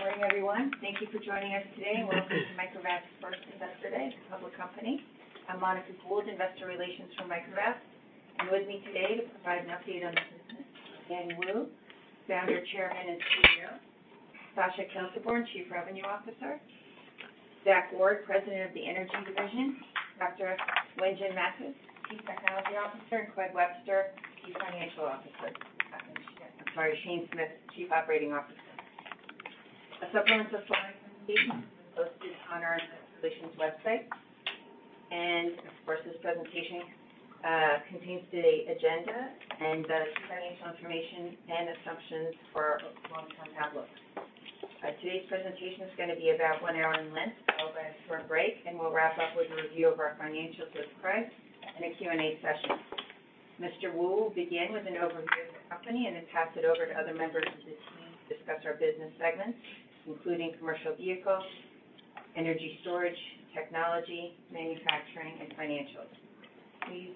Good morning, everyone. Thank you for joining us today. Welcome to Microvast's first Investor Day as a public company. I'm Monica Gould, Investor Relations for Microvast. With me today to provide an update on the business, Yang Wu, Founder, Chairman, and CEO; Sascha Kelterborn, Chief Revenue Officer; Zach Ward, President of the Energy Division; Dr. Wenjuan Mattis, Chief Technology Officer; Craig Webster, Chief Financial Officer. I'm sorry, Shane Smith, Chief Operating Officer. A supplement of slide presentation is posted on our relations website. Of course, this presentation contains today's agenda and the key financial information and assumptions for our long-term outlook. Today's presentation is going to be about one hour in length, followed by a short break. We'll wrap up with a review of our financial to date and a Q&A session. Wu will begin with an overview of the company and then pass it over to other members of the team to discuss our business segments, including commercial vehicles, energy storage, technology, manufacturing, and financials. Please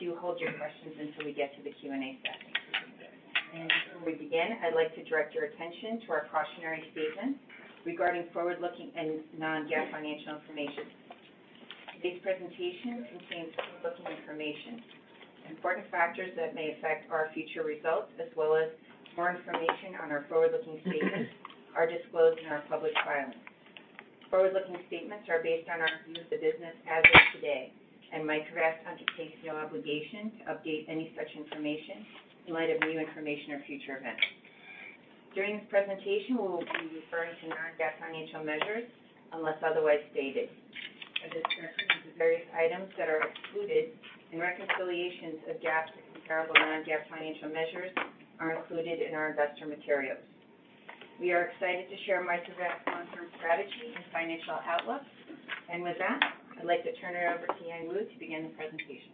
do hold your questions until we get to the Q&A session. Before we begin, I'd like to direct your attention to our cautionary statement regarding forward-looking and non-GAAP financial information. Today's presentation contains forward-looking information. Important factors that may affect our future results, as well as more information on our forward-looking statements, are disclosed in our public filings. Forward-looking statements are based on our view of the business as of today, and Microvast undertakes no obligation to update any such information in light of new information or future events. During this presentation, we will be referring to non-GAAP financial measures, unless otherwise stated. A description of the various items that are excluded, and reconciliations of GAAP to comparable non-GAAP financial measures are included in our investor materials. We are excited to share Microvast's long-term strategy and financial outlook. With that, I'd like to turn it over to Yang Wu to begin the presentation.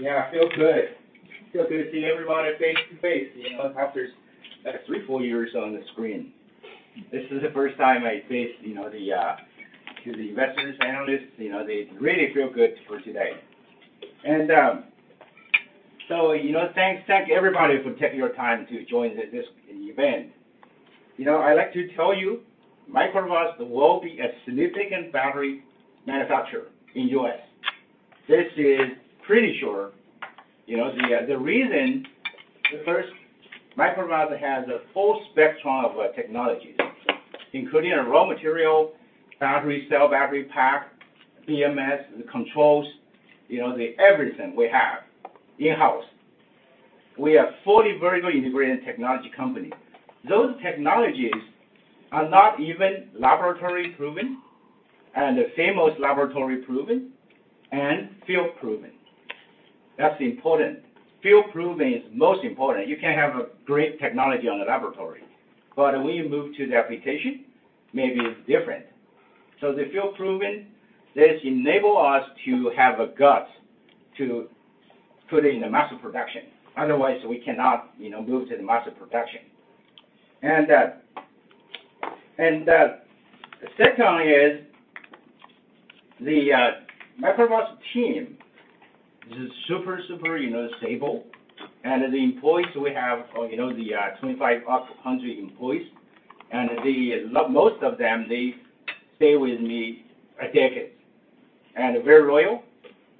Yeah, feels good. Feel good to see everybody face to face, you know, after like three, four years on the screen. This is the first time I face, you know, to the investors, analysts, you know, they really feel good for today. You know, thanks, thank everybody for taking your time to join this event. You know, I like to tell you, Microvast will be a significant battery manufacturer in U.S. This is pretty sure, you know. The reason, the first, Microvast has a full spectrum of technologies, including a raw material, battery cell, battery pack, BMS, the controls, you know, everything we have in-house. We are fully vertically integrated technology company. Those technologies are not even laboratory-proven, and the famous laboratory-proven and field-proven. That's important. Field-proven is most important. You can have a great technology on the laboratory, but when you move to the application, maybe it's different. The field-proven, this enable us to have a guts to put it in the massive production. Otherwise, we cannot, you know, move to the massive production. Secondly is, the Microvast team is super, you know, stable. The employees we have, you know, 2,500+ employees, and they, most of them, they stay with me a decades, and very loyal.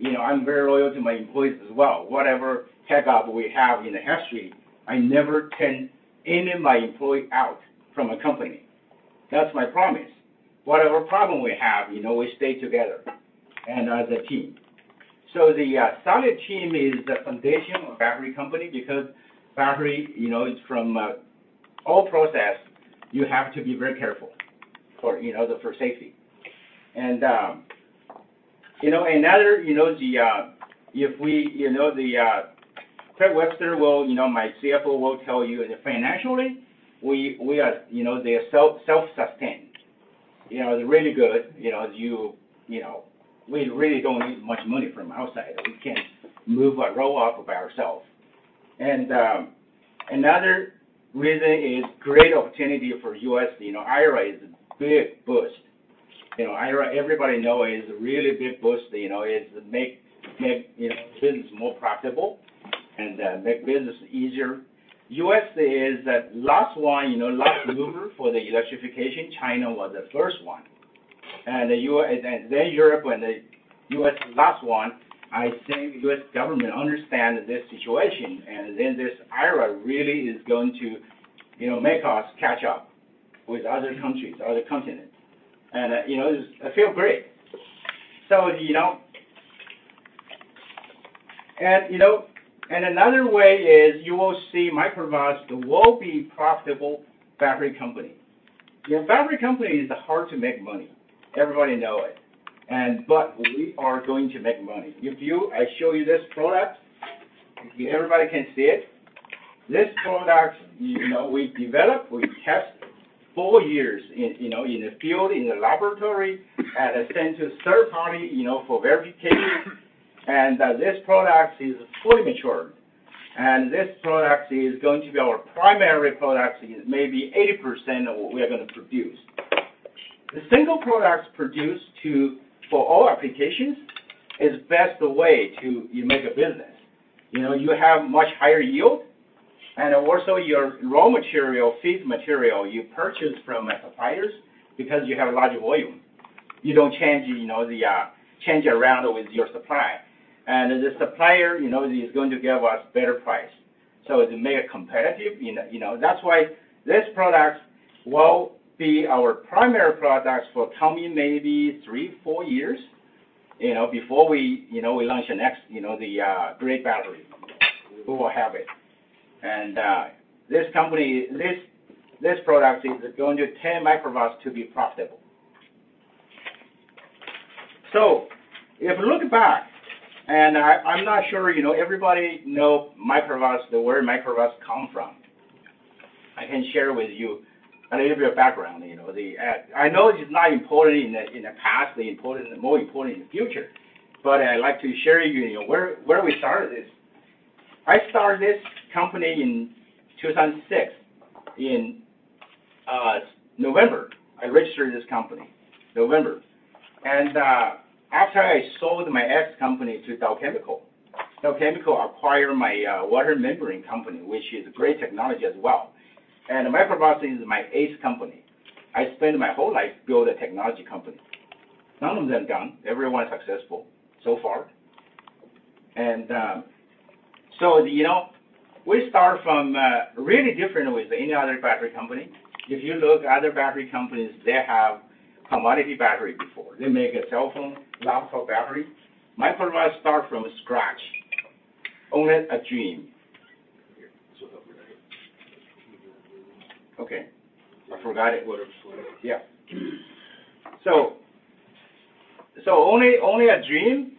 You know, I'm very loyal to my employees as well. Whatever hiccup we have in the history, I never can any my employee out from a company. That's my promise. Whatever problem we have, you know, we stay together and as a team. The solid team is the foundation of battery company, because battery, you know, it's from all process, you have to be very careful for safety. Another, you know, if we, you know, Craig Webster, my CFO, will tell you financially, we are, you know, they are self-sustained. You know, it's really good, you know, we really don't need much money from outside. We can move a roll off by ourself. Another reason is great opportunity for U.S. You know, IRA is a big boost. You know, IRA, everybody know is a really big boost. You know, it make, you know, business more profitable and make business easier. U.S. is the last one, you know, last mover for the electrification. China was the first one, then Europe, and the U.S. is last one. I think U.S. government understand this situation, then this IRA really is going to, you know, make us catch up with other countries, other continents. You know, it feel great. You know, and another way is you will see Microvast will be profitable battery company. You know, battery company is hard to make money. Everybody know it, but we are going to make money. If you, I show you this product, everybody can see it? This product, you know, we developed, we tested four years in, you know, in the field, in the laboratory, and sent to third party, you know, for verification. This product is fully mature, and this product is going to be our primary product, is maybe 80% of what we are gonna produce. The single products produced to, for all applications is best the way to you make a business. You know, you have much higher yield, and also your raw material, feed material, you purchase from the suppliers because you have larger volume. You don't change, you know, change around with your supplier. The supplier, you know, he's going to give us better price. To make it competitive, you know, you know, that's why this product will be our primary product for coming maybe three, four years, you know, before we, you know, we launch the next, great battery. We will have it. This company, this product is going to take Microvast to be profitable. If you look back, and I'm not sure, you know, everybody know Microvast, the word Microvast come from. I can share with you a little bit of background, you know. I know it's not important in the, in the past, important, more important in the future, but I'd like to share you know, where we started this. I started this company in 2006. In November, I registered this company, November. After I sold my ex-company to Dow Chemical, Dow Chemical acquired my water membrane company, which is great technology as well. Microvast is my eighth company. I spent my whole life build a technology company. None of them gone, everyone is successful so far. You know, we start from, really different with any other battery company. You look other battery companies, they have commodity battery before. They make a cell phone, laptop battery. Microvast start from scratch, only a dream. Yeah. Only a dream,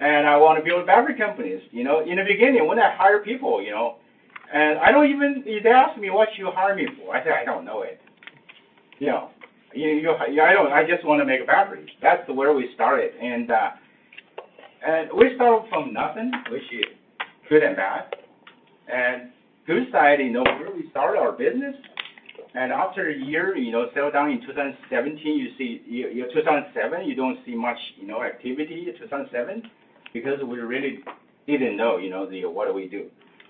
I want to build battery companies, you know. In the beginning, when I hire people, you know, they ask me: "What you hire me for?" I say, "I don't know it." You know, I just want to make a battery. That's where we started. We start from nothing, which is good and bad. Good side, you know, where we start our business, and after a year, you know, settle down in 2017, you see, 2007, you don't see much, you know, activity in 2007 because we really didn't know, you know, what do we do.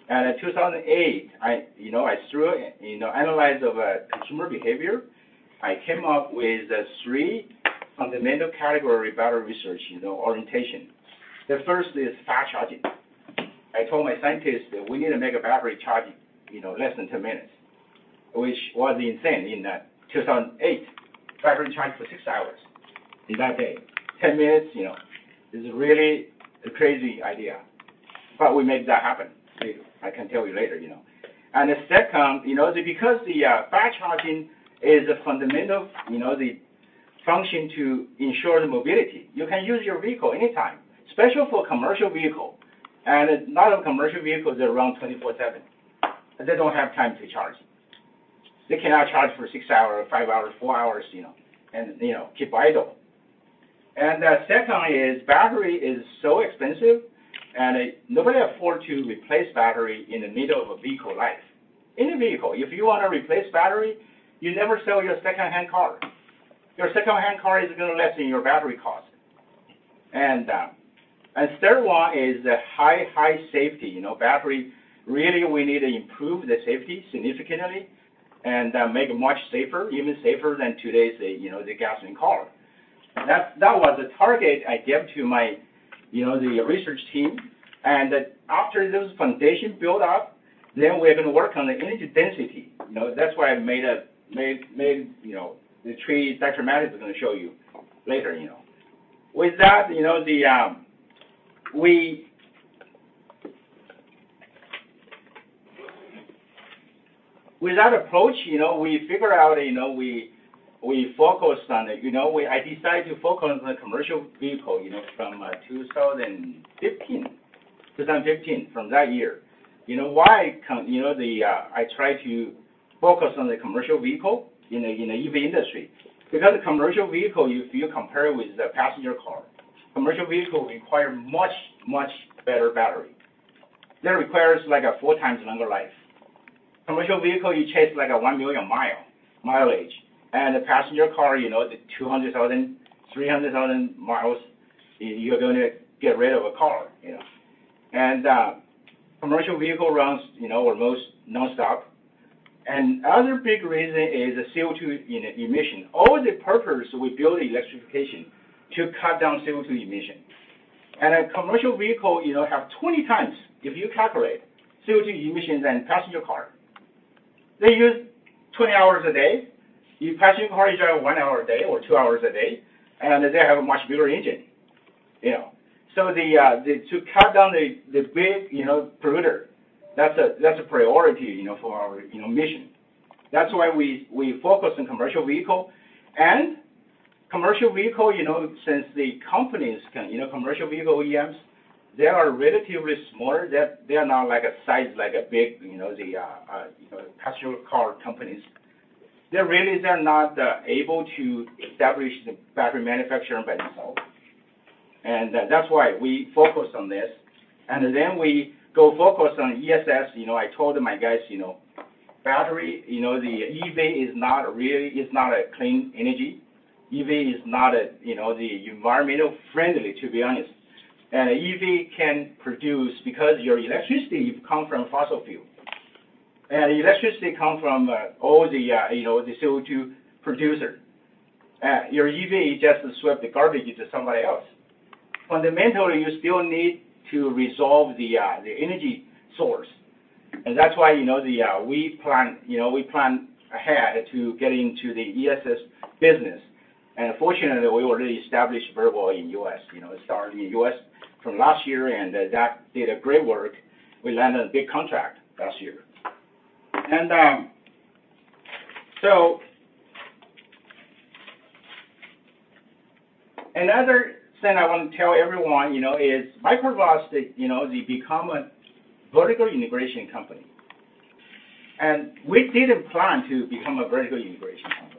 In 2008, I, you know, I threw, you know, analyze of a consumer behavior. I came up with three fundamental category battery research, you know, orientation. The first is fast charging. I told my scientist that we need to make a battery charging, you know, less than 10 minutes, which was insane in 2008. Battery charge for six hours in that day. 10 minutes, you know, this is really a crazy idea, but we made that happen. I can tell you later, you know. The second, you know, because the fast charging is a fundamental, you know, the function to ensure the mobility, you can use your vehicle anytime, especially for commercial vehicle. A lot of commercial vehicles, they run 24/7, and they don't have time to charge. They cannot charge for six hours, five hours, four hours, you know, and, you know, keep idle. Secondly is battery is so expensive, nobody afford to replace battery in the middle of a vehicle life. Any vehicle, if you want to replace battery, you never sell your secondhand car. Your secondhand car is gonna less than your battery cost. Third one is the high safety. You know, battery, really, we need to improve the safety significantly and make it much safer, even safer than today's, you know, the gasoline car. That was the target I gave to my, you know, the research team. After this foundation build up, then we're going to work on the energy density. You know, that's why I made, you know, the tree Dr. Mattis is gonna show you later, you know. With that, you know, we. With that approach, you know, we figure out, you know, we focused on it, you know. I decided to focus on the commercial vehicle, you know, from 2015, from that year. You know why come, you know, I try to focus on the commercial vehicle in a EV industry? Because the commercial vehicle, if you compare with the passenger car, commercial vehicle require much, much better battery. That requires like 4x longer life. Commercial vehicle, you chase like 1 million mile mileage, the passenger car, you know, 200,000, 300,000 miles, you're going to get rid of a car, you know. Commercial vehicle runs, you know, almost nonstop. Other big reason is the CO2 emission. All the purpose we build electrification to cut down CO2 emission. A commercial vehicle, you know, have 20x, if you calculate, CO2 emissions than passenger car. They use 20 hours a day. Your passenger car, you drive one hour a day or two hours a day, and they have a much bigger engine, you know. So the, to cut down the big, you know, polluter, that's a, that's a priority, you know, for our, you know, mission. That's why we focus on commercial vehicle. Commercial vehicle, you know, since the companies can, you know, commercial vehicle OEMs, they are relatively smaller. They, they are not like a size, like a big, you know, the, you know, passenger car companies. They're really, they're not able to establish the battery manufacturing by themselves.... That's why we focus on this, and then we go focus on ESS. You know, I told my guys, you know, battery, you know, the EV is not really, it's not a clean energy. EV is not a, you know, the environmental friendly, to be honest. EV can produce because your electricity come from fossil fuel, and electricity come from all the, you know, the CO2 producer. Your EV is just to sweep the garbage to somebody else. Fundamentally, you still need to resolve the energy source, and that's why, you know, we plan, you know, we plan ahead to get into the ESS business. Fortunately, we already established MEVCO in U.S. You know, it started in U.S. from last year, and that did a great work. We landed a big contract last year. Another thing I want to tell everyone, you know, is Microvast, you know, they become a vertical integration company. We didn't plan to become a vertical integration company.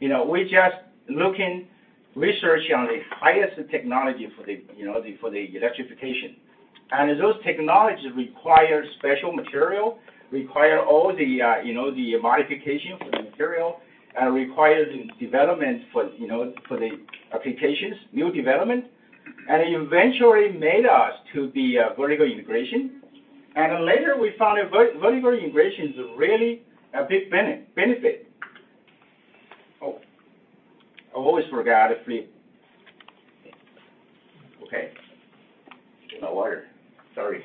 You know, we just looking, researching on the highest technology for the electrification. Those technologies require special material, require all the, you know, the modification for the material, and requires development for, you know, for the applications, new development, and eventually made us to be a vertical integration. Later we found out vertical integration is really a big benefit. Oh, I always forgot to flip. Okay. No worry. Sorry.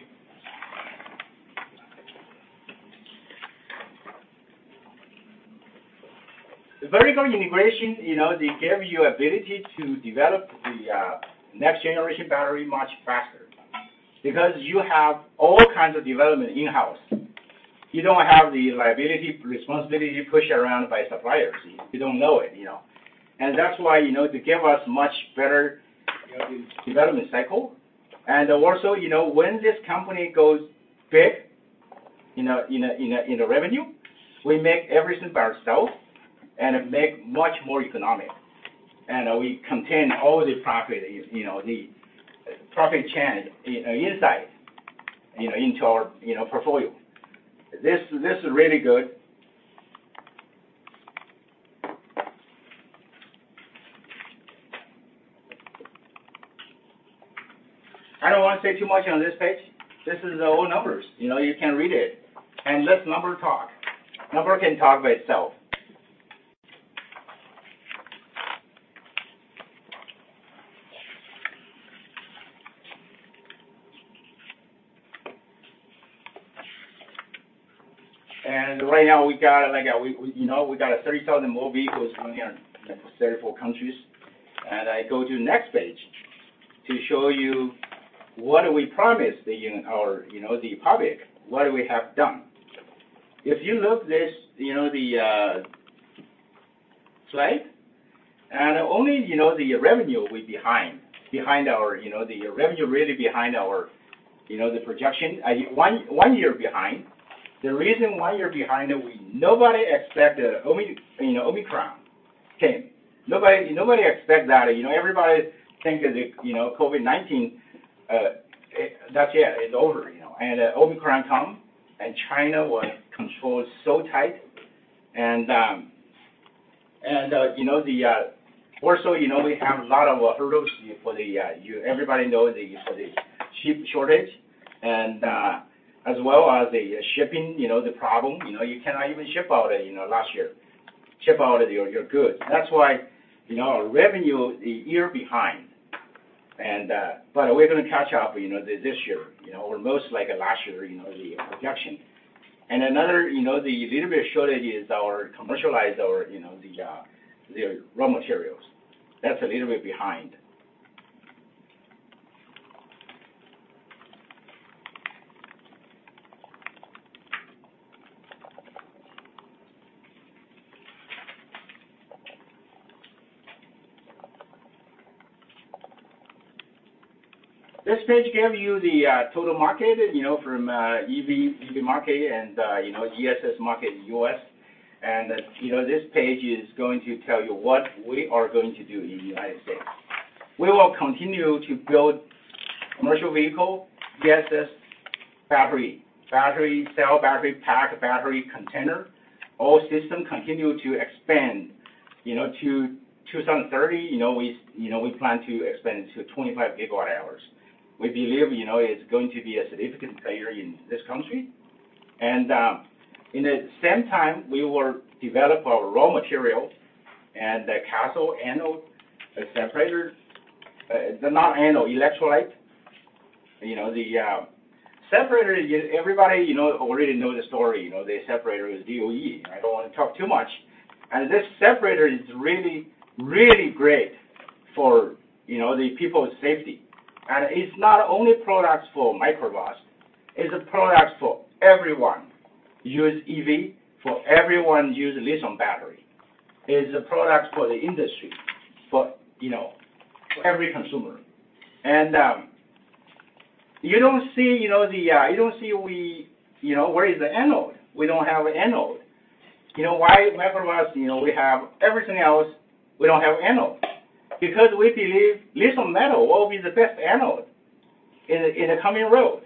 Vertical integration, you know, they give you ability to develop the next generation battery much faster because you have all kinds of development in-house. You don't have the liability, responsibility pushed around by suppliers. You don't know it, you know? That's why, you know, it give us much better development cycle. Also, you know, when this company goes big, you know, in the revenue, we make everything by ourself, and it make much more economic. We contain all the profit, you know, the profit chain inside, you know, into our, you know, portfolio. This is really good. I don't want to say too much on this page. This is all numbers. You know, you can read it. Let number talk. Number can talk by itself. Right now, we got, like, we, you know, got a 30,000 more vehicles running on 34 countries. I go to next page to show you what we promised the, our, you know, the public, what we have done. If you look this, you know, the slide, and only, you know, the revenue we behind our, you know, the revenue really behind our, you know, the projection. One year behind. The reason why you're behind is nobody expected Omicron, you know, Omicron came. Nobody expect that. You know, everybody think that the, you know, COVID-19, that's it's over, you know. Omicron come, and China was controlled so tight and, you know, also, you know, we have a lot of hurdles for the everybody know the, for the chip shortage and, as well as the shipping, you know, the problem. You know, you cannot even ship out, you know, last year, ship out your goods. That's why, you know, our revenue is a year behind. But we're going to catch up, you know, this year. You know, we're almost like last year, you know, the projection. Another, you know, the little bit shortage is our commercialize or, you know, the raw materials. That's a little bit behind. This page give you the total market, you know, from EV market and, you know, ESS market U.S. You know, this page is going to tell you what we are going to do in the United States. We will continue to build commercial vehicle, ESS, battery cell, battery pack, battery container, all system continue to expand, you know, to 2030. You know, we plan to expand to 25 GWh. We believe, you know, it's going to be a significant player in this country. In the same time, we will develop our raw material and the cathode, anode, separator, not anode, electrolyte. You know, the separator, everybody, you know, already know the story. You know, the separator is DOE. I don't want to talk too much. This separator is really great for, you know, the people's safety. It's not only products for Microvast, it's a product for everyone use EV, for everyone use lithium battery. It's a product for the industry, for, you know, for every consumer. You don't see, you know, you don't see we, you know, where is the anode? We don't have an anode. You know why, Microvast, you know, we have everything else, we don't have anode? Because we believe lithium metal will be the best anode in the coming road.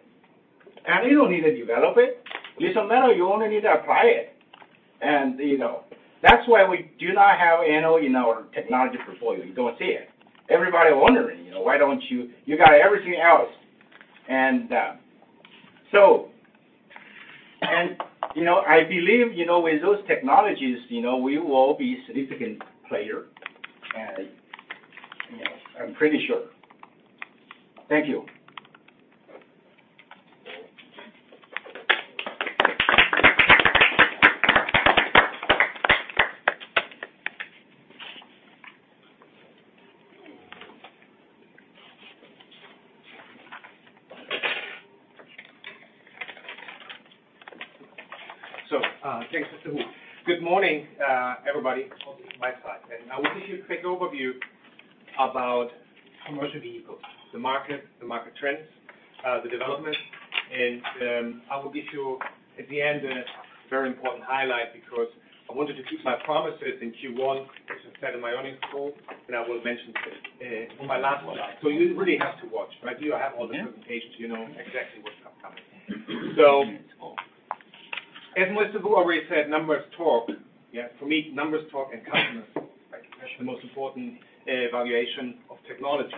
You don't need to develop it. Lithium metal, you only need to apply it. You know, that's why we do not have anode in our technology portfolio. You don't see it. Everybody wondering, you know. You got everything else. You know, I believe, you know, with those technologies, you know, we will be significant player, and, you know, I'm pretty sure. Thank you. Thanks, Mr. Wu. Good morning, everybody. This is my slide, and I will give you a quick overview about commercial vehicles, the market, the market trends, the development, and I will give you, at the end, a very important highlight, because I wanted to keep my promises in Q1, as I said in my earnings call, and I will mention it in my last one. You really have to watch, right? You have all the presentations, you know exactly what's upcoming. As Mr. Wu already said, numbers talk. Yeah, for me, numbers talk, and customers, right, that's the most important evaluation of technology.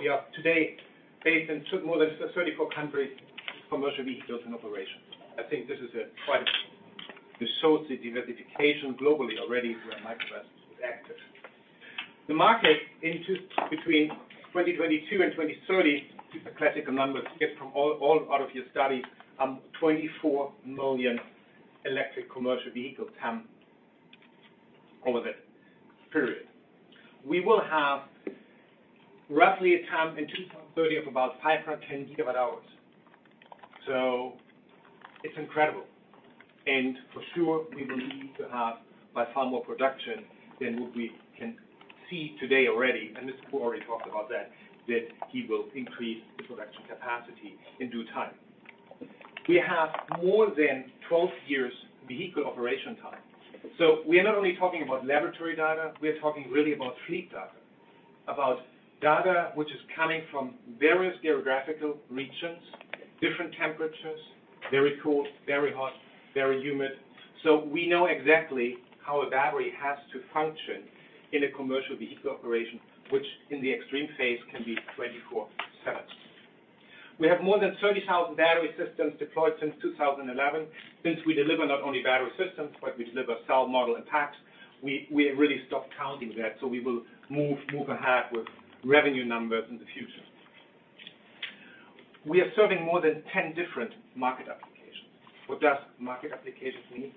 We are today based in took more than 34 countries commercial vehicles in operation. I think this is a quite resource diversification globally already where Microvast is active. The market into between 2022 and 2030, these are classical numbers you get from all out of your studies, 24 million electric commercial vehicles TAM over that period. We will have roughly a TAM in 2030 of about 510 GWh. It's incredible. For sure, we will need to have by far more production than what we can see today already, and Mr. Wu already talked about that he will increase the production capacity in due time. We have more than 12 years vehicle operation time. We are not only talking about laboratory data, we're talking really about fleet data, about data which is coming from various geographical regions, different temperatures, very cold, very hot, very humid. We know exactly how a battery has to function in a commercial vehicle operation, which in the extreme phase can be 24/7. We have more than 30,000 battery systems deployed since 2011. We deliver not only battery systems, but we deliver cell model and packs, we have really stopped counting that. We will move ahead with revenue numbers in the future. We are serving more than 10 different market applications. What does market applications mean?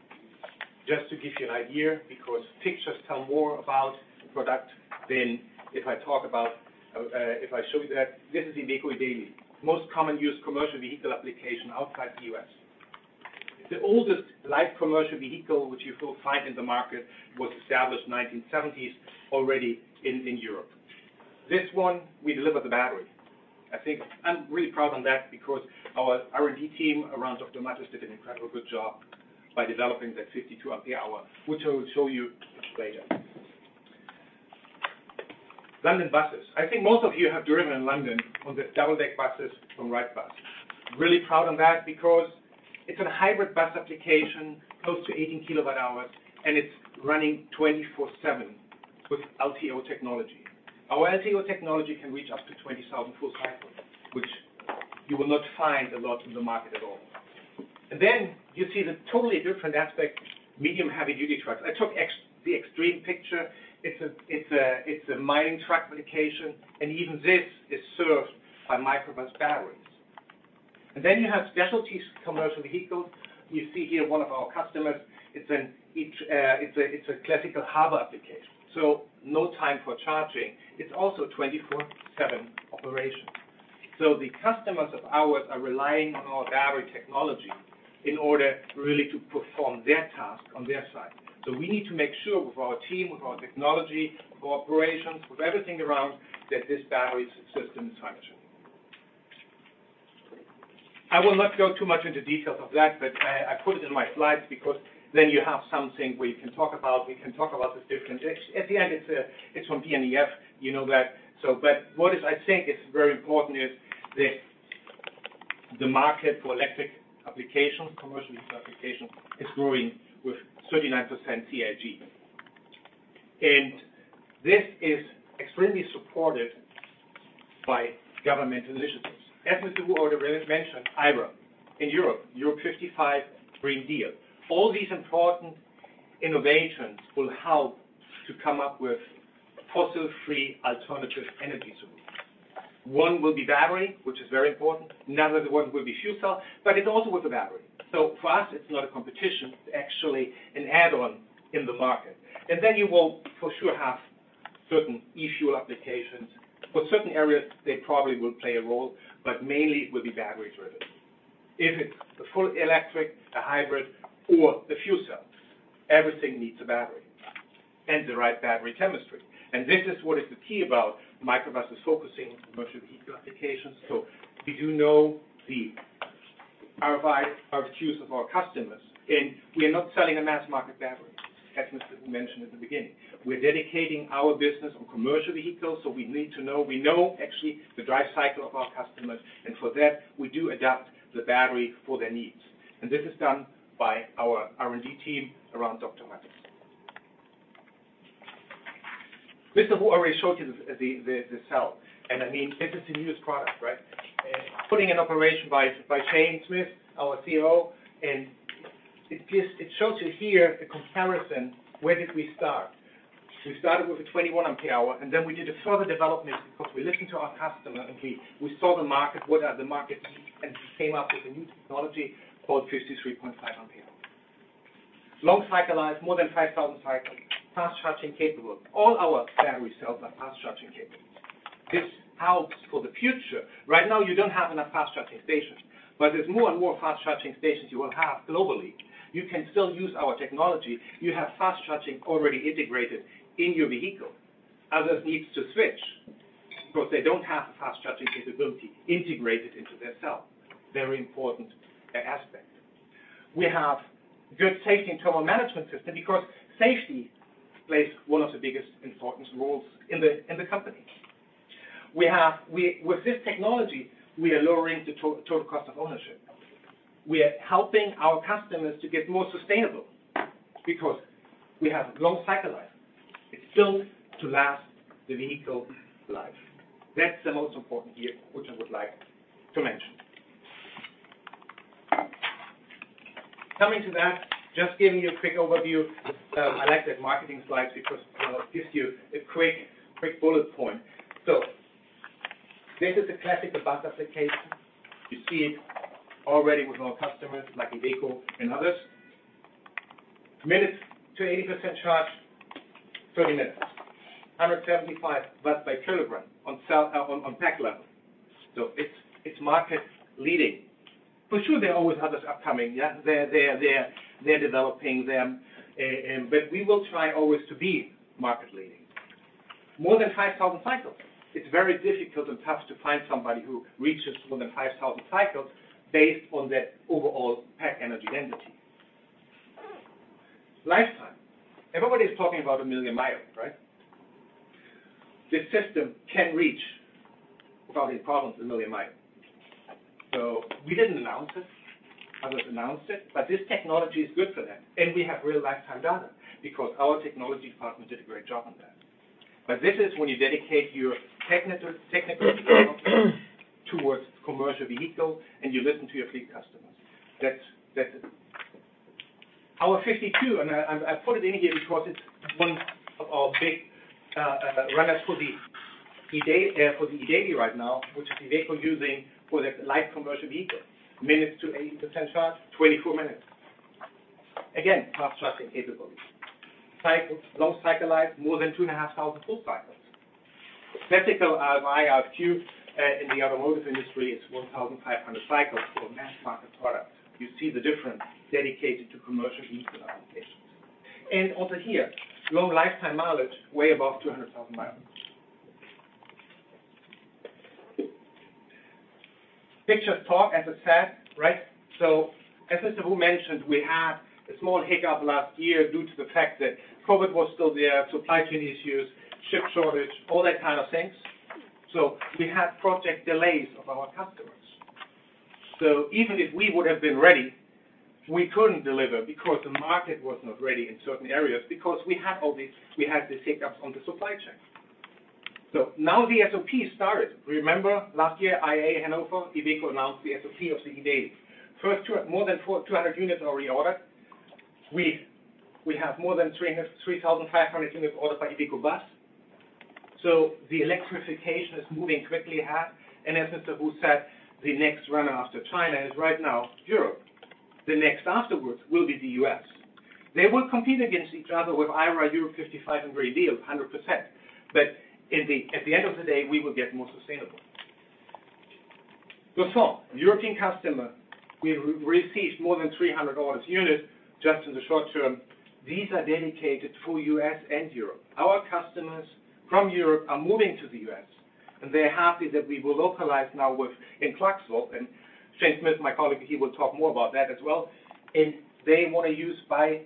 Just to give you an idea, because pictures tell more about product than if I talk about, if I show you that this is the IVECO eDaily. Most common use commercial vehicle application outside the U.S. The oldest live commercial vehicle, which you will find in the market, was established 1970s, already in Europe. This one, we deliver the battery. I think I'm really proud on that because our R&D team around Dr. Mattis did an incredibly good job by developing that 52 Ah, which I will show you later. London buses. I think most of you have driven in London on the double-deck buses from Wrightbus. Really proud of that, because it's a hybrid bus application, close to 18 kWh, and it's running 24/7 with LTO technology. Our LTO technology can reach up to 20,000 full cycles, which you will not find a lot in the market at all. Then you see the totally different aspect, medium, heavy-duty trucks. I took the extreme picture. It's a mining truck application, and even this is served by Microvast batteries. Then you have specialty commercial vehicles. You see here one of our customers. It's a classical harbor application, no time for charging. It's also 24/7 operation. The customers of ours are relying on our battery technology in order really to perform their task on their side. We need to make sure with our team, with our technology, cooperations, with everything around, that this battery system is functioning. I will not go too much into details of that, I put it in my slides because then you have something we can talk about. We can talk about the different things. At the end, it's from BNEF, you know that. What is I think is very important is that the market for electric applications, commercial applications, is growing with 39% CAGR. This is extremely supported by government initiatives. As Mr. Wu already mentioned, IRA. In Europe Fit for 55 Green Deal. All these important innovations will help to come up with fossil-free alternative energy solutions. One will be battery, which is very important. Another one will be fuel cell, but it's also with a battery. For us, it's not a competition, it's actually an add-on in the market. You will for sure have certain e-fuel applications. For certain areas, they probably will play a role, but mainly it will be batteries-driven. If it's a full electric, a hybrid or a fuel cell, everything needs a battery. And the right battery chemistry. This is what is the key about Microvast is focusing on commercial vehicle applications. We do know the RFIs, RFQs of our customers, and we are not selling a mass market battery, as Mr. Wu mentioned at the beginning. We're dedicating our business on commercial vehicles, so we need to know. We know actually the drive cycle of our customers, and for that, we do adapt the battery for their needs. This is done by our R&D team around Dr. Mattis. Mr. Wu already showed you the cell, and I mean, this is the newest product, right? Putting an operation by Shane Smith, our COO, it shows you here the comparison, where did we start? We started with the 21 Ah, and then we did a further development because we listened to our customer and we saw the market, what are the market needs, and came up with a new technology called 53.5 Ah. Long cycle life, more than 5,000 cycles, fast charging capable. All our battery cells are fast charging capable. This helps for the future. Right now, you don't have enough fast charging stations, There's more and more fast charging stations you will have globally. You can still use our technology. You have fast charging already integrated in your vehicle. Others needs to switch because they don't have the fast charging capability integrated into their cell. Very important aspect. We have good safety and thermal management system, because safety plays one of the biggest important roles in the company. With this technology, we are lowering the total cost of ownership. We are helping our customers to get more sustainable because we have long cycle life. It's built to last the vehicle life. That's the most important here, which I would like to mention. Coming to that, just giving you a quick overview. I like the marketing slides because it gives you a quick bullet point. This is the classic bus application. You see it already with our customers, like IVECO and others. Minutes to 80% charge, 30 minutes. 175 W by Kg on cell, on pack level. It's market leading. For sure, there are always others upcoming, yeah. They're developing them, and but we will try always to be market leading. More than 5,000 cycles. It's very difficult and tough to find somebody who reaches more than 5,000 cycles based on the overall pack energy density. Lifetime. Everybody is talking about 1 million miles, right? This system can reach, without any problems, 1 million miles. We didn't announce this. Others announced it, but this technology is good for that, and we have real lifetime data because our technology department did a great job on that. This is when you dedicate your technical towards commercial vehicle, and you listen to your fleet customers. That's it. Our 52 Ah, and I put it in here because it's one of our big runners for the eDaily for the eDaily right now, which is IVECO using for the light commercial vehicle. Minutes to 80% charge, 24 minutes. Again, fast charging capability. Cycle, long cycle life, more than 2,500 full cycles. Classical RFI, RFQ in the automotive industry is 1,500 cycles for a mass market product. You see the difference dedicated to commercial vehicle applications. Also here, long lifetime mileage, way above 200,000 miles. Pictures talk, as I said, right? As Mr. Wu mentioned, we had a small hiccup last year due to the fact that COVID was still there, supply chain issues, chip shortage, all that kind of things. We had project delays of our customers. Even if we would have been ready, we couldn't deliver because the market was not ready in certain areas because we had the hiccups on the supply chain. Now the SOP started. Remember last year, IAA Hanover, IVECO announced the SOP of the eDaily. First 200 units are reordered. We have more than 3,500 units ordered by Iveco Bus. The electrification is moving quickly ahead, and as Mr. Wu said, the next runner after China is right now Europe. The next afterwards will be the U.S. They will compete against each other with IRA Fit for 55 Ah and Green Deal, 100%, but at the end of the day, we will get more sustainable. European customer, we've received more than 300 units just in the short term. These are dedicated for U.S. and Europe. Our customers from Europe are moving to the U.S., and they're happy that we will localize now with in Clarksville. Shane Smith, my colleague, he will talk more about that as well. They want to use by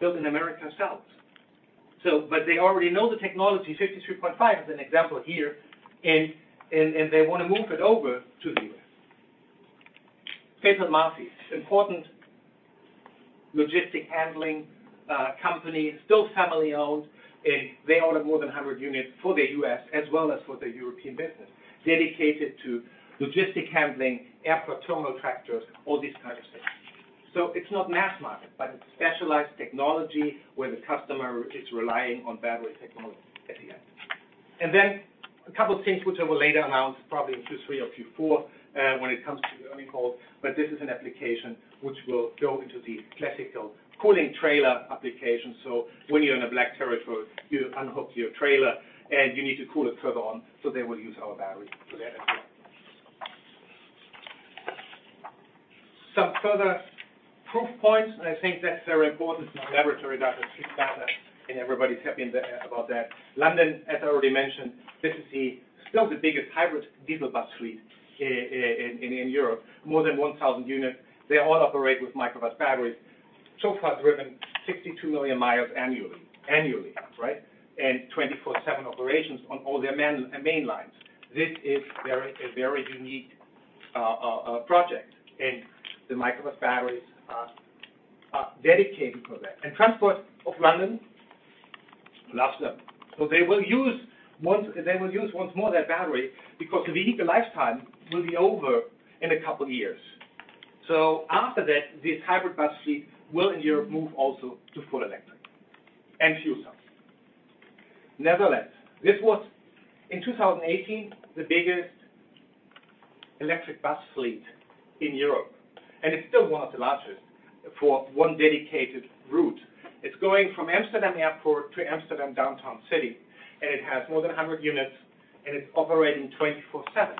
building American cells. But they already know the technology, 53.5 Ah is an example here. They want to move it over to the U.S. Peter Matthey, important logistic handling, company, still family-owned. They order more than 100 units for the U.S. as well as for the European business, dedicated to logistic handling, airport terminal tractors, all these kinds of things. It's not mass market, but it's specialized technology where the customer is relying on battery technology at the end. A couple of things which I will later announce, probably in Q3 or Q4, when it comes to the earning calls, but this is an application which will go into the classical cooling trailer application. When you're in a black territory, you unhook your trailer, and you need to cool it further on, so they will use our battery for that as well. Some further proof points, and I think that's very important to our laboratory data, street data, and everybody's happy in the, about that. London, as I already mentioned, this is still the biggest hybrid diesel bus fleet in Europe, more than 1,000 units. They all operate with Microvast batteries. So far driven 62 million miles annually. Annually, right? 24/7 operations on all their main lines. This is a very unique project, and the Microvast batteries are dedicated for that. Transport for London loves them. They will use once more their battery because the vehicle lifetime will be over in a couple of years. After that, this hybrid bus fleet will, in Europe, move also to full electric and fuel cells. Netherlands, this was, in 2018, the biggest electric bus fleet in Europe, and it's still one of the largest for one dedicated route. It's going from Amsterdam Airport to Amsterdam downtown city, and it has more than 100 units, and it's operating 24/7.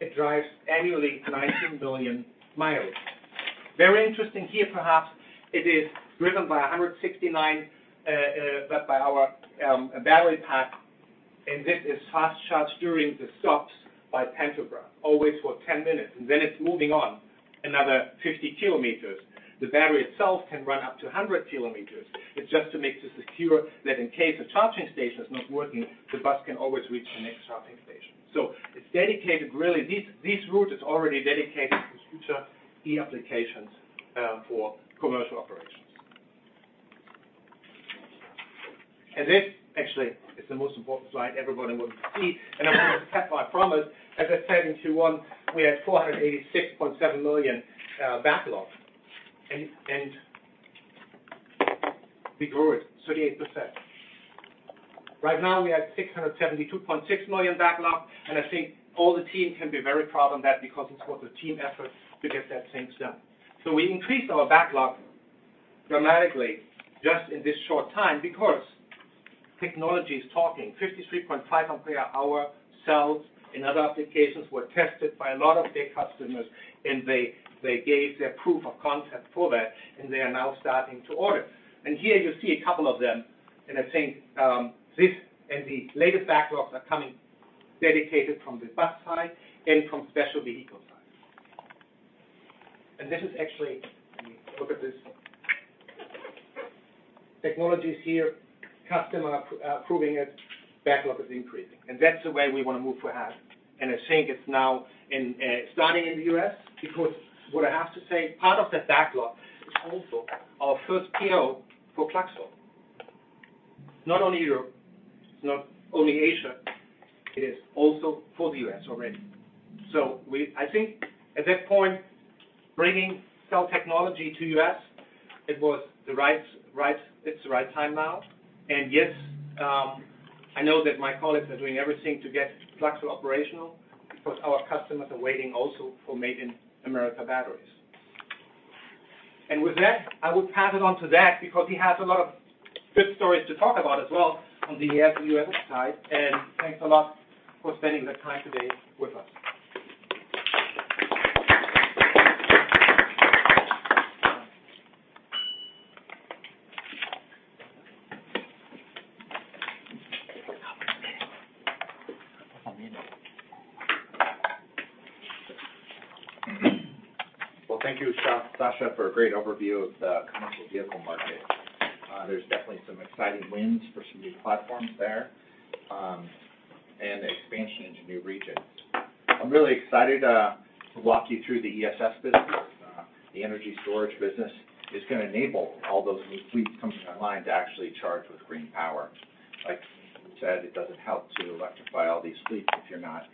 It drives annually, 19 billion miles. Very interesting here, perhaps, it is driven by 169 by our battery pack, and this is fast charged during the stops by pantograph, always for 10 minutes, and then it's moving on another 50 kilometers. The battery itself can run up to 100 kilometers. It's just to make this secure that in case the charging station is not working, the bus can always reach the next charging station. It's dedicated, really, this route is already dedicated to future e-applications for commercial operations. This actually is the most important slide everybody would see, and I'm going to keep my promise. As I said, in 2021, we had $486.7 million backlog, and we grew it 38%. Right now, we have $672.6 million backlog, and I think all the team can be very proud of that because it was a team effort to get that things done. We increased our backlog dramatically just in this short time because technology is talking. 53.5 Ah cells in other applications were tested by a lot of big customers, and they gave their proof of concept for that, and they are now starting to order. Here you see a couple of them, and I think this and the latest backlogs are coming dedicated from the bus side and from special vehicle side. This is actually. Let me look at this. Technology is here, customers are approving it, backlog is increasing, that's the way we want to move for ahead. I think it's now starting in the U.S., because what I have to say, part of the backlog is also our first PO for Plaxio. Not only Europe, not only Asia, it is also for the U.S. already. I think at that point, bringing cell technology to U.S., it was the right, it's the right time now. Yes, I know that my colleagues are doing everything to get Plaxio operational because our customers are waiting also for Made in America batteries. With that, I will pass it on to Zach, because he has a lot of good stories to talk about as well on the ESS, U.S. side. Thanks a lot for spending the time today with us. Well, thank you, Sascha, for a great overview of the commercial vehicle market. There's definitely some exciting wins for some new platforms there, and expansion into new regions. I'm really excited to walk you through the ESS business. The energy storage business is going to enable all those new fleet coming online to actually charge with green power. Like we said, it doesn't help to electrify all these fleets if you're not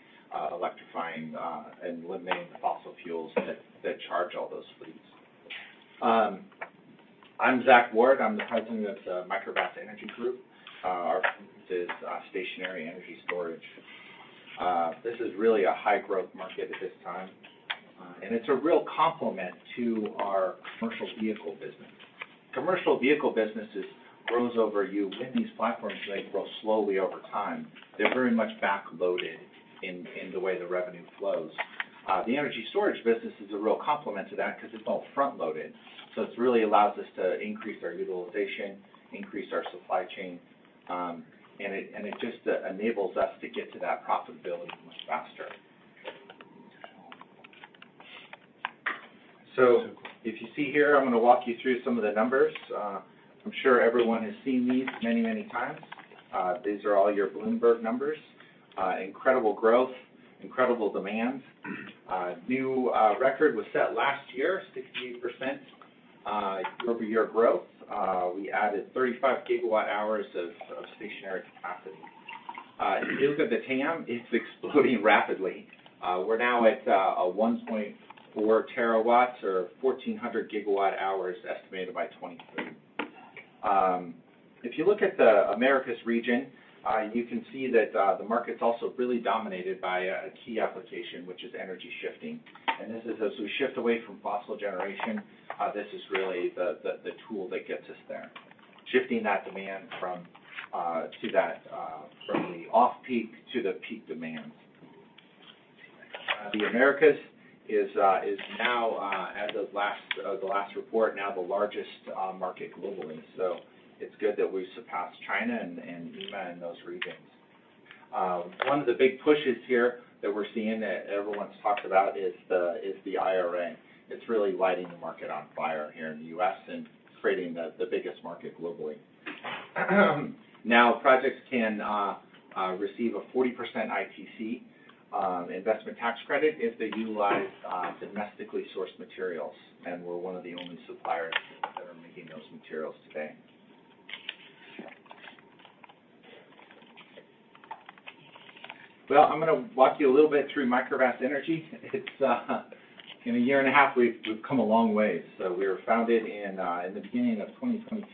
electrifying and limiting the fossil fuels that charge all those fleets. I'm Zach Ward. I'm the President of the Microvast Energy Group. Our business is stationary energy storage. This is really a high-growth market at this time, and it's a real compliment to our commercial vehicle business. Commercial vehicle business is grows over you. With these platforms, they grow slowly over time. They're very much backloaded in the way the revenue flows. The energy storage business is a real complement to that because it's all front-loaded, so it really allows us to increase our utilization, increase our supply chain, and it just enables us to get to that profitability much faster. If you see here, I'm going to walk you through some of the numbers. I'm sure everyone has seen these many, many times. These are all your Bloomberg numbers. Incredible growth, incredible demands. New record was set last year, 68% year-over-year growth. We added 35 GWh of stationary capacity. If you look at the TAM, it's exploding rapidly. We're now at 1.4 TWh or 1,400 GWh estimated by 2023. If you look at the Americas region, you can see that the market's also really dominated by a key application, which is energy shifting. This is as we shift away from fossil generation, this is really the tool that gets us there, shifting that demand from to that from the off-peak to the peak demand. The Americas is now as of last the last report, now the largest market globally. It's good that we've surpassed China and EMEA and those regions. One of the big pushes here that we're seeing, that everyone's talked about, is the IRA. It's really lighting the market on fire here in the U.S. and creating the biggest market globally. Projects can receive a 40% ITC investment tax credit if they utilize domestically sourced materials, and we're one of the only suppliers that are making those materials today. I'm gonna walk you a little bit through Microvast Energy. It's in a year and a half, we've come a long way. We were founded in the beginning of 2022.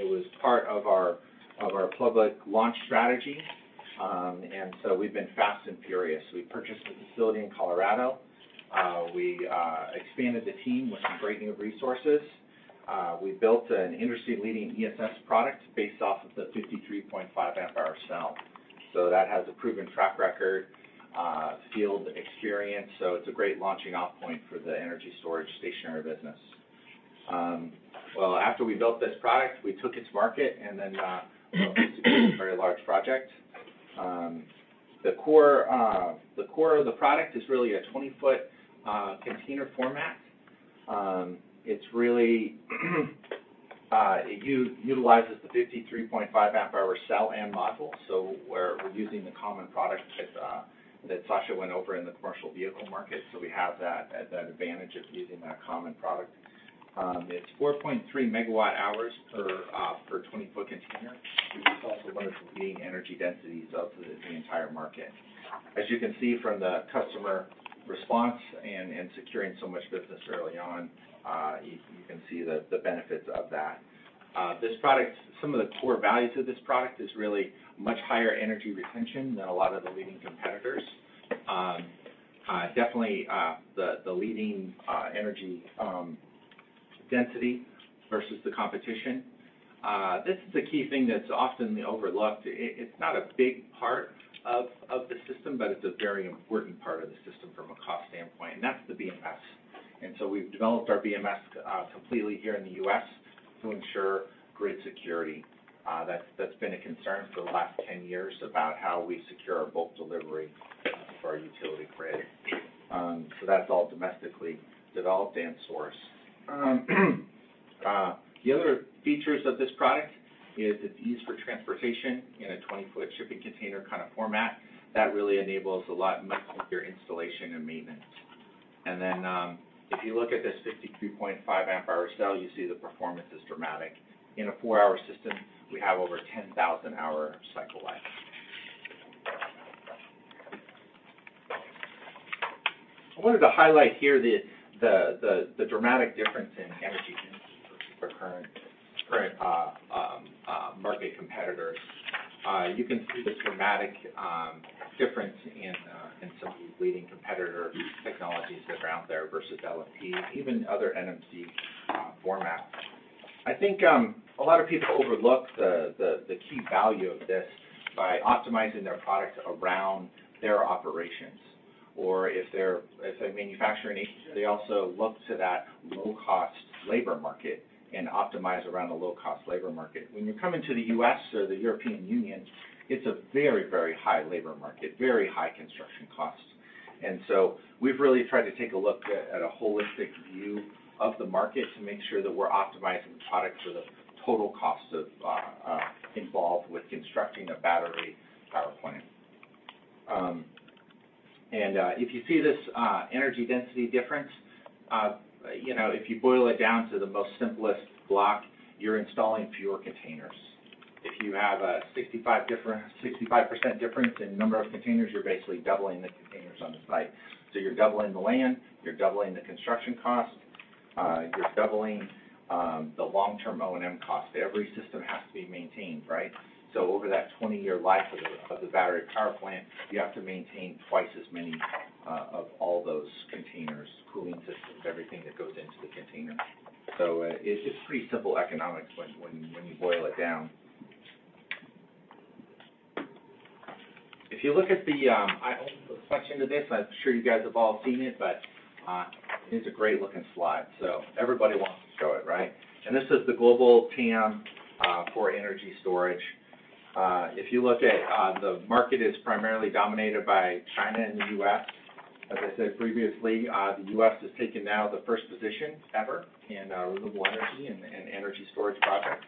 It was part of our public launch strategy. We've been fast and furious. We purchased a facility in Colorado. We expanded the team with some great new resources. We built an industry-leading ESS product based off of the 53.5 Ah cell. That has a proven track record, field experience, so it's a great launching off point for the energy storage stationary business. Well, after we built this product, we took it to market, and then it's a very large project. The core, the core of the product is really a 20-foot container format. It's really, it utilizes the 53.5 Ah cell and module, so we're using the common product that Sascha went over in the commercial vehicle market, so we have that advantage of using that common product. It's 4.3 MWh per 20-foot container. It's also one of the leading energy densities of the entire market. As you can see from the customer response and securing so much business early on, you can see the benefits of that. This product, some of the core values of this product is really much higher energy retention than a lot of the leading competitors. Definitely, the leading energy density versus the competition. This is a key thing that's often overlooked. It's not a big part of the system, but it's a very important part of the system from a cost standpoint, and that's the BMS. We've developed our BMS completely here in the U.S. to ensure grid security. That's been a concern for the last 10 years about how we secure our bulk delivery for our utility grid. That's all domestically developed and sourced. The other features of this product is it's used for transportation in a 20-foot shipping container kind of format. That really enables a lot much simpler installation and maintenance. If you look at this 53.5 Ah cell, you see the performance is dramatic. In a four-hour system, we have over 10,000-hour cycle life. I wanted to highlight here the dramatic difference in energy density for market competitors. You can see the dramatic difference in some leading competitor technologies that are out there versus LMP, even other NMC formats. I think a lot of people overlook the key value of this by optimizing their products around their operations, or if they're, as a manufacturing agent, they also look to that low-cost labor market and optimize around a low-cost labor market. When you're coming to the U.S. or the European Union, it's a very, very high labor market, very high construction costs. We've really tried to take a look at a holistic view of the market to make sure that we're optimizing the product for the total cost of involved with constructing a battery power plant. If you see this energy density difference, you know, if you boil it down to the most simplest block, you're installing fewer containers. If you have a 65% difference in number of containers, you're basically doubling the containers on the site. You're doubling the land, you're doubling the construction cost, you're doubling the long-term O&M cost. Every system has to be maintained, right? Over that 20-year life of the battery power plant, you have to maintain twice as many of all those containers, cooling systems, everything that goes into the container. It's just pretty simple economics when you boil it down. If you look at the... I won't question to this, I'm sure you guys have all seen it, but it's a great-looking slide, so everybody wants to show it, right? This is the global TAM for energy storage. If you look at the market is primarily dominated by China and the U.S. As I said previously, the U.S. has taken now the first position ever in renewable energy and energy storage projects.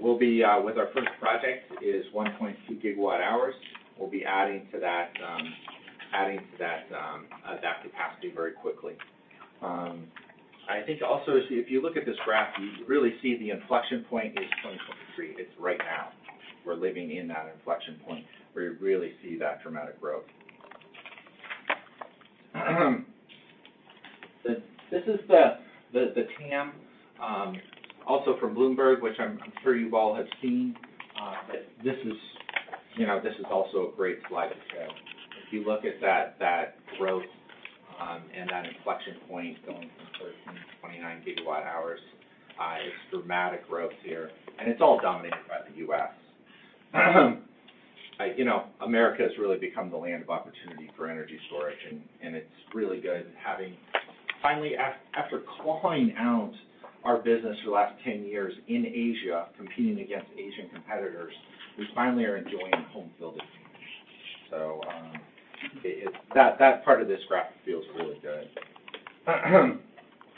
We'll be with our first project is 1.2 GWh. We'll be adding to that capacity very quickly. I think also, if you look at this graph, you really see the inflection point is 2023. It's right now. We're living in that inflection point where you really see that dramatic growth. This is the TAM, also from Bloomberg, which I'm sure you all have seen. This is, you know, this is also a great slide to show. If you look at that growth and that inflection point going from 13 GWh to 29 GWh, it's dramatic growth here, and it's all dominated by the U.S. You know, America has really become the land of opportunity for energy storage, and it's really good having finally after clawing out our business for the last 10 years in Asia, competing against Asian competitors, we finally are enjoying home-field advantage. That part of this graph feels really good.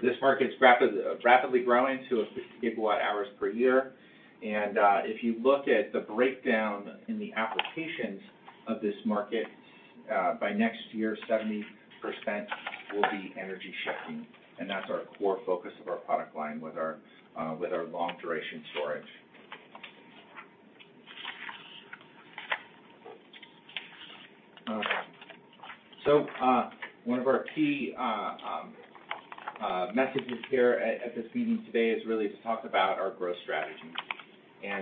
This market's rapidly growing to a 50 GWh per year. If you look at the breakdown in the applications of this market, by next year, 70% will be energy shifting, and that's our core focus of our product line with our long-duration storage. One of our key messages here at this meeting today is really to talk about our growth strategy. I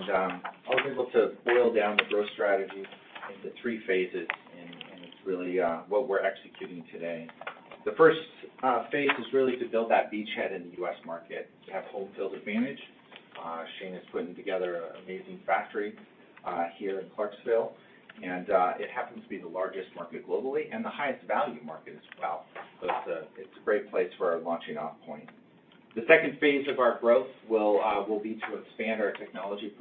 was able to boil down the growth strategy into three phases, and it's really what we're executing today. The first phase is really to build that beachhead in the U.S. market, to have home-field advantage. Shane is putting together an amazing factory, here in Clarksville, and it happens to be the largest market globally and the highest value market as well. It's a great place for our launching off point. The second phase of our growth will be to expand our technology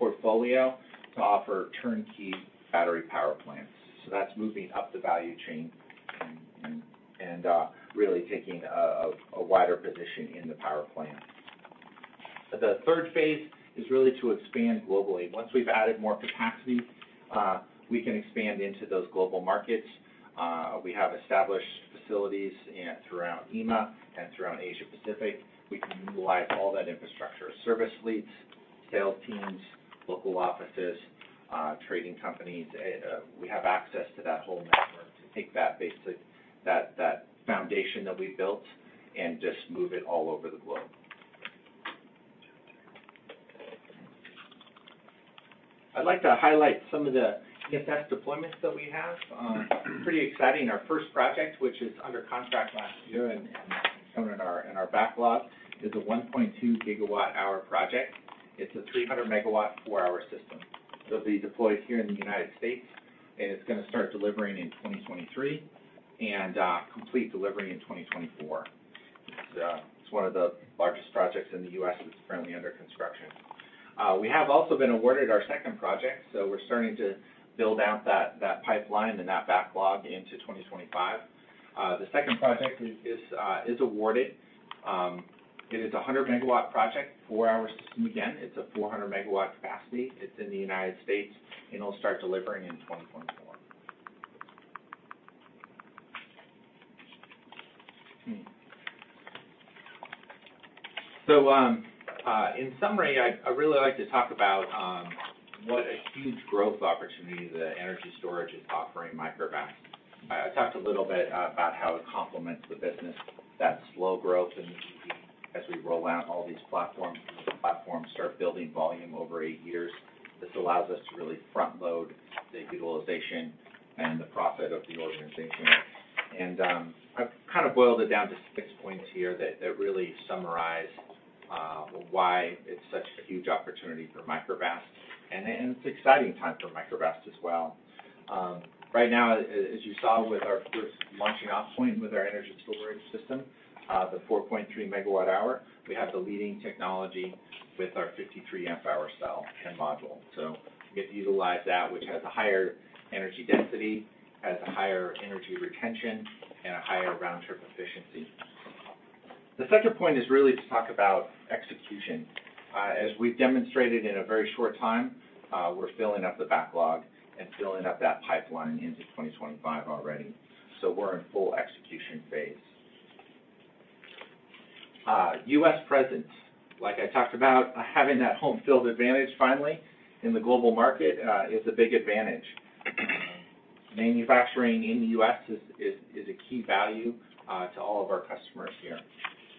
portfolio to offer turnkey battery power plants. That's moving up the value chain and really taking a wider position in the power plant. The third phase is really to expand globally. Once we've added more capacity, we can expand into those global markets. We have established facilities in, throughout EMEA and throughout Asia Pacific. We can utilize all that infrastructure, service fleets, sales teams, local offices, trading companies. We have access to that whole network to take that basically, that foundation that we built and just move it all over the globe. I'd like to highlight some of the success deployments that we have. Pretty exciting. Our first project, which is under contract last year and some in our backlog, is a 1.2 GWh project. It's a 300 MW four-hour system. It'll be deployed here in the United States, and it's going to start delivering in 2023, and complete delivery in 2024. It's one of the largest projects in the U.S. that's currently under construction. We have also been awarded our second project, we're starting to build out that pipeline and that backlog into 2025. The second project is awarded. It is a 100 MW project, four-hour system. Again, it's a 400 MW capacity. It's in the United States, it'll start delivering in 2024. In summary, I really like to talk about what a huge growth opportunity that energy storage is offering Microvast. I talked a little about how it complements the business, that slow growth. As we roll out all these platforms, the platforms start building volume over eight years. This allows us to really front-load the utilization and the profit of the organization. I've kind of boiled it down to six points here that really summarize why it's such a huge opportunity for Microvast, and it's an exciting time for Microvast as well. Right now, as you saw with our first launching off point with our energy storage system, the 4.3 MWh, we have the leading technology with our 53 Ah cell and module. We get to utilize that, which has a higher energy density, has a higher energy retention, and a higher round-trip efficiency. The second point is really to talk about execution. As we've demonstrated in a very short time, we're filling up the backlog and filling up that pipeline into 2025 already, so we're in full execution phase. US presence, like I talked about, having that home-field advantage finally in the global market, is a big advantage. Manufacturing in the U.S. is a key value to all of our customers here.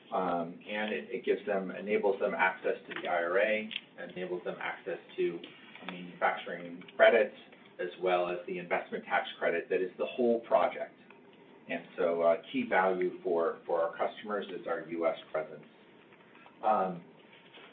It enables them access to the IRA and enables them access to manufacturing credits, as well as the Investment Tax Credit that is the whole project. Key value for our customers is our U.S. presence.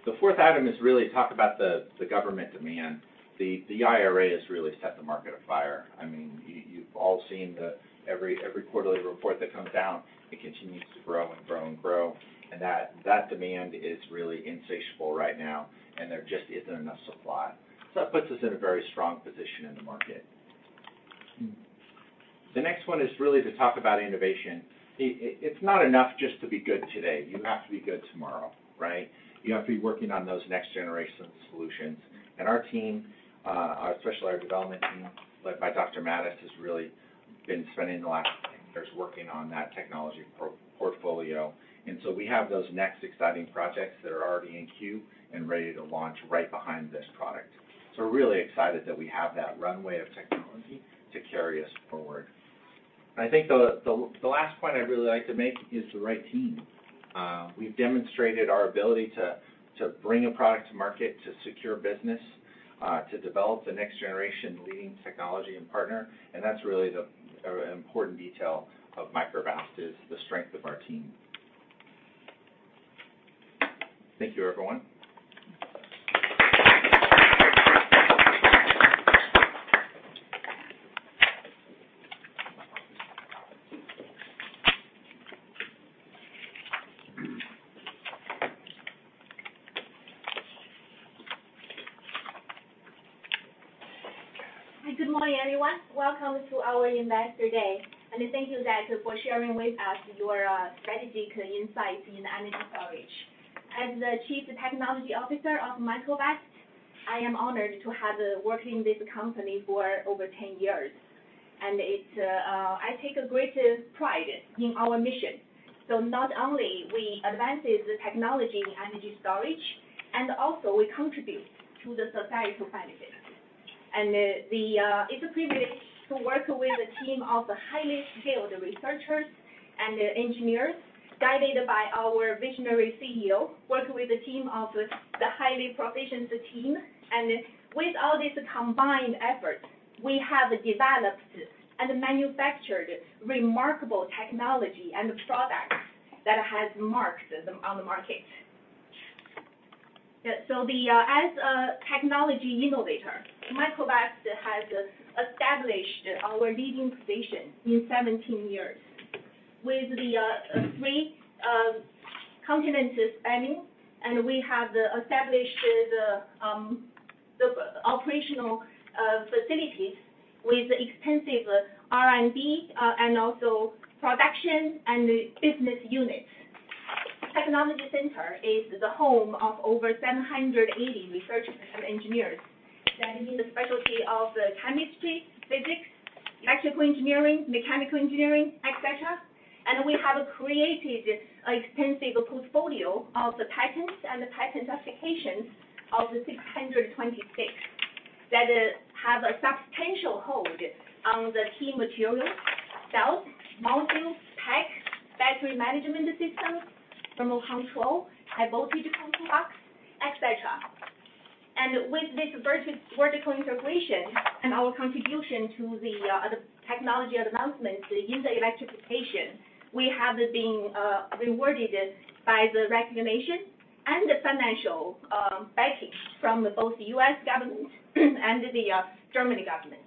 The fourth item is really talk about the government demand. The IRA has really set the market afire. I mean, you've all seen the every quarterly report that comes out, it continues to grow and grow and grow, and that demand is really insatiable right now, and there just isn't enough supply. That puts us in a very strong position in the market. The next one is really to talk about innovation. It's not enough just to be good today. You have to be good tomorrow, right? You have to be working on those next-generation solutions. Our team, especially our development team, led by Dr. Mattis, has really been spending the last years working on that technology portfolio. We have those next exciting projects that are already in queue and ready to launch right behind this product. We're really excited that we have that runway of technology to carry us forward. I think the last point I'd really like to make is the right team. We've demonstrated our ability to bring a product to market, to secure business. to develop the next generation leading technology and partner. That's really the important detail of Microvast, is the strength of our team. Thank you, everyone. Good morning, everyone. Welcome to our Investor Day. Thank you, guys, for sharing with us your strategic insights in energy storage. As the Chief Technology Officer of Microvast, I am honored to have worked in this company for over 10 years. It's I take a great pride in our mission. Not only we advance the technology in energy storage, and also we contribute to the societal benefit. It's a privilege to work with a team of highly skilled researchers and engineers, guided by our visionary CEO, working with a team of the highly proficient team. With all these combined efforts, we have developed and manufactured remarkable technology and products that has marked on the market. As a technology innovator, Microvast has established our leading position in 17 years with the three continents spanning. We have established the operational facilities with extensive R&D and also production and business unit. Technology Center is the home of over 780 researchers and engineers that in the specialty of chemistry, physics, electrical engineering, mechanical engineering, etc. We have created an extensive portfolio of the patents and patent applications of the 626 that have a substantial hold on the key materials, cells, modules, pack, battery management system, thermal control, high voltage control box, etc. With this vertical integration and our contribution to the technology advancement in the electrification, we have been rewarded by the recognition and the financial package from both the U.S. government and the Germany government.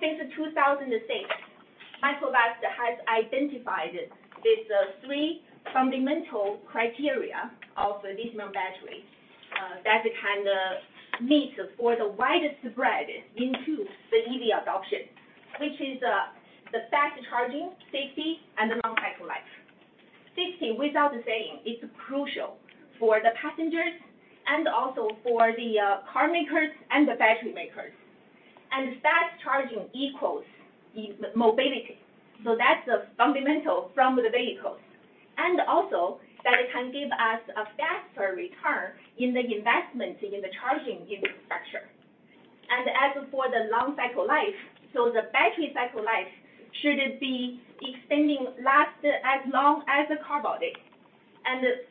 Since 2006, Microvast has identified these three fundamental criteria of the lithium battery that kind of needs for the widespread into the EV adoption, which is the fast charging, safety, and the long cycle life. Safety, without saying, it's crucial for the passengers and also for the car makers and the battery makers. Fast charging equals e-mobility, so that's fundamental from the vehicles, and also that can give us a faster return in the investment in the charging infrastructure. As for the long cycle life, the battery cycle life should be extending last as long as the car body.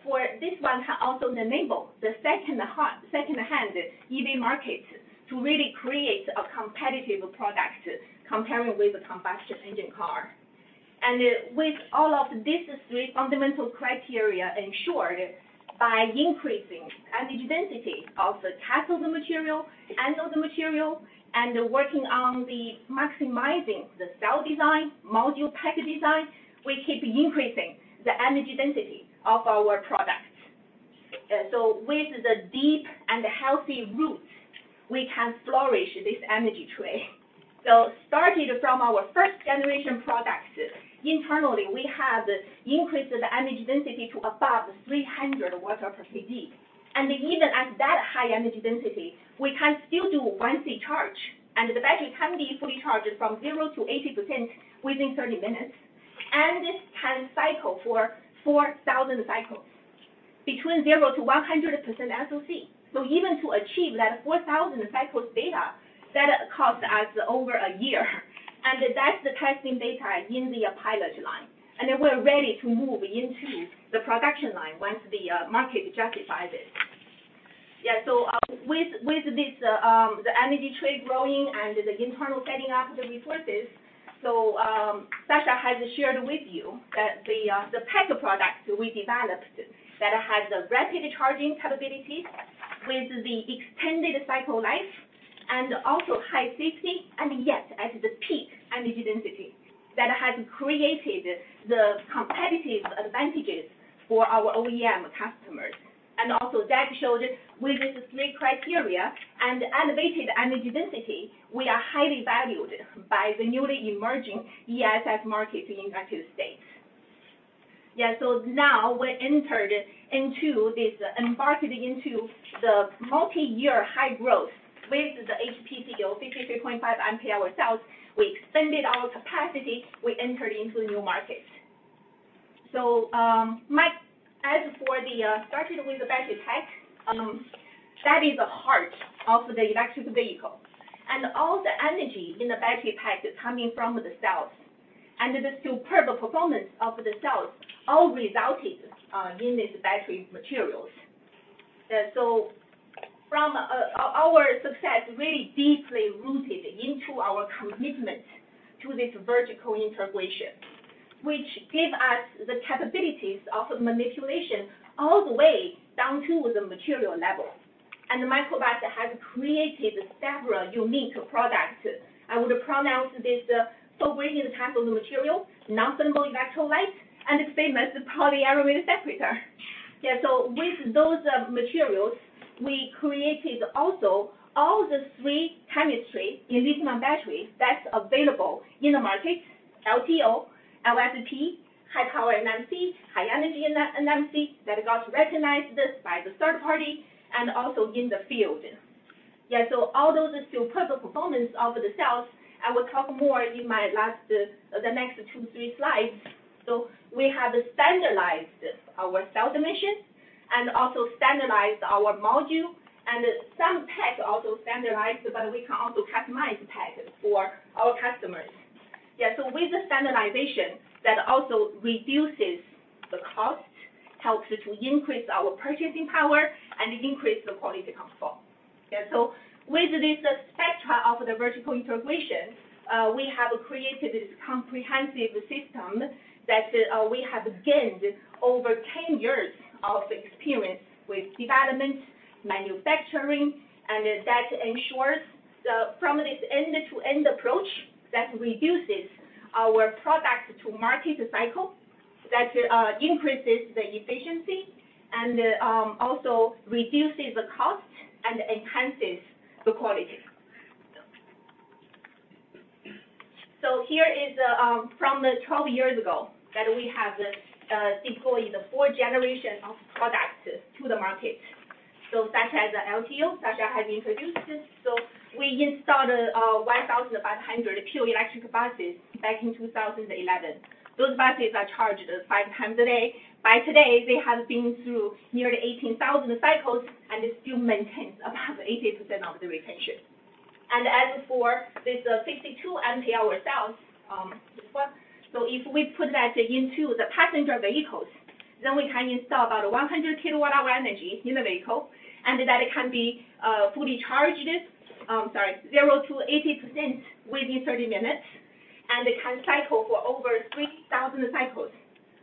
For this one, also enable the secondhand EV market to really create a competitive product comparing with the combustion engine car. With all of these three fundamental criteria ensured by increasing energy density of the cathode material, anode material, and working on the maximizing the cell design, module pack design, we keep increasing the energy density of our products. With the deep and healthy roots, we can flourish this energy tree. Starting from our first generation products, internally, we have increased the energy density to above 300 W/kg. Even at that high energy density, we can still do 1 C charge, and the battery can be fully charged from 0% to 80% within 30 minutes, and this can cycle for 4,000 cycles between 0% to 100% SOC. Even to achieve that 4,000 cycles data, that cost us over a year, and that's the testing data in the pilot line, we're ready to move into the production line once the market justifies it. With this, the energy tree growing and the internal setting up the resources, Sascha has shared with you that the pack product we developed that has a rapid charging capability with the extended cycle life and also high safety, and yet at the peak energy density, that has created the competitive advantages for our OEM customers. Also, that showed with the three criteria and elevated energy density, we are highly valued by the newly emerging ESS market in United States. Now we entered into this, embarking into the multi-year high growth with the HpCO-53.5 Ah cells. We extended our capacity, we entered into a new market. Mike, as for the starting with the battery pack, that is the heart of the electric vehicle. All the energy in the battery pack is coming from the cells, and the superb performance of the cells all resulting in this battery materials. From our success really deeply rooted into our commitment to this vertical integration, which give us the capabilities of manipulation all the way down to the material level. Microvast has created several unique products. I would pronounce this the sovereign type of material, non-flammable electrolyte, and the famous polyaramid separator. With those materials, we created also all the three chemistry in lithium battery that's available in the market: LTO, LFP, high power NMC, high energy NMC, that is also recognized this by the third party and also in the field. All those are still perfect performance of the cells. I will talk more in my last, the next two-three slides. We have standardized our cell dimension and also standardized our module, and some pack also standardized, but we can also customize pack for our customers. With the standardization, that also reduces the cost, helps us to increase our purchasing power, and increase the quality control. With this spectra of the vertical integration, we have created this comprehensive system that we have gained over 10 years of experience with development, manufacturing, and that ensures, from this end-to-end approach, that reduces our product to market cycle, that increases the efficiency and also reduces the cost and enhances the quality. Here is, from the 12 years ago, that we have deployed the four generation of products to the market. Such as the LTO, such as have been introduced this, we installed 1,500 pure electric buses back in 2011. Those buses are charged five times a day. By today, they have been through nearly 18,000 cycles, and they still maintain about 80% of the retention. As for this 62 Ah cells, if we put that into the passenger vehicles, then we can install about 100 kWh energy in the vehicle, and that it can be fully charged 0% to 80% within 30 minutes, and it can cycle for over 3,000 cycles.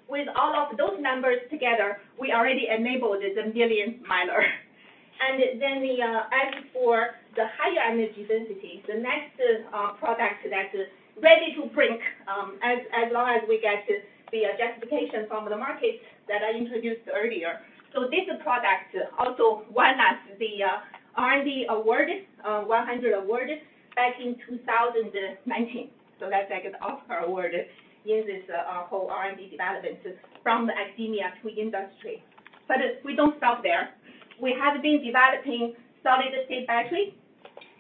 With all of those numbers together, we already enabled the million miler. As for the higher energy density, the next product that is ready to bring as long as we get the justification from the market that I introduced earlier. This product also won us the R&D 100 Award back in 2019. That's like an Oscar award in this whole R&D development from academia to industry. We don't stop there. We have been developing solid-state battery, lithium ion, sorry, lithium metal battery,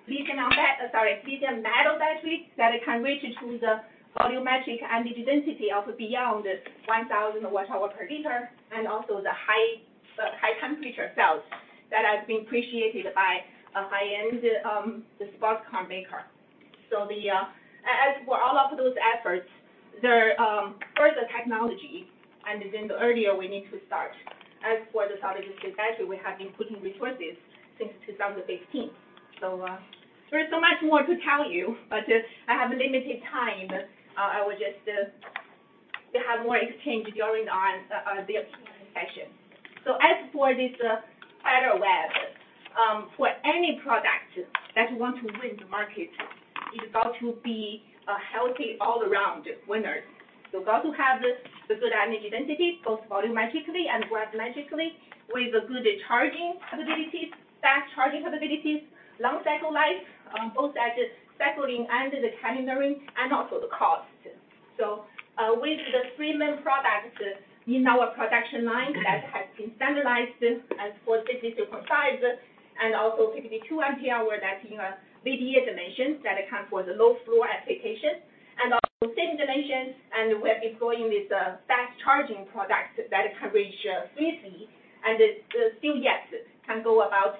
that it can reach to the volumetric energy density of beyond 1,000 Wh/L, and also the high, high temperature cells that have been appreciated by a high-end, the sports car maker. As for all of those efforts, they're further technology, and then the earlier we need to start. As for the solid-state battery, we have been putting resources since 2018. There is so much more to tell you, but I have limited time. I will just have more exchange going on the Q&A session. As for this higher lab, for any product that you want to win the market, it's got to be a healthy all around winner. Got to have the good energy density, both volumetrically and gravimetrically, with a good charging capabilities, fast charging capabilities, long cycle life, both at the cycling and the calendaring, and also the cost. With the three main products in our production line that has been standardized as for this size and also 52 Ah that, you know, media dimensions that account for the low flow application, and also same dimensions, and we're deploying this fast charging product that can reach 50, and it still, yes, can go about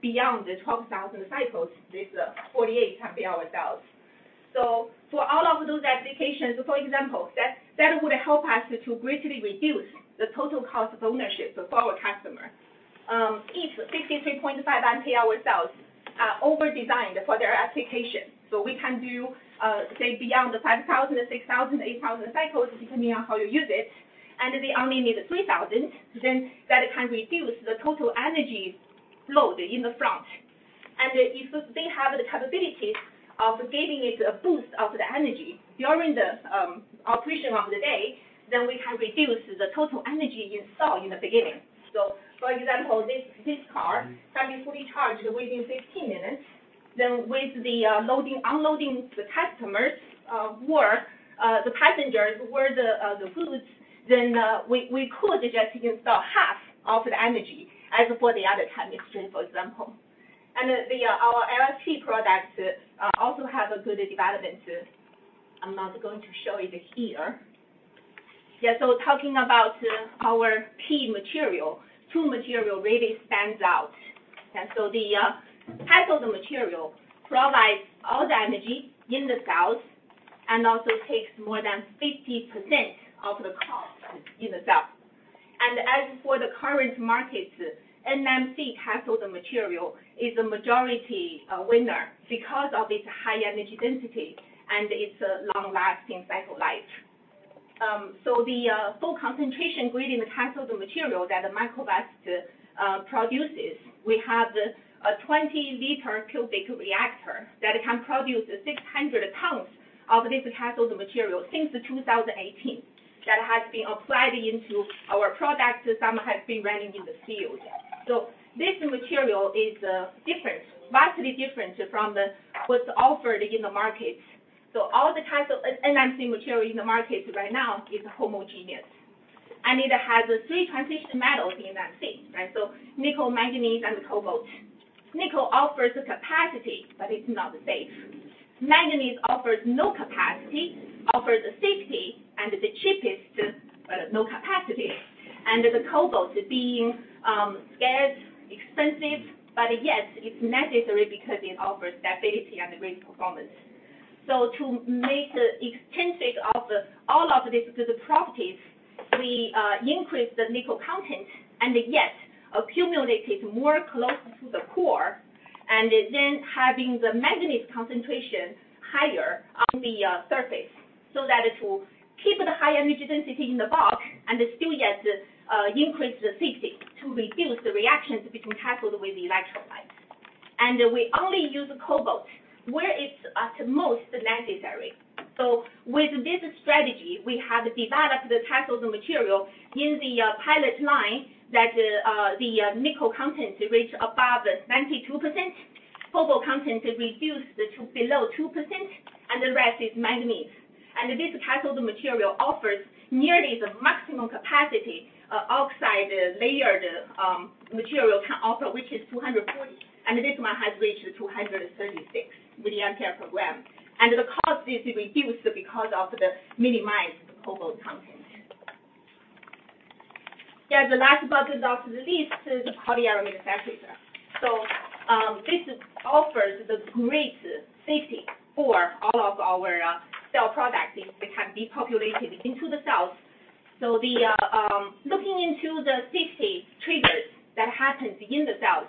beyond the 12,000 cycles with the 48 Ah cells. For all of those applications, for example, that would help us to greatly reduce the total cost of ownership for our customer. Each 63.5 Ah cells are overdesigned for their application. We can do, say, beyond the 5,000, 6,000, 8,000 cycles, depending on how you use it, and they only need 3,000, then that it can reduce the total energy load in the front. If they have the capabilities of giving it a boost of the energy during the operation of the day, then we can reduce the total energy installed in the beginning. For example, this car can be fully charged within 15 minutes, then with the loading, unloading the customers, or the passengers or the foods, then we could just install half of the energy as for the other chemistry, for example. Our LFP products also have a good development. I'm not going to show it here. Yeah, talking about our key material, 2 material really stands out. The cathode material provides all the energy in the cells and also takes more than 50% of the cost in the cell. As for the current markets, NMC cathode material is the majority winner because of its high energy density and its long-lasting cycle life. The Full Concentration Gradient cathode material that Microvast produces, we have the 20 liter cubic reactor that can produce 600 tons of this cathode material since 2018, that has been applied into our products. Some have been running in the field. This material is different, vastly different from the what's offered in the market. All the types of NMC material in the market right now is homogeneous. It has three transition metals in NMC, right? Nickel, manganese, and cobalt. Nickel offers the capacity, but it's not safe. Manganese offers no capacity, offers safety and the cheapest, but no capacity. The cobalt being scarce, expensive, but yet it's necessary because it offers stability and great performance. To make extensive of all of these good properties, we increase the nickel content, and yet accumulated more close to the core, and then having the manganese concentration higher on the surface so that it will keep the high energy density in the bulk and still yet increase the safety to reduce the reactions between cathode with the electrolyte. We only use cobalt where it's at most necessary. With this strategy, we have developed the cathode material in the pilot line that the nickel content reach above 92%, cobalt content reduced to below 2%, and the rest is manganese. This cathode material offers nearly the maximum capacity of oxide layered material can offer, which is 240, and this one has reached 236 mA per gram. The cost is reduced because of the minimized cobalt content. The last but not the least is the polyaramid separator. This offers the great safety for all of our cell products that can be populated into the cells. Looking into the safety triggers that happens in the cells,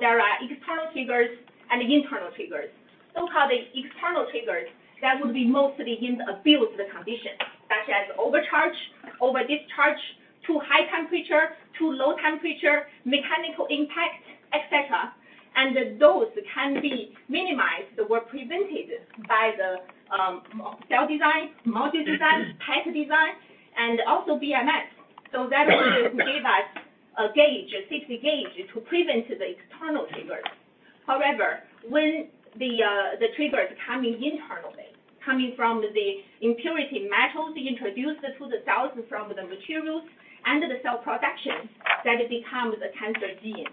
there are external triggers and internal triggers. How the external triggers, that would be mostly in abuse the condition, such as overcharge, over discharge, too high temperature, too low temperature, mechanical impact, et cetera. Those can be minimized or prevented by the cell design, module design, pack design, and also BMS. That will give us a gauge, a safety gauge, to prevent the external triggers. When the trigger is coming internally, coming from the impurity metals introduced to the cells from the materials and the cell production, then it becomes a cancer gene.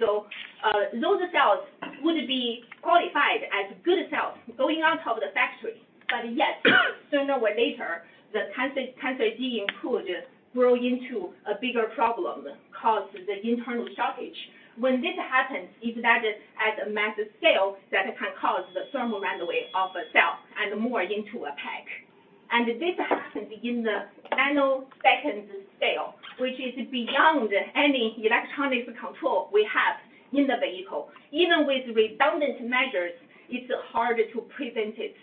Those cells would be qualified as good cells going out of the factory, but yet, sooner or later, the cancer gene could grow into a bigger problem, cause the internal shortage. When this happens, if that is at a massive scale, that can cause the thermal runaway of a cell and more into a pack. This happens in the nanoseconds scale, which is beyond any electronics control we have in the vehicle. Even with redundant measures, it's hard to prevent it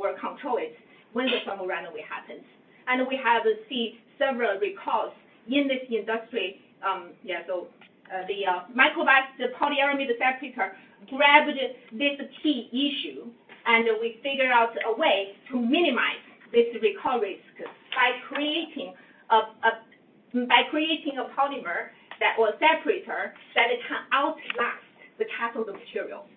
or control it when the thermal runaway happens. We have seen several recalls in this industry. The Microvast polyaramid separator grabbed this key issue, and we figured out a way to minimize this recall risk by creating a polymer that or separator that it can outlast the cathode material.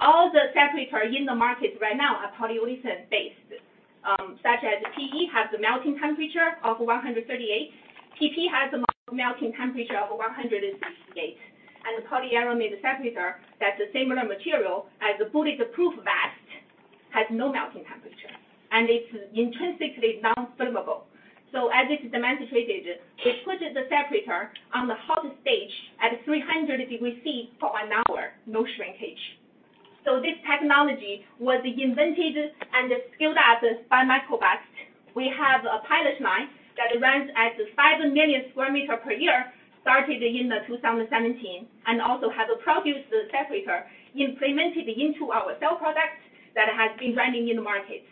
All the separator in the market right now are polyolefin-based, such as PE, has a melting temperature of 138, PP has a melting temperature of 168, and the polyaramid separator, that's the similar material as a bulletproof vest, has no melting temperature, and it's intrinsically non-flammable. As it demonstrated, we put the separator on the hot stage at 300 degrees Celsius for an hour, no shrinkage. This technology was invented and scaled up by Microvast. We have a pilot line that runs at 5 million sq meter per year, started in 2017, and also have produced the separator implemented into our cell products that has been running in the market.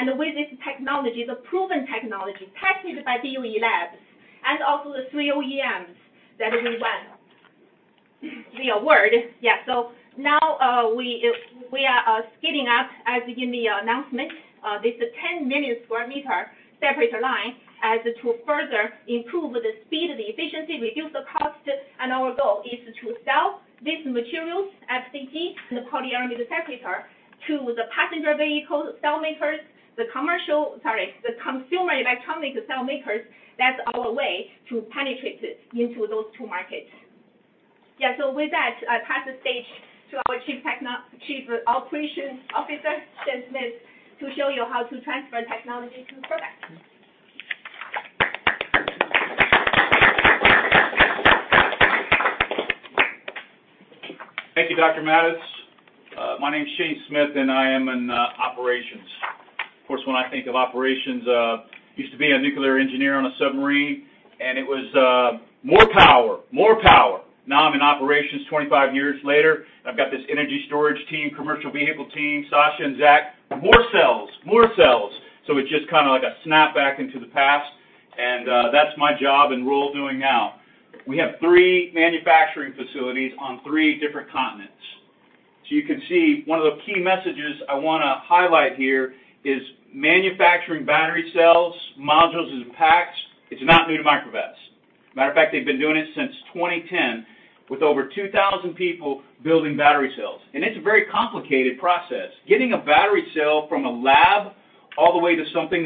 With this technology, the proven technology, tested by DOE Labs and also the three OEMs that we won the award. Now, we are scaling up, as in the announcement, this 10 million square meter separator line as to further improve the speed, the efficiency, reduce the cost, and our goal is to sell these materials, FCG, the polyaramid separator, to the passenger vehicle cell makers, sorry, the consumer electronic cell makers. That's our way to penetrate into those two markets. With that, I pass the stage to our Chief Operations Officer, Shane Smith, to show you how to transfer technology to product. Thank you, Dr. Mattis. My name is Shane Smith, and I am in operations. Of course, when I think of operations, used to be a nuclear engineer on a submarine, and it was more power, more power! Now, I'm in operations 25 years later, I've got this energy storage team, commercial vehicle team, Sascha and Zach, more cells, more cells. It's just kinda like a snap back into the past, and that's my job and role doing now. We have three manufacturing facilities on three different continents. You can see, one of the key messages I wanna highlight here is manufacturing battery cells, modules into packs, it's not new to Microvast. Matter of fact, they've been doing it since 2010, with over 2,000 people building battery cells. It's a very complicated process. Getting a battery cell from a lab all the way to something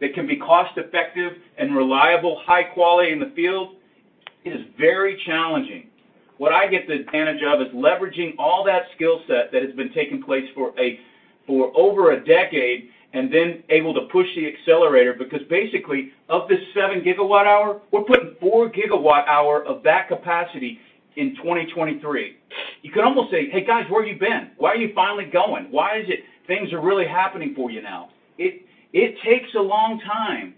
that can be cost-effective and reliable, high quality in the field, is very challenging. What I get the advantage of is leveraging all that skill set that has been taking place for over a decade, and then able to push the accelerator, because basically, of this 7 GWh, we're putting 4 GWh of that capacity in 2023. You can almost say, "Hey, guys, where you been? Why are you finally going? Why is it things are really happening for you now?" It takes a long time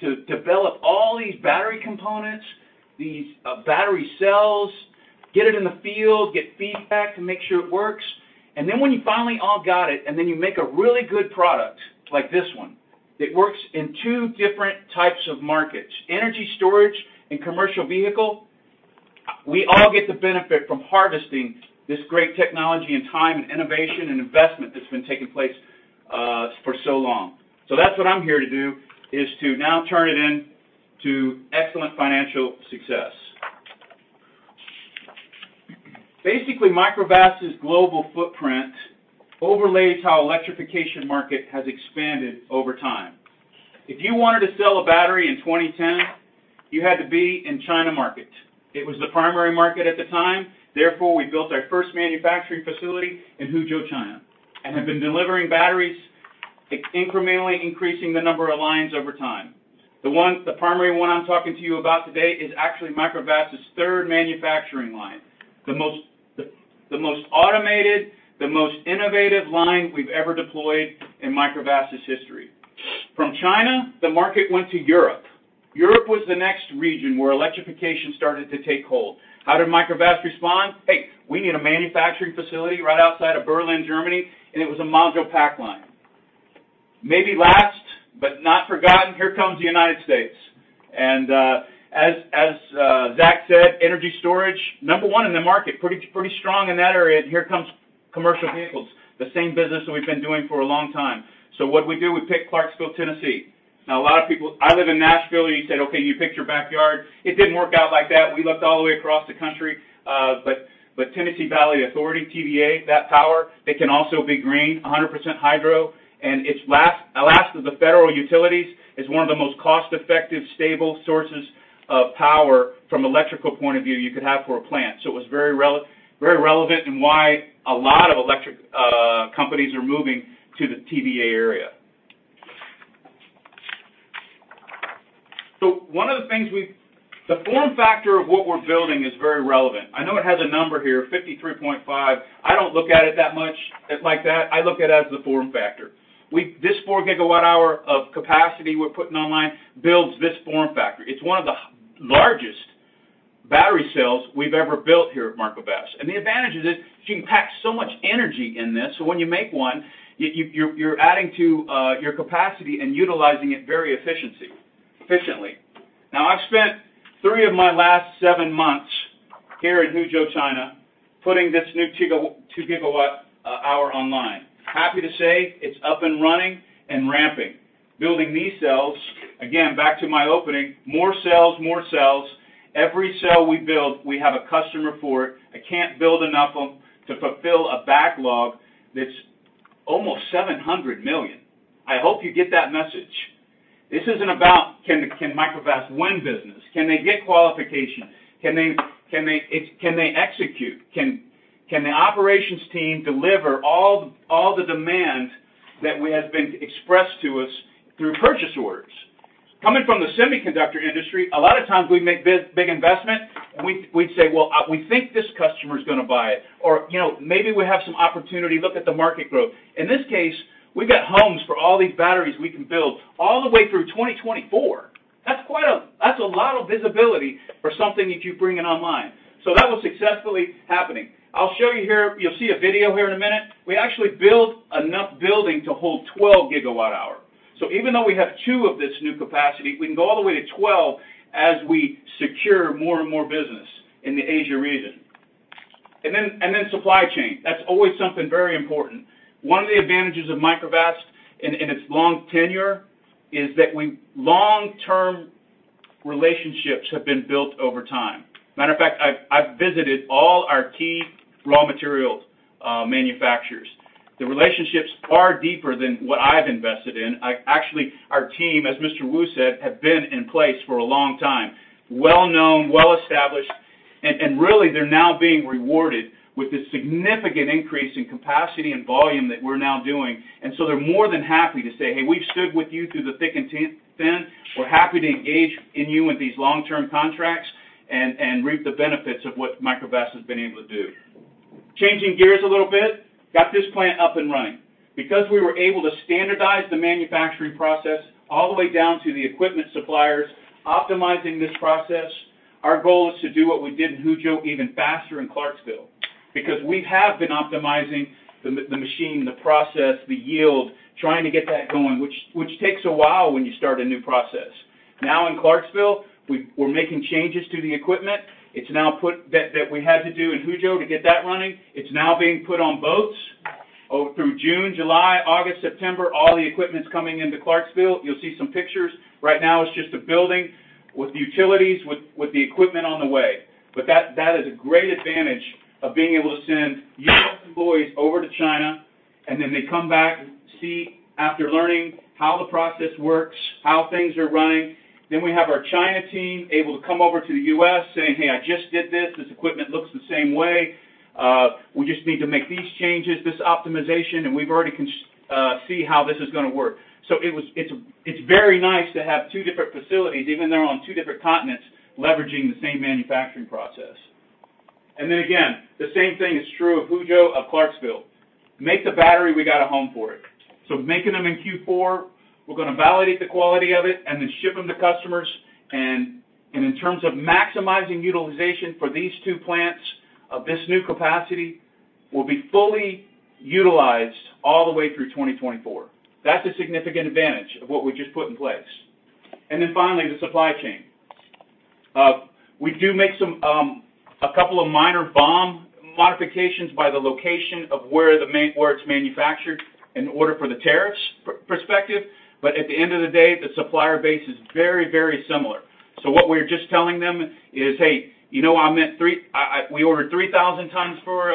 to develop all these battery components, these battery cells, get it in the field, get feedback to make sure it works. When you finally all got it, and then you make a really good product, like this one, that works in two different types of markets: energy storage and commercial vehicle, we all get the benefit from harvesting this great technology, and time, and innovation, and investment that's been taking place for so long. That's what I'm here to do, is to now turn it in to excellent financial success. Basically, Microvast's global footprint overlays how electrification market has expanded over time. If you wanted to sell a battery in 2010, you had to be in China market. It was the primary market at the time, therefore, we built our first manufacturing facility in Huzhou, China, and have been delivering batteries, incrementally increasing the number of lines over time. The primary one I'm talking to you about today is actually Microvast's third manufacturing line, the most automated, the most innovative line we've ever deployed in Microvast's history. From China, the market went to Europe. Europe was the next region where electrification started to take hold. How did Microvast respond? "Hey, we need a manufacturing facility right outside of Berlin, Germany." It was a module pack line. Maybe last, but not forgotten, here comes the United States. As Zach said, energy storage, number one in the market, pretty strong in that area, and here comes commercial vehicles, the same business that we've been doing for a long time. What did we do? We picked Clarksville, Tennessee. A lot of people. I live in Nashville, you said, "Okay, you picked your backyard." It didn't work out like that. We looked all the way across the country, but Tennessee Valley Authority, TVA, that power, it can also be green, 100% hydro, and its last of the federal utilities, is one of the most cost-effective, stable sources of power from electrical point of view you could have for a plant. It was very relevant, and why a lot of electric companies are moving to the TVA area. One of the things the form factor of what we're building is very relevant. I know it has a number here, 53.5 Ah. I don't look at it that much like that, I look at it as the form factor. This 4 GWh of capacity we're putting online, builds this form factor. It's one of the largest battery cells we've ever built here at Microvast. The advantage is that you can pack so much energy in this, so when you make one, you're adding to your capacity and utilizing it very efficiently. I've spent three of my last seven months here in Huzhou, China, putting this new 2 GWh online. Happy to say, it's up and running, and ramping. Building these cells, again, back to my opening, more cells, more cells. Every cell we build, we have a customer for it. I can't build enough of them to fulfill a backlog that's almost $700 million. I hope you get that message. This isn't about, can Microvast win business? Can they get qualification? Can they execute? Can the operations team deliver all the demand that we have been expressed to us through purchase orders? Coming from the semiconductor industry, a lot of times we make big investment, and we'd say, "Well, we think this customer is gonna buy it." Or, you know, "Maybe we have some opportunity, look at the market growth." In this case, we've got homes for all these batteries we can build all the way through 2024. That's a lot of visibility for something that you're bringing online. That was successfully happening. I'll show you here, you'll see a video here in a minute. We actually built enough building to hold 12 GWh. Even though we have two of this new capacity, we can go all the way to 12 as we secure more and more business in the Asia region. Supply chain, that's always something very important. One of the advantages of Microvast in its long tenure, is that long-term relationships have been built over time. Matter of fact, I've visited all our key raw materials manufacturers. The relationships are deeper than what I've invested in. Actually, our team, as Mr. Wu said, have been in place for a long time. Well known, well-established, and really, they're now being rewarded with this significant increase in capacity and volume that we're now doing. They're more than happy to say, "Hey, we've stood with you through the thick and thin. We're happy to engage in you with these long-term contracts and reap the benefits of what Microvast has been able to do." Changing gears a little bit, got this plant up and running. Because we were able to standardize the manufacturing process all the way down to the equipment suppliers, optimizing this process, our goal is to do what we did in Huzhou even faster in Clarksville. Because we have been optimizing the machine, the process, the yield, trying to get that going, which takes a while when you start a new process. Now, in Clarksville, we're making changes to the equipment. It's now that we had to do in Huzhou to get that running. It's now being put on boats. Through June, July, August, September, all the equipment's coming into Clarksville. You'll see some pictures. Right now, it's just a building with utilities, with the equipment on the way. That is a great advantage of being able to send U.S. employees over to China, and then they come back, see, after learning how the process works, how things are running. We have our China team able to come over to the U.S., saying, "Hey, I just did this. This equipment looks the same way. We just need to make these changes, this optimization, and we've already see how this is gonna work." It's very nice to have two different facilities, even though on two different continents, leveraging the same manufacturing process. Again, the same thing is true of Huzhou, and Clarksville. Make the battery. We got a home for it. Making them in Q4, we're gonna validate the quality of it and then ship them to customers. In terms of maximizing utilization for these two plants, of this new capacity, will be fully utilized all the way through 2024. That's a significant advantage of what we just put in place. Finally, the supply chain. We do make some a couple of minor BOM modifications by the location of where it's manufactured in order for the tariffs perspective, but at the end of the day, the supplier base is very, very similar. What we're just telling them is, "Hey, you know, we ordered 3,000 tons for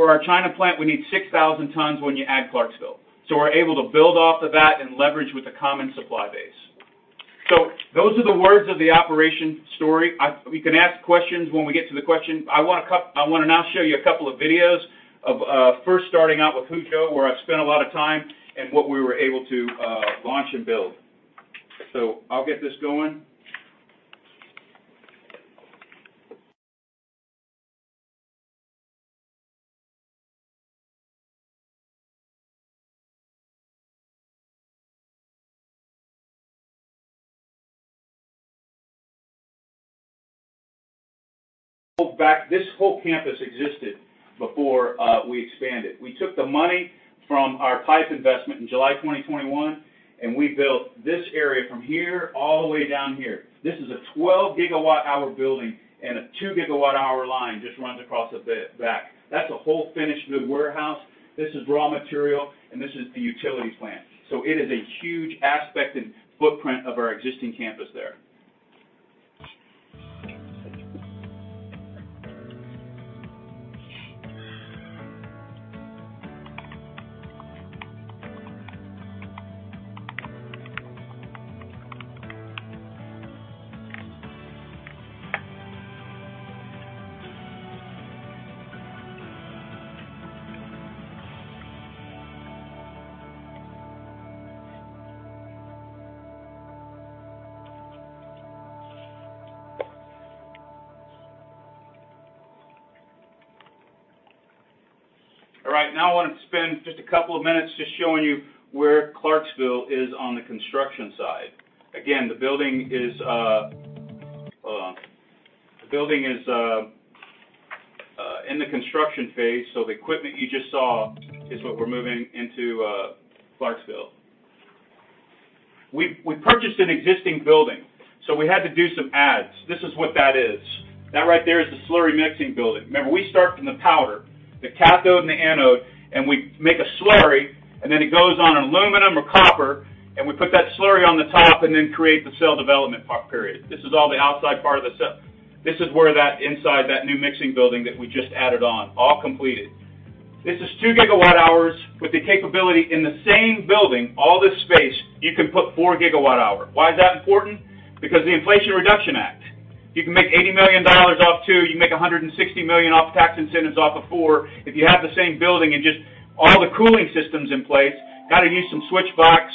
our China plant. We need 6,000 tons when you add Clarksville." We're able to build off of that and leverage with a common supply base. Those are the words of the operation story. We can ask questions when we get to the question. I want to now show you a couple of videos of first starting out with Huzhou, where I've spent a lot of time, and what we were able to launch and build. I'll get this going. Go back, this whole campus existed before we expanded. We took the money from our PIPE investment in July 2021, and we built this area from here all the way down here. This is a 12 GWh building, and a 2 GWh line just runs across the back. That's a whole finished good warehouse. This is raw material, and this is the utility plant. It is a huge aspect and footprint of our existing campus there. All right, now I want to spend just a couple of minutes just showing you where Clarksville is on the construction side. The building is in the construction phase, so the equipment you just saw is what we're moving into Clarksville. We purchased an existing building, so we had to do some adds. This is what that is. That right there is the slurry mixing building. Remember, we start from the powder, the cathode and the anode, and we make a slurry, and then it goes on an aluminum or copper, and we put that slurry on the top and then create the cell development part period. This is all the outside part of the cell. This is where that inside, that new mixing building that we just added on, all completed. This is 2 GWh with the capability in the same building, all this space, you can put 4 GWh. Why is that important? The Inflation Reduction Act, you can make $80 million off 2, you can make $160 million off tax incentives off of 4. If you have the same building and just all the cooling systems in place, got to use some switch box,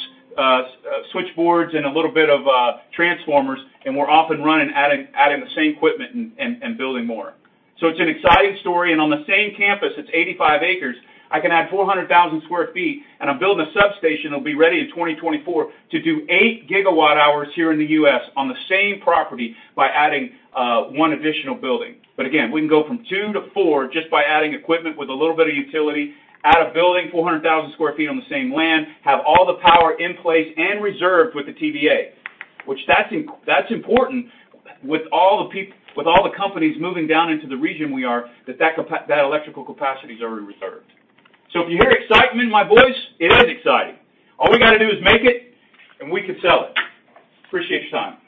switchboards and a little bit of transformers, and we're off and running, adding the same equipment and building more. It's an exciting story. On the same campus, it's 85 acres, I can add 400,000 sq ft, and I'm building a substation that'll be ready in 2024 to do 8 GWh here in the U.S. on the same property by adding one additional building. Again, we can go from 2 GWh-4 GWh just by adding equipment with a little bit of utility, add a building, 400,000 sq ft on the same land, have all the power in place and reserved with the TVA. That's important with all the companies moving down into the region we are, that electrical capacity is already reserved. If you hear excitement in my voice, it is exciting. All we got to do is make it, and we can sell it. Appreciate your time.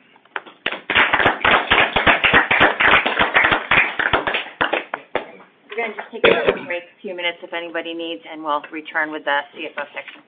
We're gonna just take a quick break, a few minutes if anybody needs, and we'll return with the CFO section.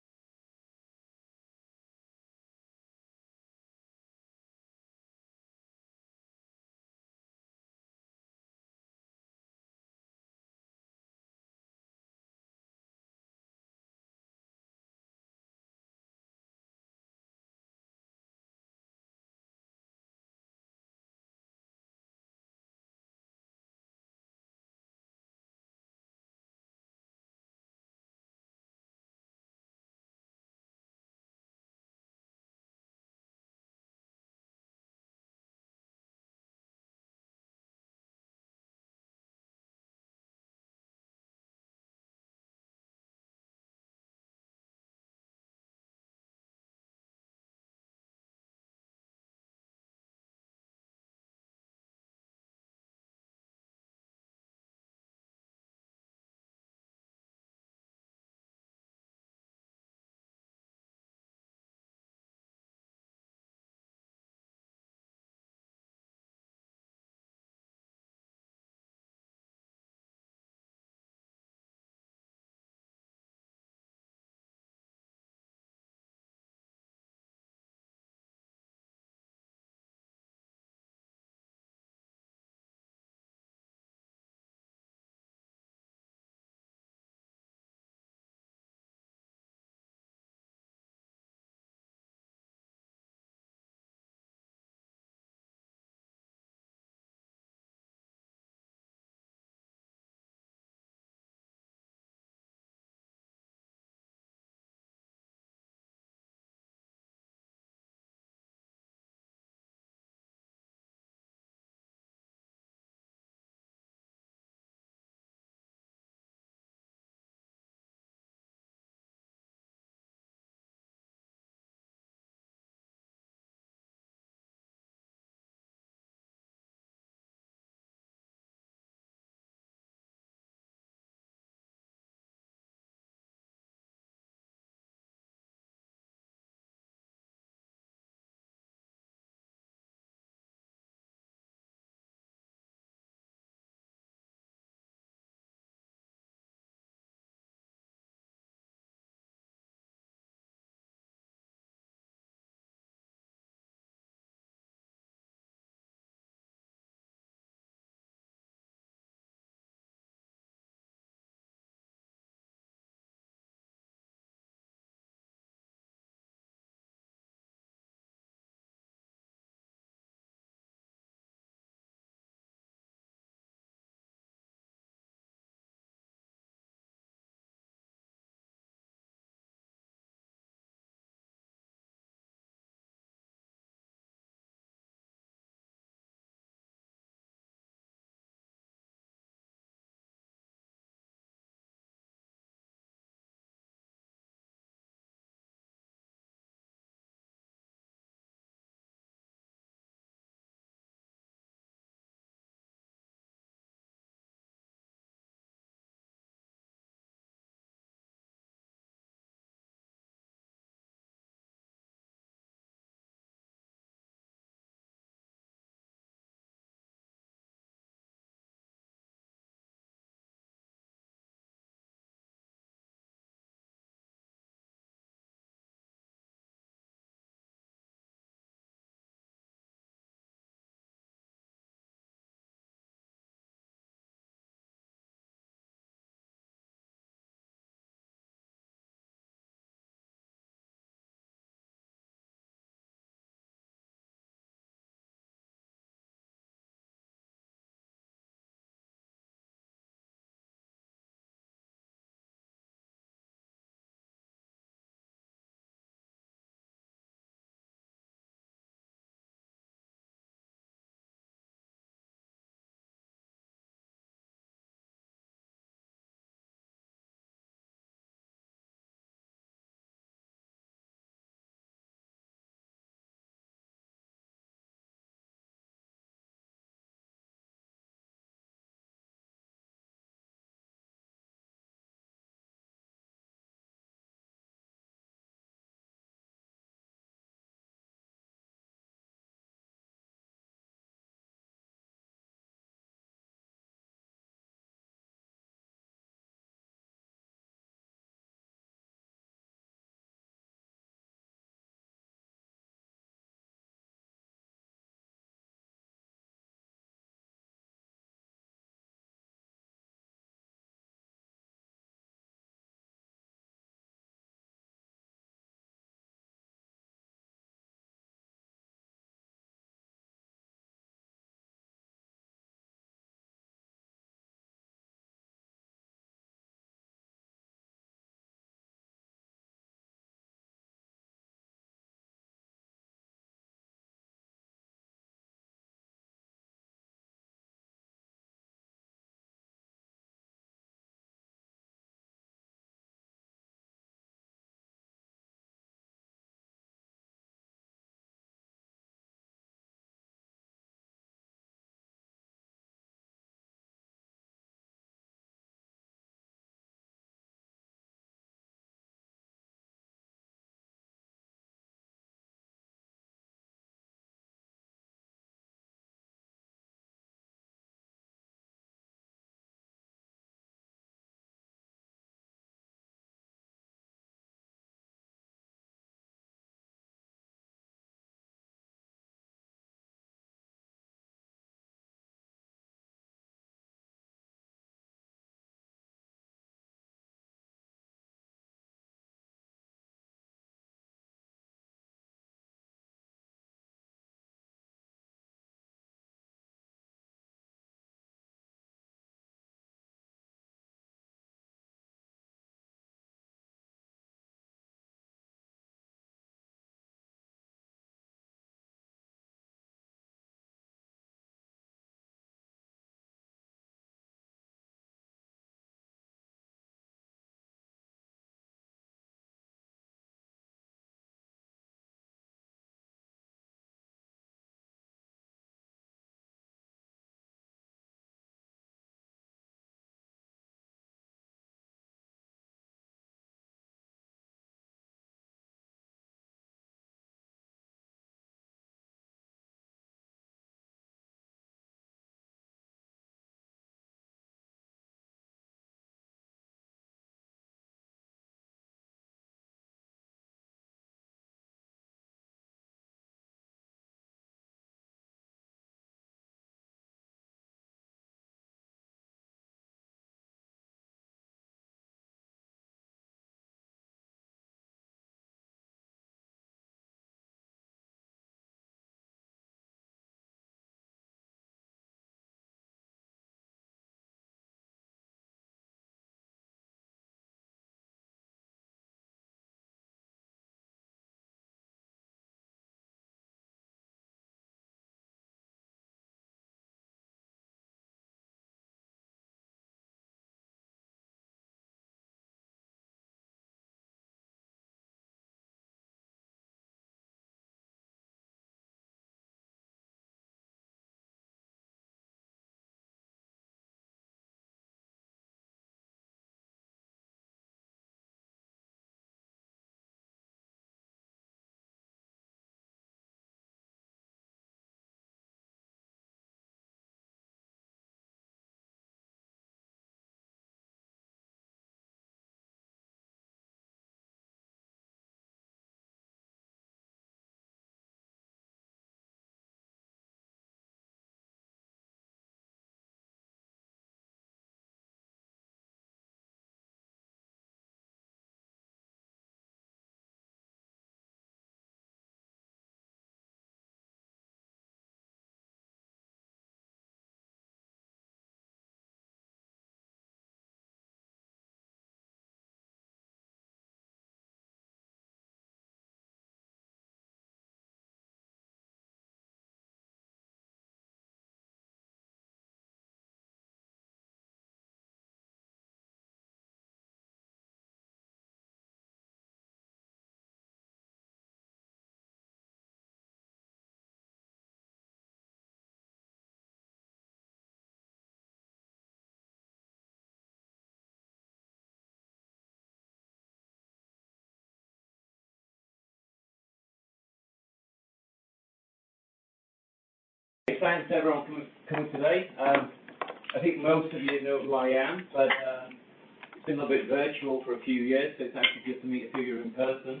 Thanks to everyone for coming today. I think most of you know who I am. It's been a little bit virtual for a few years, so it's actually good to meet a few of you in person.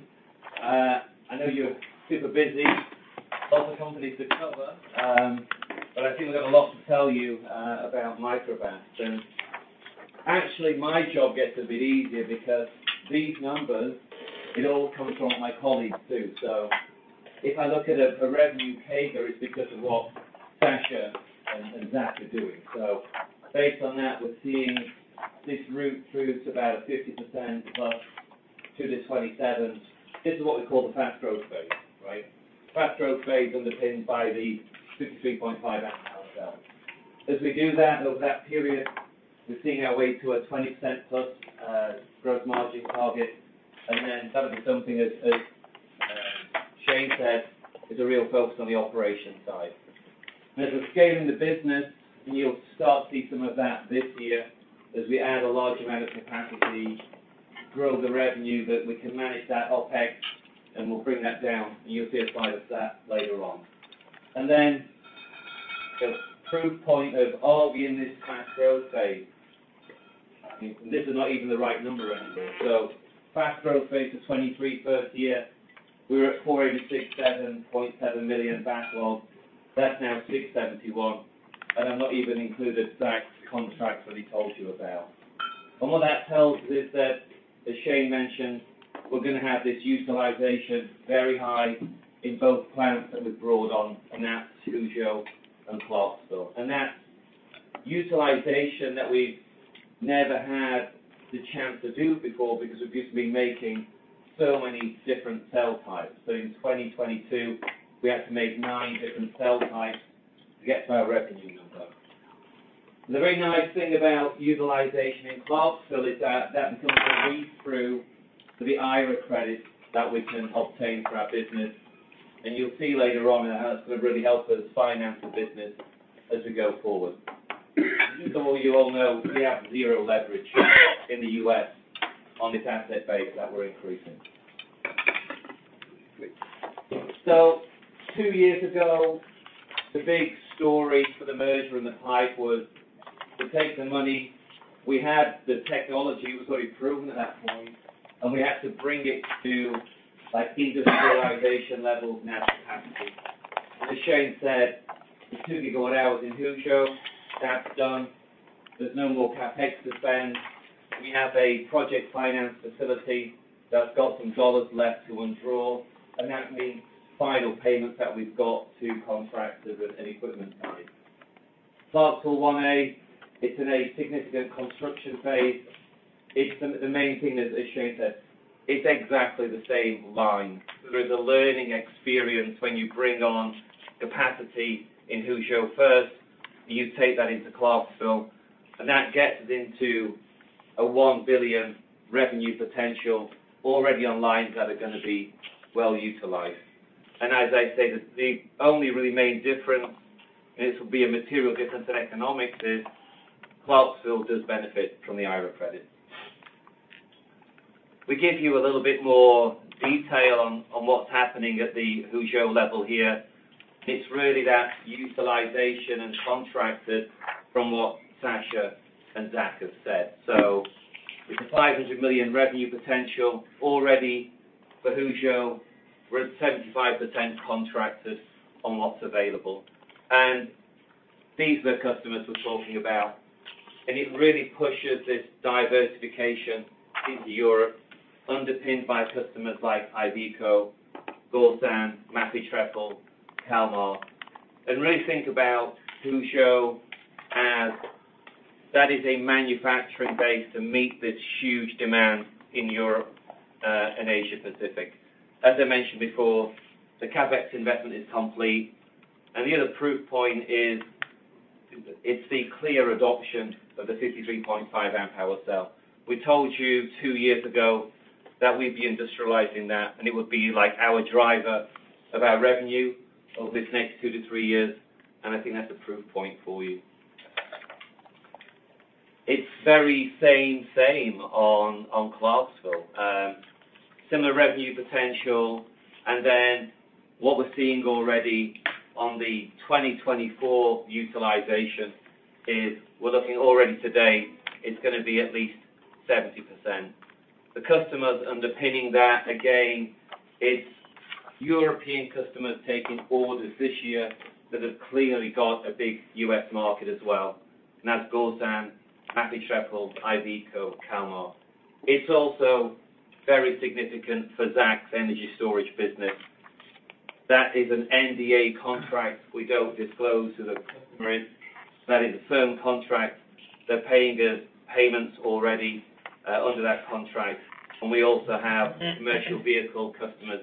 I know you're super busy, lots of companies to cover. I think we've got a lot to tell you about Microvast. Actually, my job gets a bit easier because these numbers, it all comes from my colleagues, too. If I look at a revenue CAGR, it's because of what Sascha and Zach are doing. Based on that, we're seeing this route through to about a 50%+ to 2027. This is what we call the fast growth phase, right? Fast growth phase underpinned by the 53.5 Ah cell. As we do that, over that period, we're seeing our way to a 20%+ growth margin target. Some of the something, as Shane said, is a real focus on the operation side. As we're scaling the business, and you'll start to see some of that this year, as we add a large amount of capacity, grow the revenue, that we can manage that OpEx, and we'll bring that down, and you'll see a slide of that later on. The proof point of are we in this fast growth phase? This is not even the right number anymore. Fast growth phase of 23, first year, we were at 486, $7.7 million backlog. That's now $671 million, I've not even included Zach's contract that he told you about. What that tells us is that, as Shane mentioned, we're gonna have this utilization very high in both plants that we've brought on, and that's Huzhou and Clarksville. That's utilization that we've never had the chance to do before because we've just been making so many different cell types. In 2022, we had to make nine different cell types to get to our revenue number. The very nice thing about utilization in Clarksville is that becomes a lead through to the IRA credit that we can obtain for our business. You'll see later on, how it's gonna really help us finance the business as we go forward. As some of you all know, we have zero leverage in the U.S. on this asset base that we're increasing. Two years ago, the big story for the merger and the PIPE was to take the money. We had the technology, it was already proven at that point, and we had to bring it to, like, industrialization levels now, capacity. As Shane said, the two we got out was in Huzhou. That's done. There's no more CapEx to spend. We have a project finance facility that's got some dollars left to undraw, and that means final payments that we've got to contractors and equipment money. Clarksville One A, it's in a significant construction phase. It's the main thing, as Shane said, it's exactly the same line. There is a learning experience when you bring on capacity in Huzhou first, you take that into Clarksville, and that gets into a $1 billion revenue potential already on lines that are gonna be well utilized. As I say, the only really main difference, and this will be a material difference in economics, is Clarksville does benefit from the IRA credit. We give you a little bit more detail on what's happening at the Huzhou level here. It's really that utilization and contracted from what Sascha and Zach have said. With the $500 million revenue potential already for Huzhou, we're at 75% contracted on what's available. These are the customers we're talking about, and it really pushes this diversification into Europe, underpinned by customers like Iveco, Karsan, MAFI, TREPEL, Kalmar. Really think about Huzhou as that is a manufacturing base to meet this huge demand in Europe and Asia Pacific. As I mentioned before, the CapEx investment is complete, and the other proof point is, it's the clear adoption of the 53.5 Ah cell. We told you two years ago that we'd be industrializing that, and it would be, like, our driver of our revenue over this next two to three years. I think that's a proof point for you. It's very same on Clarksville. Similar revenue potential. What we're seeing already on the 2024 utilization is we're looking already today, it's gonna be at least 70%. The customers underpinning that, again, it's European customers taking orders this year that have clearly got a big U.S. market as well. That's Karsan, MAFI, TREPEL, Iveco, Kalmar. It's also very significant for Zach's energy storage business. That is an NDA contract we don't disclose who the customer is. That is a firm contract. They're paying us payments already, under that contract, and we also have commercial vehicle customers,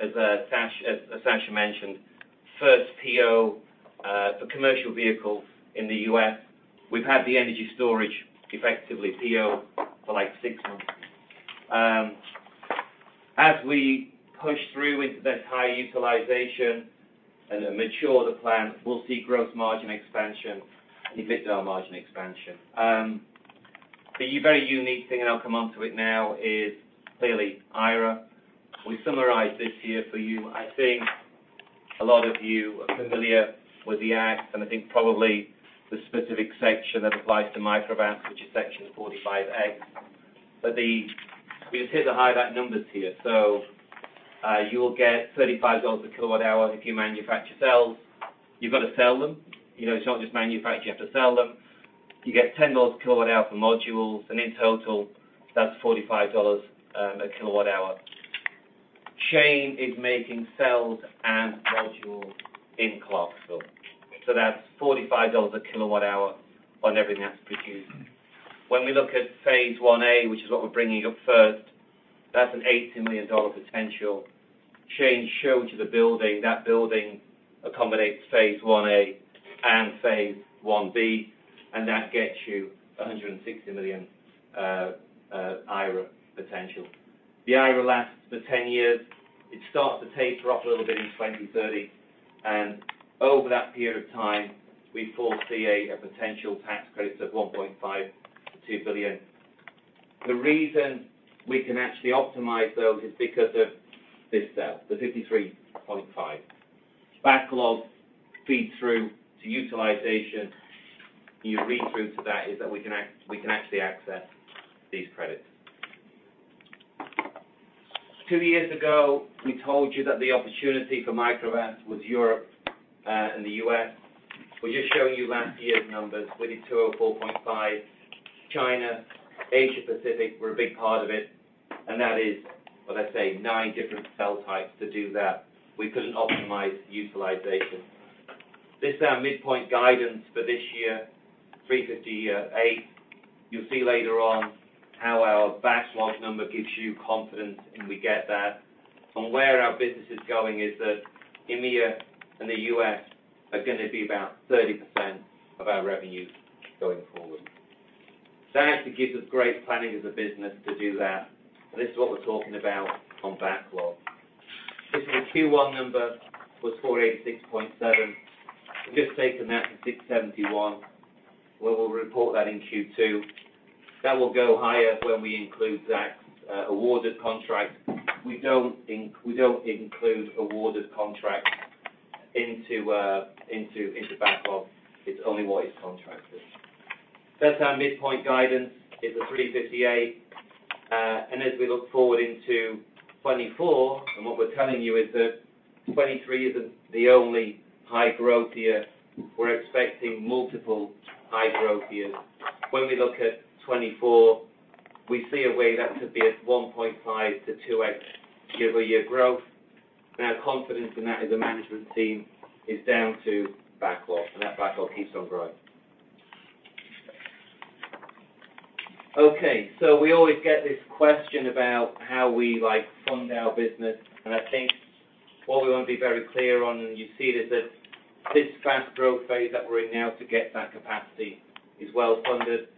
as Sascha mentioned, first PO for commercial vehicle in the U.S. We've had the energy storage effectively PO for, like, six months. As we push through into this high utilization and then mature the plant, we'll see gross margin expansion and EBITDA margin expansion. The very unique thing, and I'll come onto it now, is clearly IRA. We summarized this here for you. I think a lot of you are familiar with the Act, and I think probably the specific section that applies to Microvast, which is Section 45 A. We just hit the highlight numbers here. You will get $35 a kWh if you manufacture cells. You've got to sell them, you know, it's not just manufacture, you have to sell them. You get $10 a kWh for modules, in total, that's $45 a kWh. Shane is making cells and modules in Clarksville, that's $45 a kWh on everything that's produced. When we look at phase I-A, which is what we're bringing up first, that's an $80 million potential. Shane showed you the building. That building accommodates phase I-A and phase I-B, that gets you $160 million IRA potential. The IRA lasts for 10 years. It starts to taper off a little bit in 2030, and over that period of time, we foresee a potential tax credits of $1.5 billion-$2 billion. The reason we can actually optimize those is because of this cell, the 53.5 Ah. Backlog feeds through to utilization. You read through to that is that we can actually access these credits. Two years ago, we told you that the opportunity for Microvast was Europe and the U.S. We're just showing you last year's numbers. We did $204.5 million. China, Asia Pacific, we're a big part of it, and that is, well, let's say nine different cell types to do that. We couldn't optimize utilization. This is our midpoint guidance for this year, $358 million. You'll see later on how our backlog number gives you confidence. We get that. From where our business is going is that EMEA and the U.S. are gonna be about 30% of our revenue going forward. That actually gives us great planning as a business to do that. This is what we're talking about on backlog. This is a Q1 number, was $486.7 million. We've just taken that to $671 million, where we'll report that in Q2. That will go higher when we include Zach Ward's awarded contract. We don't include awarded contract into backlog. It's only what is contracted. That's our midpoint guidance, is $358 million. As we look forward into 2024, what we're telling you is that 2023 isn't the only high growth year, we're expecting multiple high growth years. When we look at 2024, we see a way that to be at 1.5x-2x year-over-year growth. Our confidence in that as a management team is down to backlog, and that backlog keeps on growing. We always get this question about how we like fund our business. I think what we want to be very clear on, and you see it, is that this fast growth phase that we're in now to get that capacity is well-funded.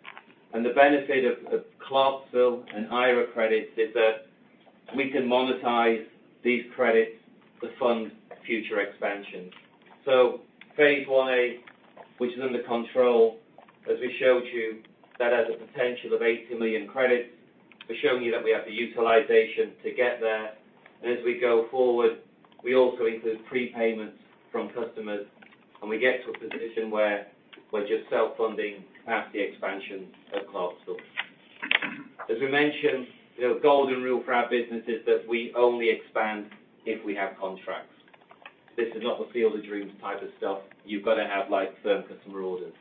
The benefit of Clarksville and IRA credits is that we can monetize these credits to fund future expansions. Phase I-A, which is under control, as we showed you, that has a potential of $80 million credits. We're showing you that we have the utilization to get there. As we go forward, we also include prepayments from customers, and we get to a position where we're just self-funding capacity expansion at Clarksville. As we mentioned, the golden rule for our business is that we only expand if we have contracts. This is not the field of dreams type of stuff. You've got to have, like, firm customer orders.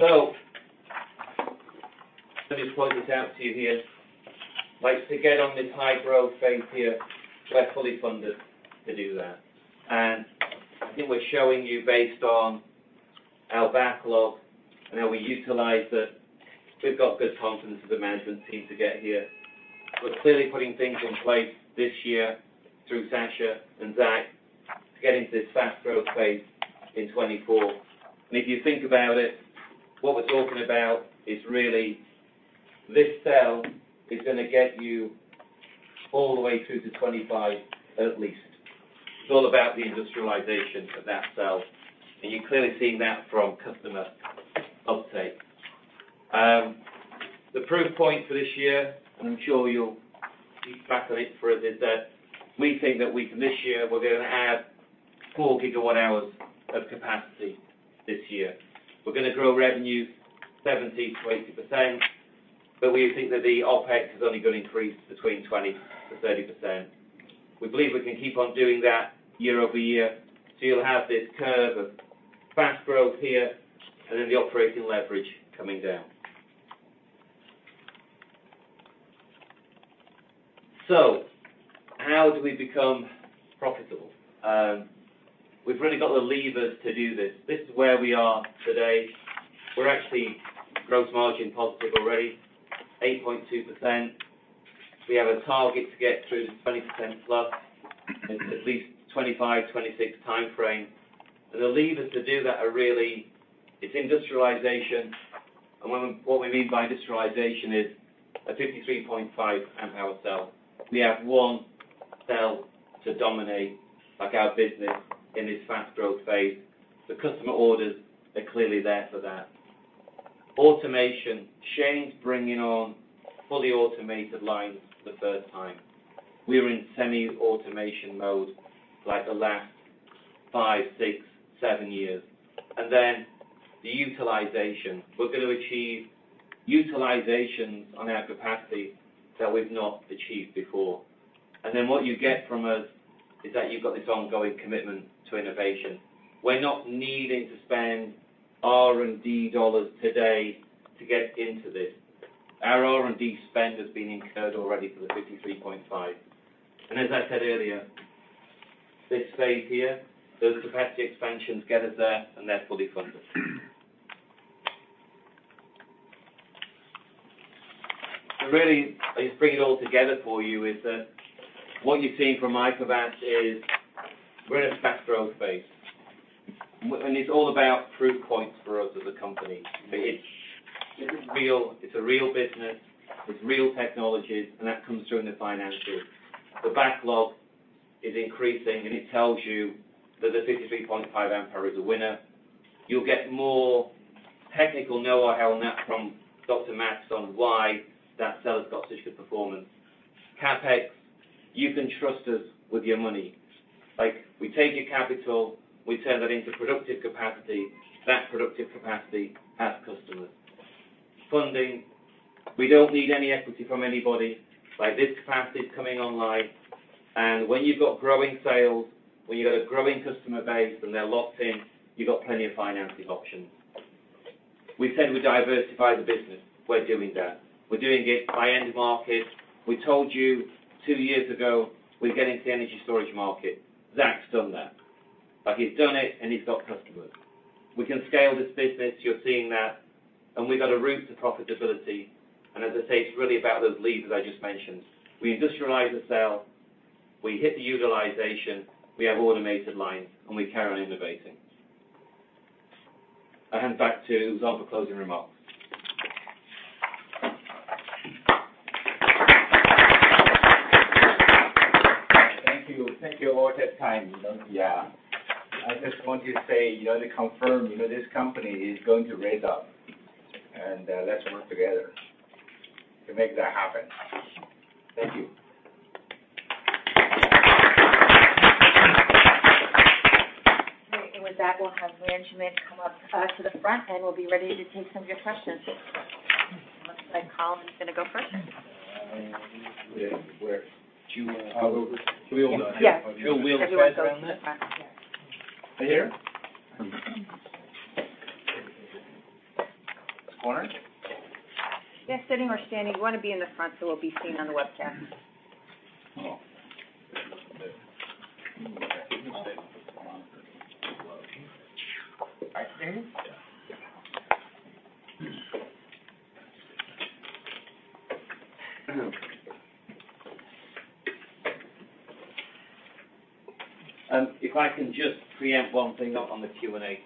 Let me just point this out to you here. Like, to get on this high growth phase here, we're fully funded to do that. I think we're showing you based on our backlog and how we utilize it, we've got good confidence as a management team to get here. We're clearly putting things in place this year through Sascha and Zach to get into this fast growth phase in 2024. If you think about it, what we're talking about is really this cell is gonna get you all the way through to 2025, at least. It's all about the industrialization of that cell, and you're clearly seeing that from customer uptake. The proof point for this year, and I'm sure you'll keep track of it for us, is that we think that this year, we're going to add 4 GWh of capacity this year. We're gonna grow revenue 70%-80%, but we think that the OpEx is only going to increase between 20%-30%. We believe we can keep on doing that year-over-year, so you'll have this curve of fast growth here and then the operating leverage coming down. How do we become profitable? We've really got the levers to do this. This is where we are today. We're actually gross margin positive already, 8.2%. We have a target to get through 20%+, at least 2025, 2026 timeframe. The levers to do that are really, it's industrialization. What we mean by industrialization is a 53.5 Ah cell. We have one cell to dominate, like, our business in this fast growth phase. The customer orders are clearly there for that. Automation. Shane's bringing on fully automated lines for the first time. We were in semi-automation mode, like, the last five, six, seven years. The utilization. We're going to achieve utilizations on our capacity that we've not achieved before. What you get from us, is that you've got this ongoing commitment to innovation. We're not needing to spend R&D $ today to get into this. Our R&D spend has been incurred already for the 53.5 Ah. As I said earlier, this phase here, those capacity expansions get us there, and they're fully funded. Really, I just bring it all together for you is that, what you're seeing from Microvast is, we're in a fast growth phase. It's all about proof points for us as a company. It's real. It's a real business with real technologies, and that comes through in the financials. The backlog is increasing, and it tells you that the 53.5 Ah is a winner. You'll get more technical know-how on that from Dr. Mattis on why that cell has got such good performance. CapEx, you can trust us with your money. Like, we take your capital, we turn that into productive capacity. That productive capacity has customers. Funding, we don't need any equity from anybody. Like, this capacity is coming online, and when you've got growing sales, when you've got a growing customer base, and they're locked in, you've got plenty of financing options. We said we'd diversify the business. We're doing that. We're doing it by end market. We told you two years ago, we're getting to the energy storage market. Zach's done that. Like, he's done it, and he's got customers. We can scale this business, you're seeing that, and we've got a route to profitability. As I say, it's really about those levers I just mentioned. We industrialize the sale, we hit the utilization, we have automated lines, and we carry on innovating. I hand back to Yang Wu for closing remarks. Thank you. Thank you all for your time. You know, yeah. I just want to say, you know, to confirm, you know, this company is going to raise up, and let's work together to make that happen. Thank you. Great. With that, we'll have management come up to the front, and we'll be ready to take some of your questions. Looks like Colin is gonna go first. Where? Do you... We all- Yes. We'll slide down there. Right here? This corner? Yes, sitting or standing. You want to be in the front, so we'll be seen on the webcast. Oh. Right here? Yeah. If I can just preempt one thing on the Q&A.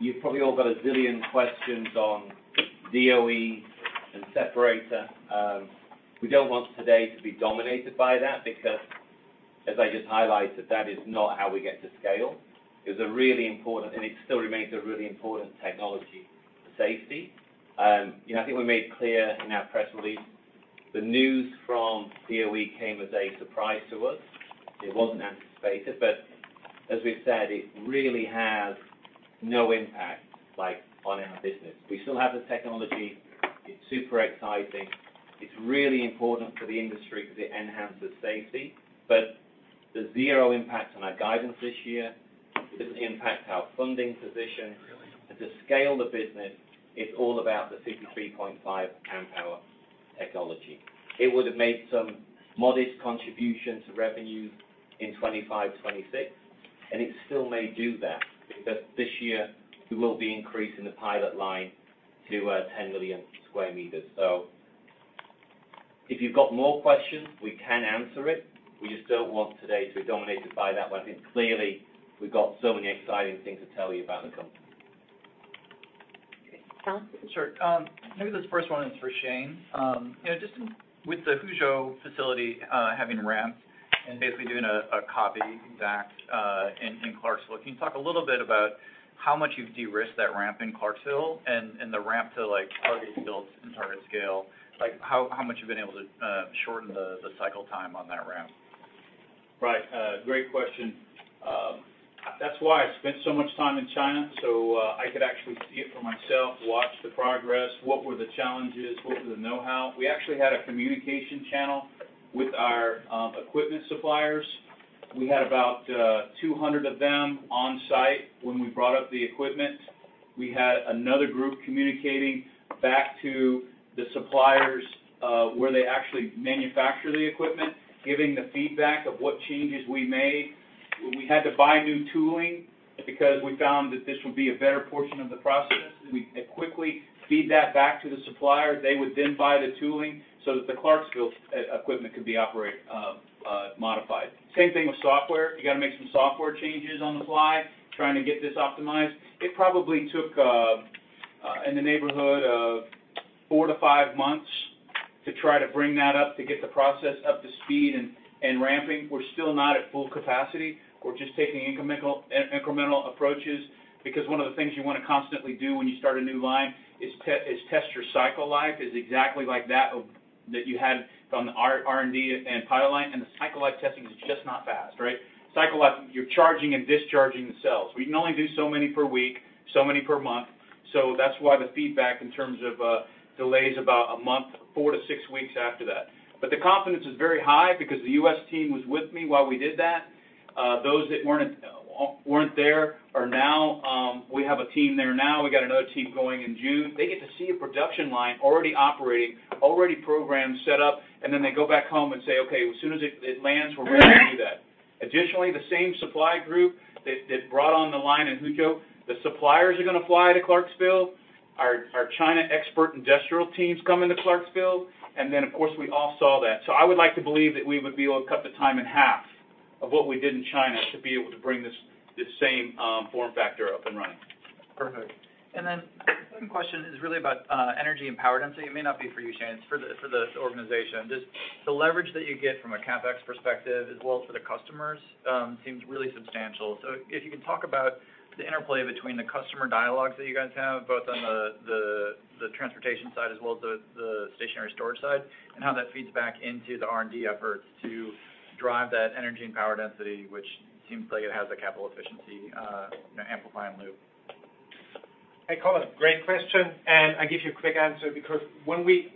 You've probably all got a zillion questions on DOE and separator. We don't want today to be dominated by that, because as I just highlighted, that is not how we get to scale. It's a really important, and it still remains a really important technology for safety. You know, I think we made clear in our press release, the news from DOE came as a surprise to us. It wasn't anticipated, but as we've said, it really has no impact, like, on our business. We still have the technology. It's super exciting. It's really important for the industry because it enhances safety, but there's zero impact on our guidance this year. It doesn't impact our funding position. To scale the business, it's all about the 53.5 Ah technology. It would have made some modest contribution to revenues in 2025, 2026, and it still may do that because this year we will be increasing the pilot line to 10 million sq meters. If you've got more questions, we can answer it. We just don't want today to be dominated by that one. I think, clearly, we've got so many exciting things to tell you about the company. Okay. Colin? Sure. Maybe this first one is for Shane. You know, just with the Huzhou facility, having ramped and basically doing a copy back in Clarksville, can you talk a little bit about how much you've de-risked that ramp in Clarksville and the ramp to, like, target builds and target scale? Like, how much you've been able to shorten the cycle time on that ramp? Right. great question. That's why I spent so much time in China, so I could actually see it for myself, watch the progress, what were the challenges, what were the know-how. We actually had a communication channel with our equipment suppliers. We had about 200 of them on-site when we brought up the equipment. We had another group communicating back to the suppliers, where they actually manufacture the equipment, giving the feedback of what changes we made. We had to buy new tooling because we found that this would be a better portion of the process. We quickly feed that back to the supplier. They would then buy the tooling so that the Clarksville equipment could be modified. Same thing with software. You got to make some software changes on the fly, trying to get this optimized. It probably took in the neighborhood of four to five months to try to bring that up, to get the process up to speed and ramping. We're still not at full capacity. We're just taking incremental approaches, because one of the things you want to constantly do when you start a new line is test your cycle life, is exactly like that of that you had from the R&D and pilot line, and the cycle life testing is just not fast, right? Cycle life, you're charging and discharging the cells. We can only do so many per week, so many per month, so that's why the feedback in terms of delay is about a month, four to six weeks after that. But the confidence is very high because the U.S. team was with me while we did that. Those that weren't there are now, we have a team there now. We got another team going in June. They get to see a production line already operating, already programmed, set up, and then they go back home and say, "Okay, as soon as it lands, we're ready to do that." Additionally, the same supply group that brought on the line in Huzhou, the suppliers are going to fly to Clarksville. Our China expert industrial team's coming to Clarksville. Of course, we all saw that. I would like to believe that we would be able to cut the time in half of what we did in China to be able to bring this same form factor up and running. Perfect. The second question is really about energy and power density. It may not be for you, Shane, it's for the organization. Just the leverage that you get from a CapEx perspective as well as for the customers seems really substantial. If you can talk about the interplay between the customer dialogues that you guys have, both on the transportation side as well as the stationary storage side, and how that feeds back into the R&D efforts to drive that energy and power density, which seems like it has a capital efficiency, you know, amplifying loop. Hey, Colin, great question. I'll give you a quick answer because when we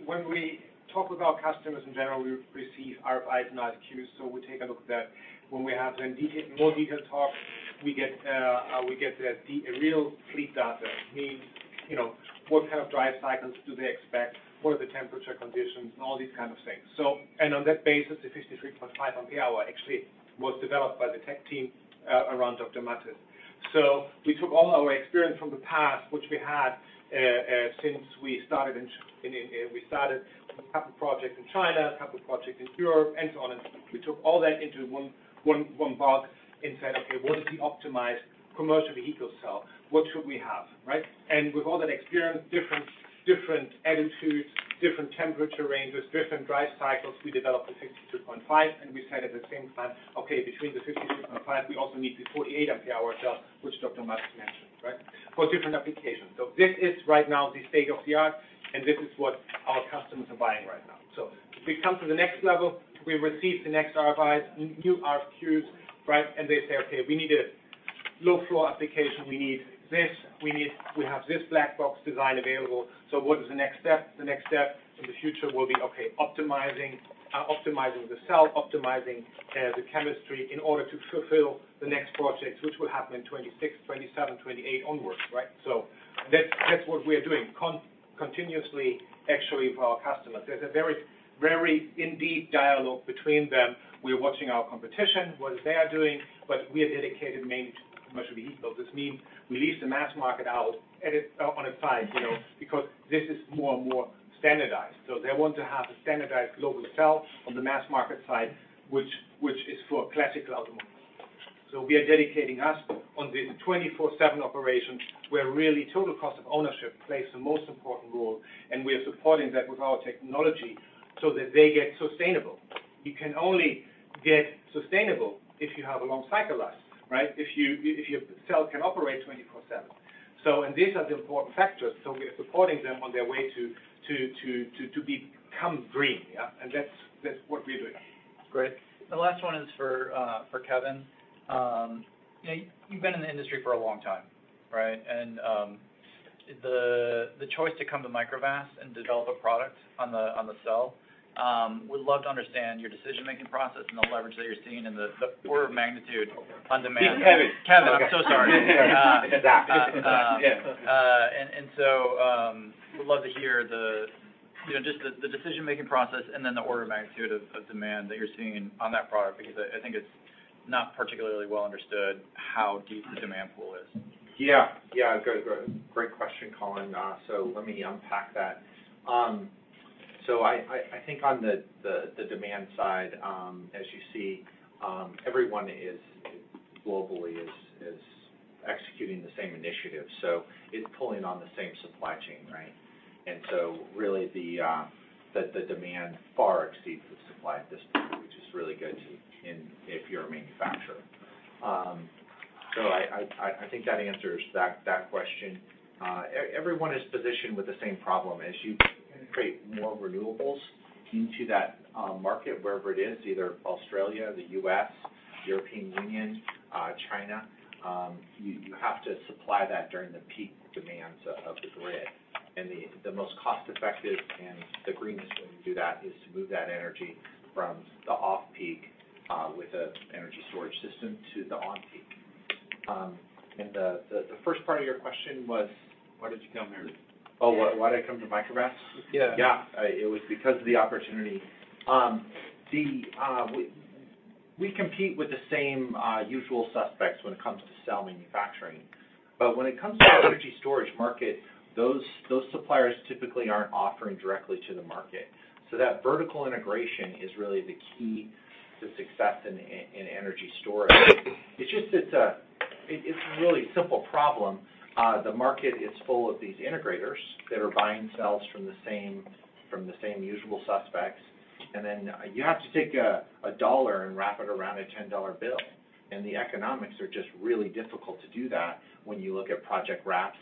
talk with our customers in general, we receive RFIs and RFQs. We take a look at that. When we have the in detail, more detailed talk, we get the real fleet data. It means, you know, what kind of drive cycles do they expect? What are the temperature conditions? All these kind of things. On that basis, the 53.5 Ah actually was developed by the tech team around Dr. Mattis. We took all our experience from the past, which we had since we started a couple projects in China, a couple projects in Europe, and so on, we took all that into one box and said, "Okay, what is the optimized commercial vehicle cell? What should we have?" Right? With all that experience, different altitudes, different temperature ranges, different drive cycles, we developed the 52.5 Ah, and we said at the same time, "Okay, between the 52.5 Ah, we also need the 48 Ah cell," which Dr. Mattis mentioned, right? For different applications. This is right now the state of the art, and this is what our customers are buying right now. As we come to the next level, we receive the next RFIs, new RFQs, right? They say, "Okay, we need a low-flow application. We need this. We have this black box design available." What is the next step? The next step in the future will be, okay, optimizing the cell, optimizing the chemistry in order to fulfill the next projects, which will happen in 2026, 2027, 2028 onwards, right. That's what we are doing, continuously, actually, for our customers. There's a very, very indeed dialogue between them. We're watching our competition, what they are doing, but we are dedicated mainly to commercial vehicles. This means we leave the mass market out on a side, you know, because this is more and more standardized. They want to have a standardized global cell on the mass market side, which is for classical automobiles. We are dedicating us on the 24/7 operation, where really total cost of ownership plays the most important role. We are supporting that with our technology so that they get sustainable. You can only get sustainable if you have a long cycle life, right? If your cell can operate 24/7. These are the important factors, so we are supporting them on their way to become green. Yeah, that's what we're doing. Great. The last one is for Kevin. You know, you've been in the industry for a long time, right? The choice to come to Microvast and develop a product on the cell, would love to understand your decision-making process and the leverage that you're seeing and the order of magnitude on demand. It's heavy. Kevin, I'm so sorry. Exactly. Would love to hear the, you know, just the decision-making process and then the order of magnitude of demand that you're seeing on that product, because I think it's not particularly well understood how deep the demand pool is. Good, great question, Colin. Let me unpack that. I think on the demand side, as you see, everyone globally is executing the same initiative, so it's pulling on the same supply chain, right? Really, the demand far exceeds the supply at this point, which is really good in if you're a manufacturer. I think that answers that question. Everyone is positioned with the same problem. As you create more renewables into that market, wherever it is, either Australia, the U.S., European Union, China, you have to supply that during the peak demands of the grid. The most cost-effective and the greenest way to do that is to move that energy from the off-peak, with a energy storage system to the on-peak... The, the first part of your question was? Why did you come here? Oh, why did I come to Microvast? Yeah. Yeah, it was because of the opportunity. We compete with the same usual suspects when it comes to cell manufacturing. But when it comes to energy storage market, those suppliers typically aren't offering directly to the market. So that vertical integration is really the key to success in energy storage. It's just, it's a really simple problem. The market is full of these integrators that are buying cells from the same, from the same usual suspects. Then you have to take a dollar and wrap it around a ten-dollar bill, and the economics are just really difficult to do that when you look at project wraps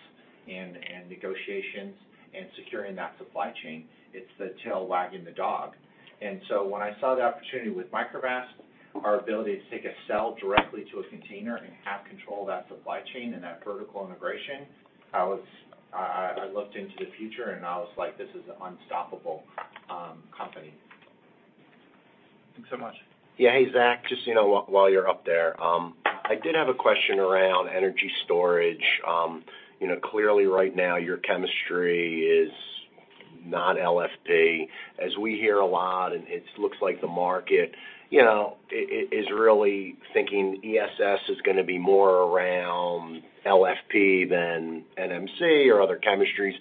and negotiations and securing that supply chain, it's the tail wagging the dog. When I saw the opportunity with Microvast, our ability to take a cell directly to a container and have control of that supply chain and that vertical integration, I looked into the future, and I was like, "This is an unstoppable company. Thanks so much. Yeah. Hey, Zach, just, you know, while you're up there, I did have a question around energy storage. You know, clearly right now, your chemistry is not LFP. As we hear a lot, it looks like the market, you know, is really thinking ESS is gonna be more around LFP than NMC or other chemistries.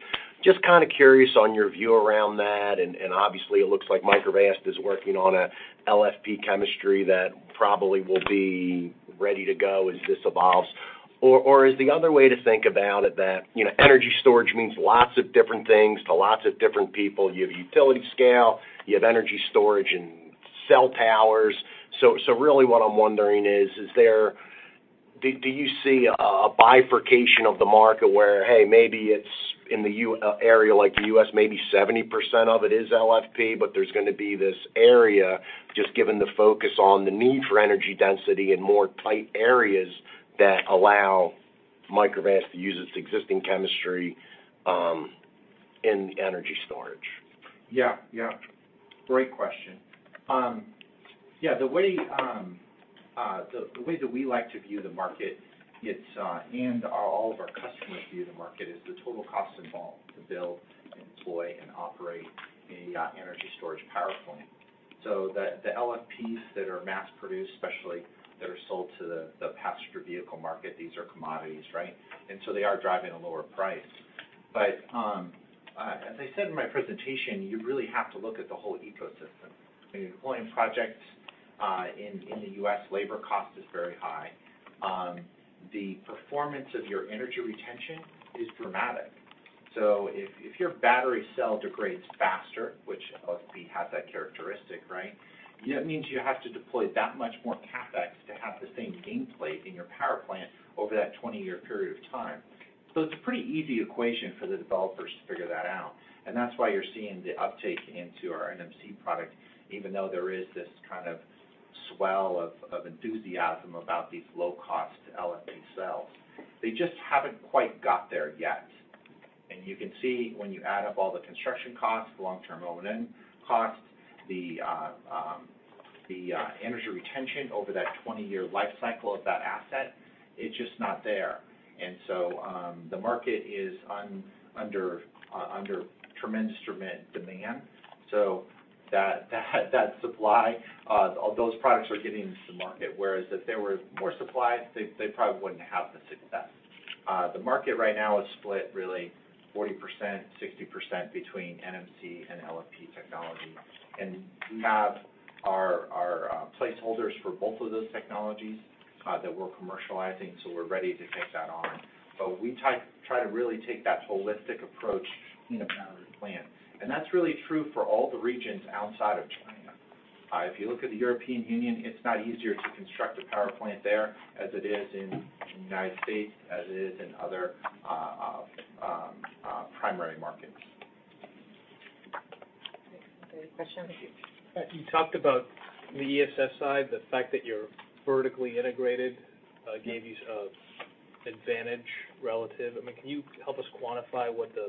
Just kind of curious on your view around that, obviously it looks like Microvast is working on a LFP chemistry that probably will be ready to go as this evolves. Is the other way to think about it that, you know, energy storage means lots of different things to lots of different people. You have utility scale, you have energy storage and cell towers. Really what I'm wondering is there do you see a bifurcation of the market where, hey, maybe it's in the area like the U.S., maybe 70% of it is LFP, but there's gonna be this area, just given the focus on the need for energy density in more tight areas, that allow Microvast to use its existing chemistry in energy storage? Yeah, yeah. Great question. Yeah, the way that we like to view the market, it's, and all of our customers view the market, is the total cost involved to build, deploy, and operate a energy storage power plant. The LFPs that are mass-produced, especially that are sold to the passenger vehicle market, these are commodities, right? They are driving a lower price. As I said in my presentation, you really have to look at the whole ecosystem. I mean, deploying projects in the U.S., labor cost is very high. The performance of your energy retention is dramatic. If your battery cell degrades faster, which LFP has that characteristic, right? That means you have to deploy that much more CapEx to have the same gameplay in your power plant over that 20-year period of time. It's a pretty easy equation for the developers to figure that out, and that's why you're seeing the uptake into our NMC product, even though there is this kind of swell of enthusiasm about these low-cost LFP cells. They just haven't quite got there yet. You can see when you add up all the construction costs, the long-term oven costs, the energy retention over that 20-year life cycle of that asset, it's just not there. The market is under tremendous demand. That supply, those products are getting into the market, whereas if there were more supply, they probably wouldn't have the success. The market right now is split, really 40%, 60% between NMC and LFP technology. We have our placeholders for both of those technologies that we're commercializing, so we're ready to take that on. We try to really take that holistic approach in a battery plant, and that's really true for all the regions outside of China. If you look at the European Union, it's not easier to construct a power plant there as it is in the United States, as it is in other primary markets. Okay. Question? You talked about the ESS side, the fact that you're vertically integrated, gave you a advantage relative. I mean, can you help us quantify what the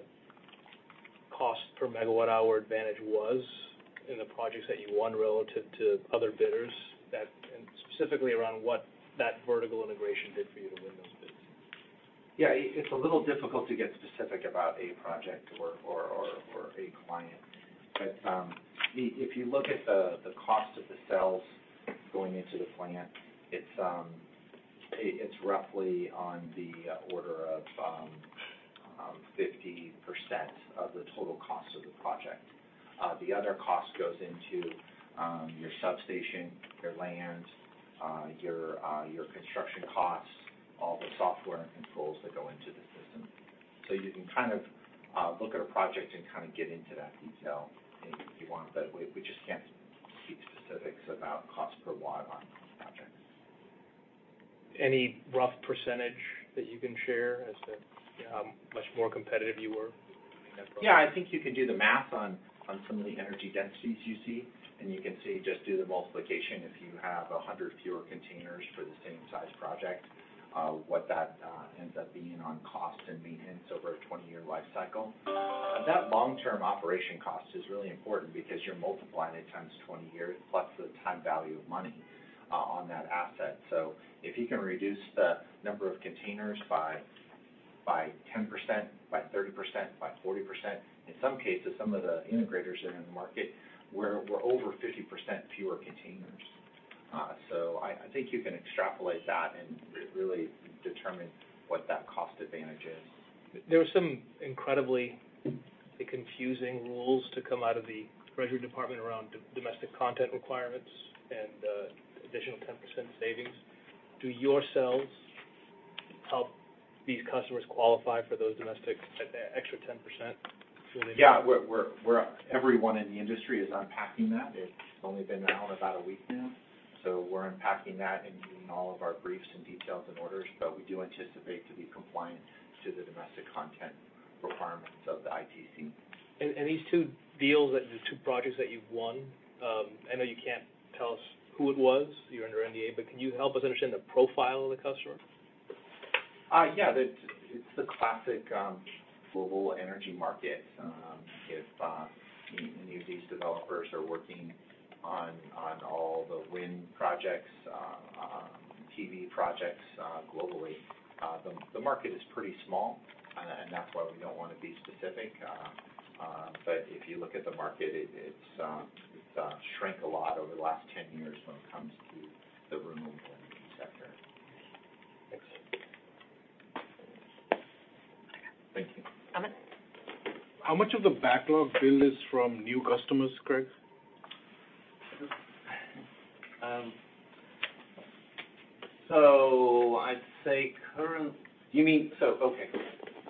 cost per megawatt hour advantage was in the projects that you won relative to other bidders that... Specifically around what that vertical integration did for you to win those bids? Yeah, it's a little difficult to get specific about a project or a client. If you look at the cost of the cells going into the plant, it's roughly on the order of 50% of the total cost of the project. The other cost goes into your substation, your land, your construction costs, all the software and controls that go into the system. You can kind of look at a project and kind of get into that detail if you want, but we just can't speak specifics about cost per watt on projects. Any rough percentage that you can share as to, you know, how much more competitive you were in that project? Yeah, I think you can do the math on some of the energy densities you see, and you can see, just do the multiplication if you have 100 fewer containers for the same size project, what that ends up being on cost and maintenance over a 20-year life cycle. That long-term operation cost is really important because you're multiplying it times 20 years, plus the time value of money on that asset. If you can reduce the number of containers by 10%, by 30%, by 40%. In some cases, some of the integrators that are in the market, we're over 50% fewer containers. I think you can extrapolate that and really determine what that cost advantage is. There are some incredibly confusing rules to come out of the Treasury Department around domestic content requirements and additional 10% savings? Do your sales help these customers qualify for those domestic extra 10%? Yeah, everyone in the industry is unpacking that. It's only been out about a week now. We're unpacking that and doing all of our briefs and details and orders. We do anticipate to be compliant to the domestic content requirements of the ITC. These two deals, the two projects that you've won, I know you can't tell us who it was, you're under NDA, but can you help us understand the profile of the customer? Yeah, it's the classic global energy market. If any of these developers are working on all the wind projects, TV projects, globally, the market is pretty small, and that's why we don't want to be specific. If you look at the market, it's shrank a lot over the last 10 years when it comes to the renewable energy sector. Thanks. Amit? How much of the backlog build is from new customers, Craig? You mean, so, okay, so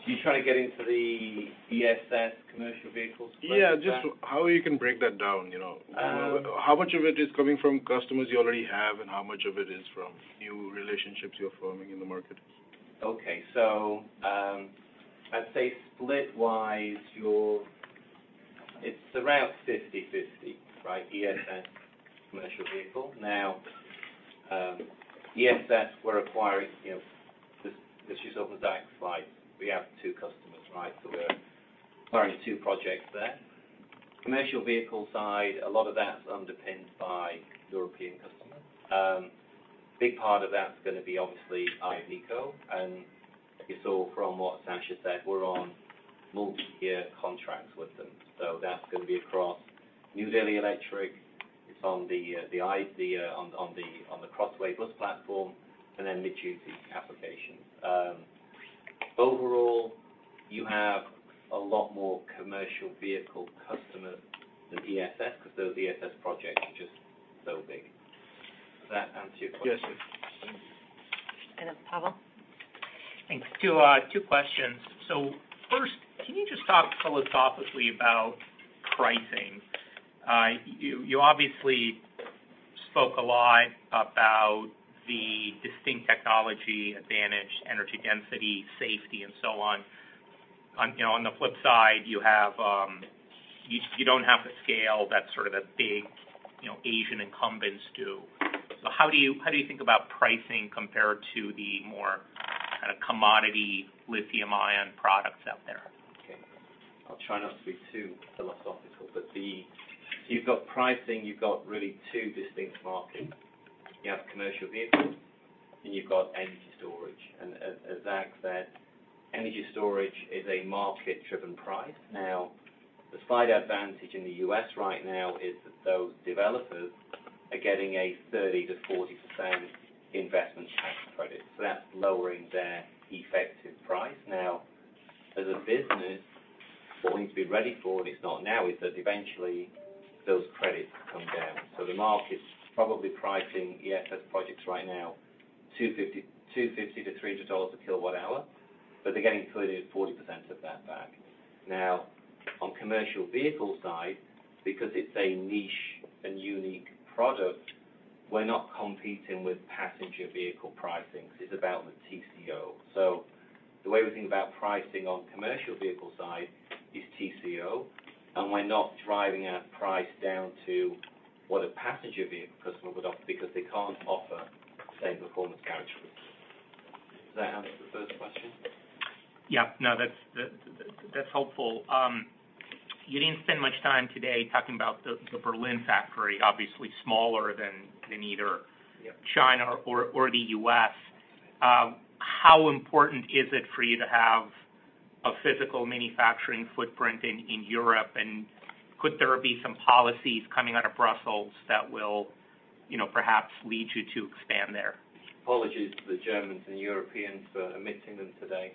you're trying to get into the ESS commercial vehicles? Yeah, just how you can break that down, you know? Um- How much of it is coming from customers you already have, and how much of it is from new relationships you're forming in the market? Okay. I'd say split wise, it's around 50/50, right? ESS, commercial vehicle. Now, ESS we're acquiring, you know, this is on the back slide. We have two customers, right? We're acquiring two projects there. Commercial vehicle side, a lot of that's underpinned by European customers. Big part of that's gonna be obviously, Iveco, and you saw from what Sascha said, we're on multi-year contracts with them. That's gonna be across New Daily Electric, it's on the, on the Crossway bus platform, and then mid-duty applications. Overall, you have a lot more commercial vehicle customers than ESS, because those ESS projects are just so big. Does that answer your question? Yes. Pavel? Thanks. 2 questions. First, can you just talk philosophically about pricing? You obviously spoke a lot about the distinct technology advantage, energy density, safety, and so on. On the flip side, you have, you don't have the scale that sort of the big, you know, Asian incumbents do. How do you think about pricing compared to the more kind of commodity lithium-ion products out there? Okay. I'll try not to be too philosophical. You've got pricing, you've got really two distinct markets. You have commercial vehicles, you've got energy storage. As Zach said, energy storage is a market-driven price. The slight advantage in the U.S. right now is that those developers are getting a 30%-40% investment tax credit, that's lowering their effective price. As a business, what we need to be ready for, and it's not now, is that eventually those credits come down. The market's probably pricing ESS projects right now, $250-$300 a kWh, they're getting 30%-40% of that back. On commercial vehicle side, because it's a niche and unique product, we're not competing with passenger vehicle pricing. It's about the TCO. The way we think about pricing on commercial vehicle side is TCO, and we're not driving our price down to what a passenger vehicle customer would offer, because they can't offer the same performance characteristics. Does that answer the first question? Yeah. No, that's helpful. You didn't spend much time today talking about the Berlin factory. Obviously, smaller than either- Yeah... China or the U.S. How important is it for you to have a physical manufacturing footprint in Europe? Could there be some policies coming out of Brussels that will, you know, perhaps lead you to expand there? Apologies to the Germans and Europeans for omitting them today.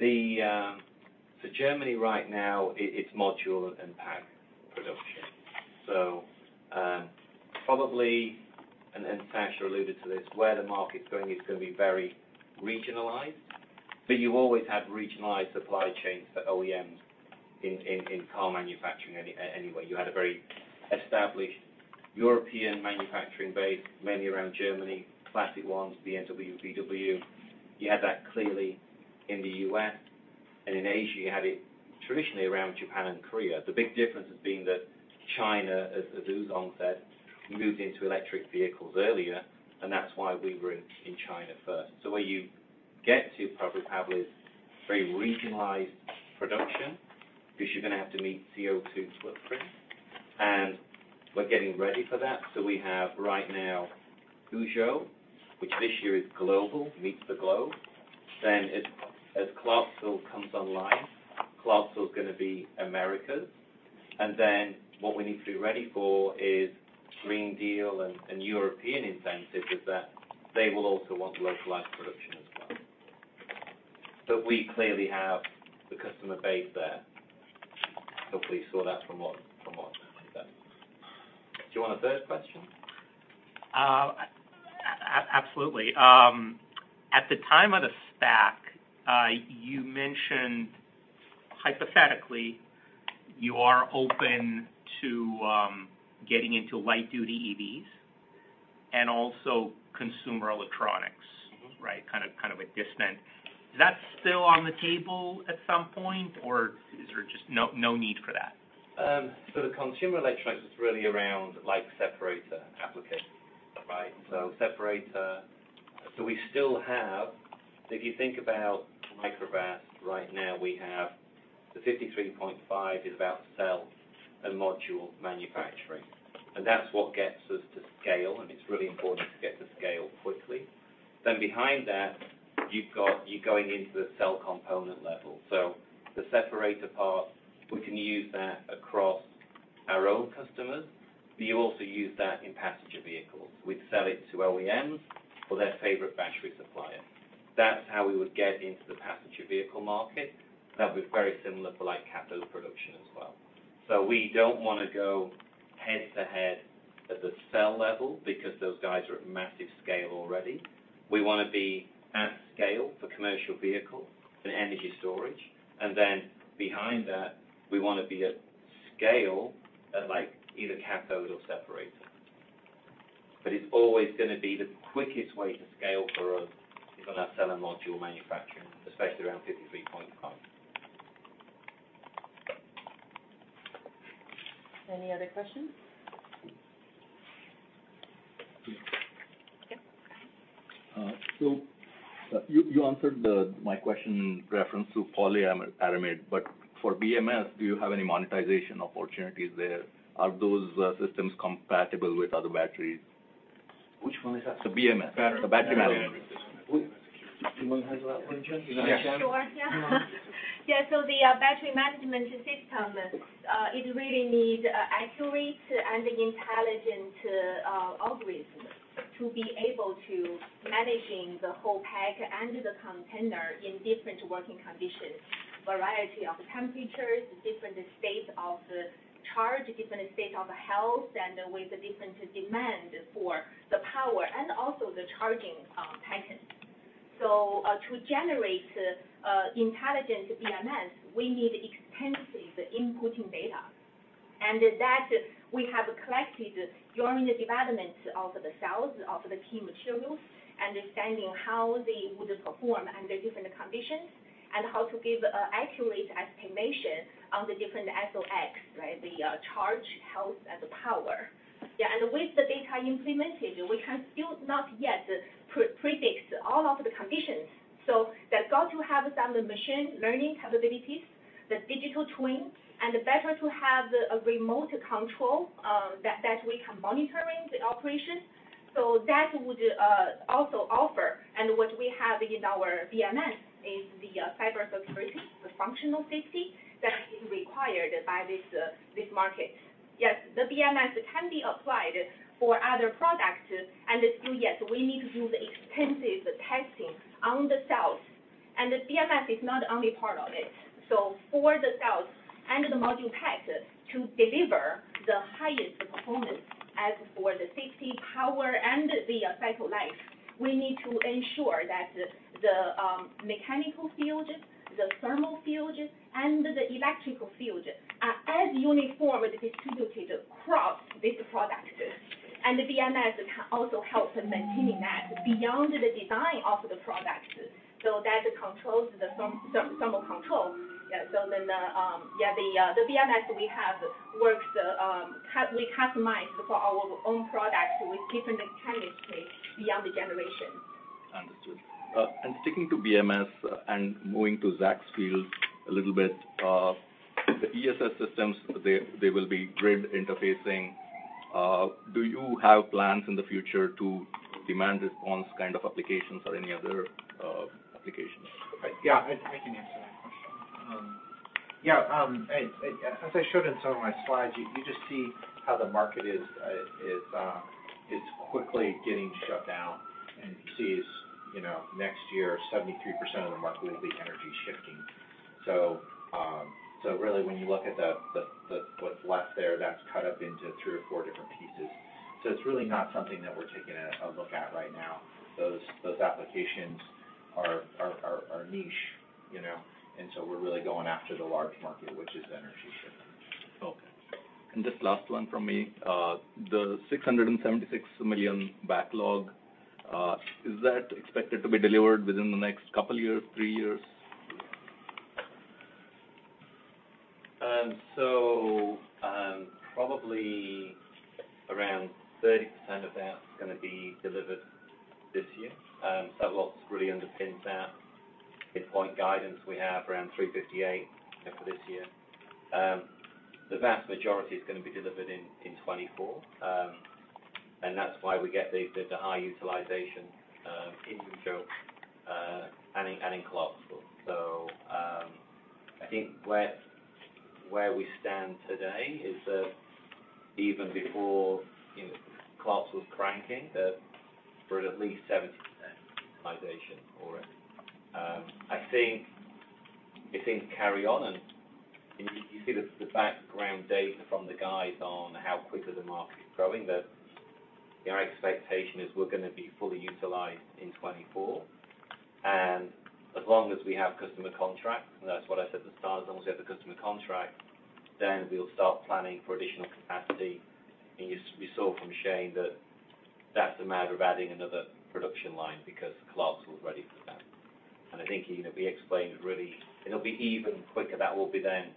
The so Germany right now, it's module and pack production. Probably, Sascha alluded to this, where the market's going, it's gonna be very regionalized, but you always have regionalized supply chains for OEMs in car manufacturing anyway. You had a very established European manufacturing base, mainly around Germany, classic ones, BMW, VW. You had that clearly in the US, and in Asia, you had it traditionally around Japan and Korea. The big difference is being that China, as Yang Wu said, moved into electric vehicles earlier, and that's why we were in China first. Where you get to, probably, Pavel, is very regionalized production, because you're gonna have to meet CO2 footprint. We're getting ready for that. We have right now, Huzhou, which this year is global, meets the globe. As Clarksville comes online, Clarksville is going to be the Americas. What we need to be ready for is Green Deal and European incentives, is that they will also want localized production as well. We clearly have the customer base there. Hopefully, you saw that from what I said. Do you want a third question? Absolutely. At the time of the stack, you mentioned hypothetically, you are open to getting into light-duty EVs and also consumer electronics. Mm-hmm. Right? Kind of a distant. Is that still on the table at some point, or is there just no need for that? The consumer electronics is really around, like, separator applications. Right. Separator. We still have, if you think about Microvast, right now, we have the 53.5 Ah is about cell and module manufacturing, and that's what gets us to scale, and it's really important to get to scale quickly. Behind that, you're going into the cell component level. The separator part, we can use that across our own customers, but you also use that in passenger vehicles. We'd sell it to OEMs or their favorite battery supplier. That's how we would get into the passenger vehicle market. That'll be very similar for, like, cathode production as well. We don't want to go head-to-head at the cell level because those guys are at massive scale already. We want to be at scale for commercial vehicle and energy storage, behind that, we want to be at scale at, like, either cathode or separator. It's always going to be the quickest way to scale for us is on our cell and module manufacturing, especially around 53.5 Ah. Any other questions? Yeah. You answered my question in reference to polyaramid, but for BMS, do you have any monetization opportunities there? Are those systems compatible with other batteries? Which one is that? The BMS, the battery management. Do you want to handle that one, Wenjuan? Sure, yeah. Yeah, the battery management system, it really need accurate and intelligent algorithms to be able to managing the whole pack and the contender in different working conditions. Variety of temperatures, different state of the charge, different state of health, and with the different demand for the power and also the charging patterns. To generate intelligent BMS, we need extensive inputting data. That, we have collected during the development of the cells, of the key materials, understanding how they would perform under different conditions, and how to give accurate estimation on the different SOX, right, the charge, health, and the power. Yeah, with the data implemented, we can still not yet pre-predict all of the conditions. They've got to have some machine learning capabilities, the digital twin, and better to have a remote control that we can monitoring the operation. That would also offer, and what we have in our BMS is the cybersecurity, the functional safety that is required by this market. Yes, the BMS can be applied for other products, and so, yes, we need to do the extensive testing on the cells, and the BMS is not only part of it. For the cells and the module pack to deliver the highest performance as for the safety, power, and the cycle life, we need to ensure that the mechanical field, the thermal field, and the electrical field are as uniformly distributed across these products. The BMS can also help in maintaining that beyond the design of the products. That controls the thermal control. The BMS we have works. We customize for our own products with different Chinese case beyond the generation. Understood. Sticking to BMS and moving to Zach's field a little bit, the ESS systems, they will be grid interfacing. Do you have plans in the future to demand response kind of applications or any other applications? Yeah, I can answer that question. Yeah, as I showed in some of my slides, you just see how the market is quickly getting shut down. You see, you know, next year, 73% of the market will be energy shifting. Really, when you look at what's left there, that's cut up into three or four different pieces. It's really not something that we're taking a look at right now. Those applications are niche, you know, we're really going after the large market, which is energy shifting. Okay. just last one from me. The $676 million backlog, is that expected to be delivered within the next couple years, three years? Probably around 30% of that is gonna be delivered this year. That really underpins that midpoint guidance we have around $358 for this year. The vast majority is gonna be delivered in 2024. That's why we get the high utilization in Huzhou and in Clarksville. I think where we stand today is that even before, you know, Clarksville's cranking, that we're at least 70% optimization already. I think, if things carry on, and you see the background data from the guides on how quickly the market is growing, that our expectation is we're gonna be fully utilized in 2024. As long as we have customer contracts, and that's what I said at the start, as long as we have the customer contract, then we'll start planning for additional capacity. You saw from Shane that that's a matter of adding another production line because Clarksville is ready for that. I think, you know, we explained really. It'll be even quicker. That will be then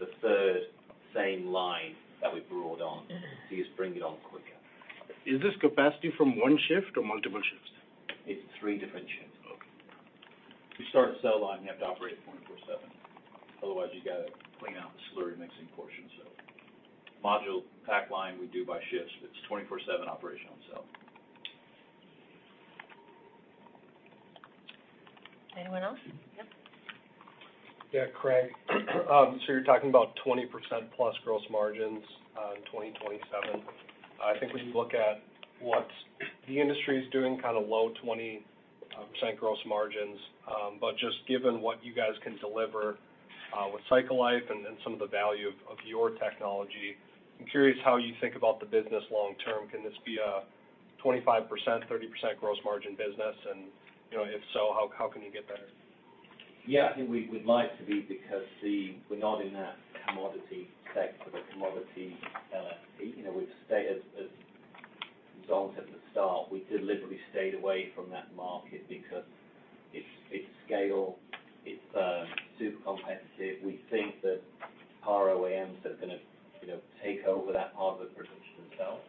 the third same line that we brought on. You just bring it on quicker. Is this capacity from one shift or multiple shifts? It's three different shifts. Okay. You start a cell line, you have to operate it 24/7. Otherwise, you gotta clean out the slurry mixing portion. Module pack line, we do by shifts, but it's 24/7 operation on the cell. Anyone else? Yep. Yeah, Craig. You're talking about 20% plus gross margins in 2027. I think when you look at what the industry is doing, kind of low 20% gross margins. Just given what you guys can deliver with cycle life and some of the value of your technology, I'm curious how you think about the business long term. Can this be a 25%, 30% gross margin business? You know, if so, how can you get there? Yeah, I think we'd like to be, because we're not in that commodity sector, the commodity, you know, we've stayed as Don said at the start, we deliberately stayed away from that market because it's scale, it's super competitive. We think that car OEMs are gonna, you know, take over that part of the production themselves.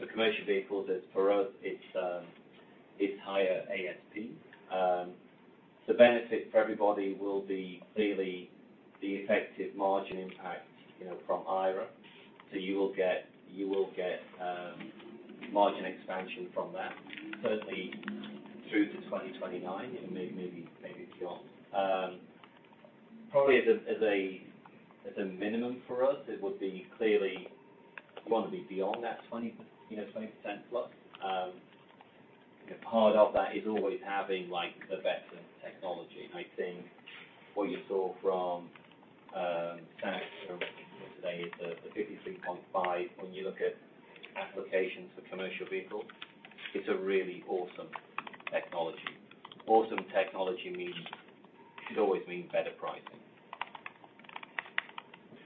The commercial vehicles is, for us, it's higher ASP. The benefit for everybody will be clearly the effective margin impact, you know, from IRA. You will get margin expansion from that, certainly through to 2029, and maybe beyond. Probably as a minimum for us, it would be clearly, you wanna be beyond that 20, you know, 20%+. Part of that is always having, like, the best in technology. I think what you saw from Sascha today is the 53.5 Ah. When you look at applications for commercial vehicles, it's a really awesome technology. Awesome technology means, should always mean better pricing.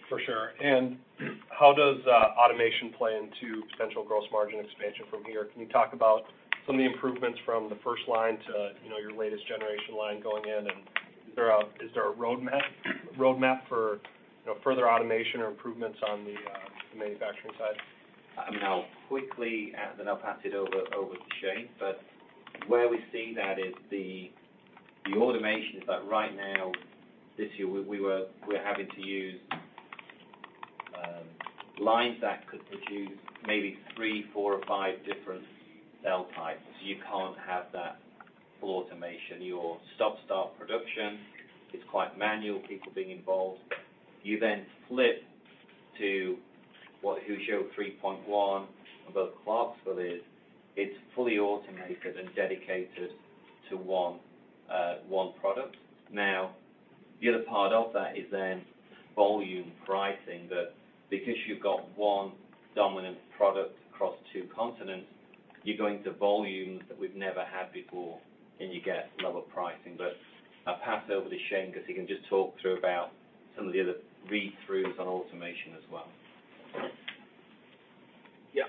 For sure. How does automation play into potential gross margin expansion from here? Can you talk about some of the improvements from the first line to, you know, your latest generation line going in? Is there a roadmap for, you know, further automation or improvements on the manufacturing side? I mean, I'll quickly add, and then I'll pass it over to Shane. Where we see that is the automation is that right now, this year, we're having to use lines that could produce maybe three, four, or five different cell types. You can't have that full automation. Your stop-start production is quite manual, people being involved. You then flip to what Huzhou Phase 3.1 above Clarksville is, it's fully automated and dedicated to one product. The other part of that is then volume pricing, that because you've got one dominant product across two continents, you're going to volumes that we've never had before, and you get lower pricing. I'll pass over to Shane, because he can just talk through about some of the other read-throughs on automation as well.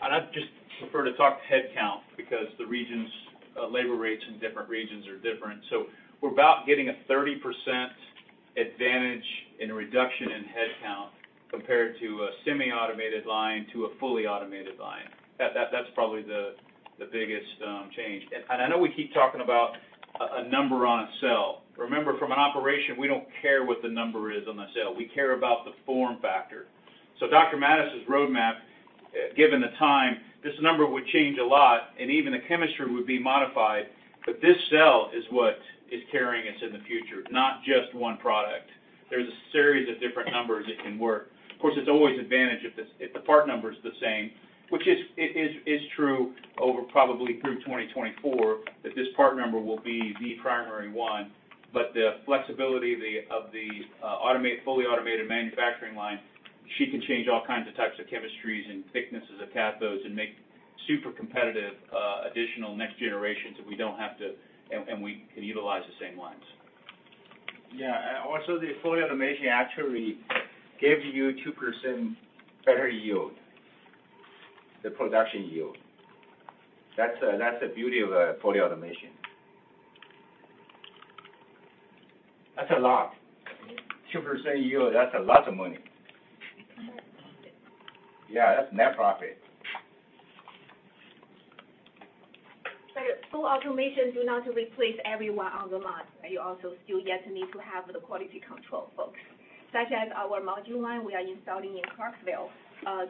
I'd just prefer to talk headcount, because the regions, labor rates in different regions are different. We're about getting a 30% advantage in a reduction in headcount compared to a semi-automated line to a fully automated line. That's probably the biggest change. I know we keep talking about a number on a cell. Remember, from an operation, we don't care what the number is on the cell. We care about the form factor. Dr. Mattis' roadmap, given the time, this number would change a lot, and even the chemistry would be modified, but this cell is what is carrying us in the future, not just one product. There's a series of different numbers that can work. Of course, there's always advantage if the part number is the same, which is true over probably through 2024, that this part number will be the primary one. The flexibility of the fully automated manufacturing line, she can change all kinds of types of chemistries and thicknesses of cathodes and make super competitive additional next generations that we don't have to. We can utilize the same lines. Yeah, also the fully automation actually gives you 2% better yield, the production yield. That's the beauty of fully automation. That's a lot. 2% yield, that's a lot of money. Yeah, that's net profit. Full automation do not replace everyone on the lot. You also still yet need to have the quality control folks, such as our module line we are installing in Clarksville,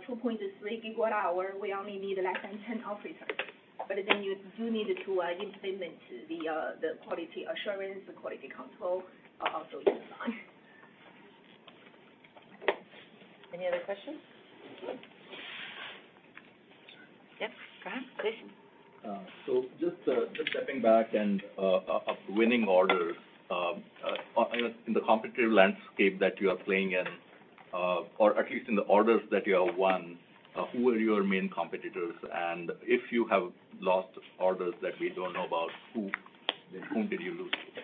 2.3 GWh. We only need less than 10 officers, you do need to implement the quality assurance, the quality control, also design. Any other questions? Yep, go ahead, please. Just stepping back and winning orders in the competitive landscape that you are playing in, or at least in the orders that you have won, who are your main competitors? If you have lost orders that we don't know about, who, then whom did you lose to?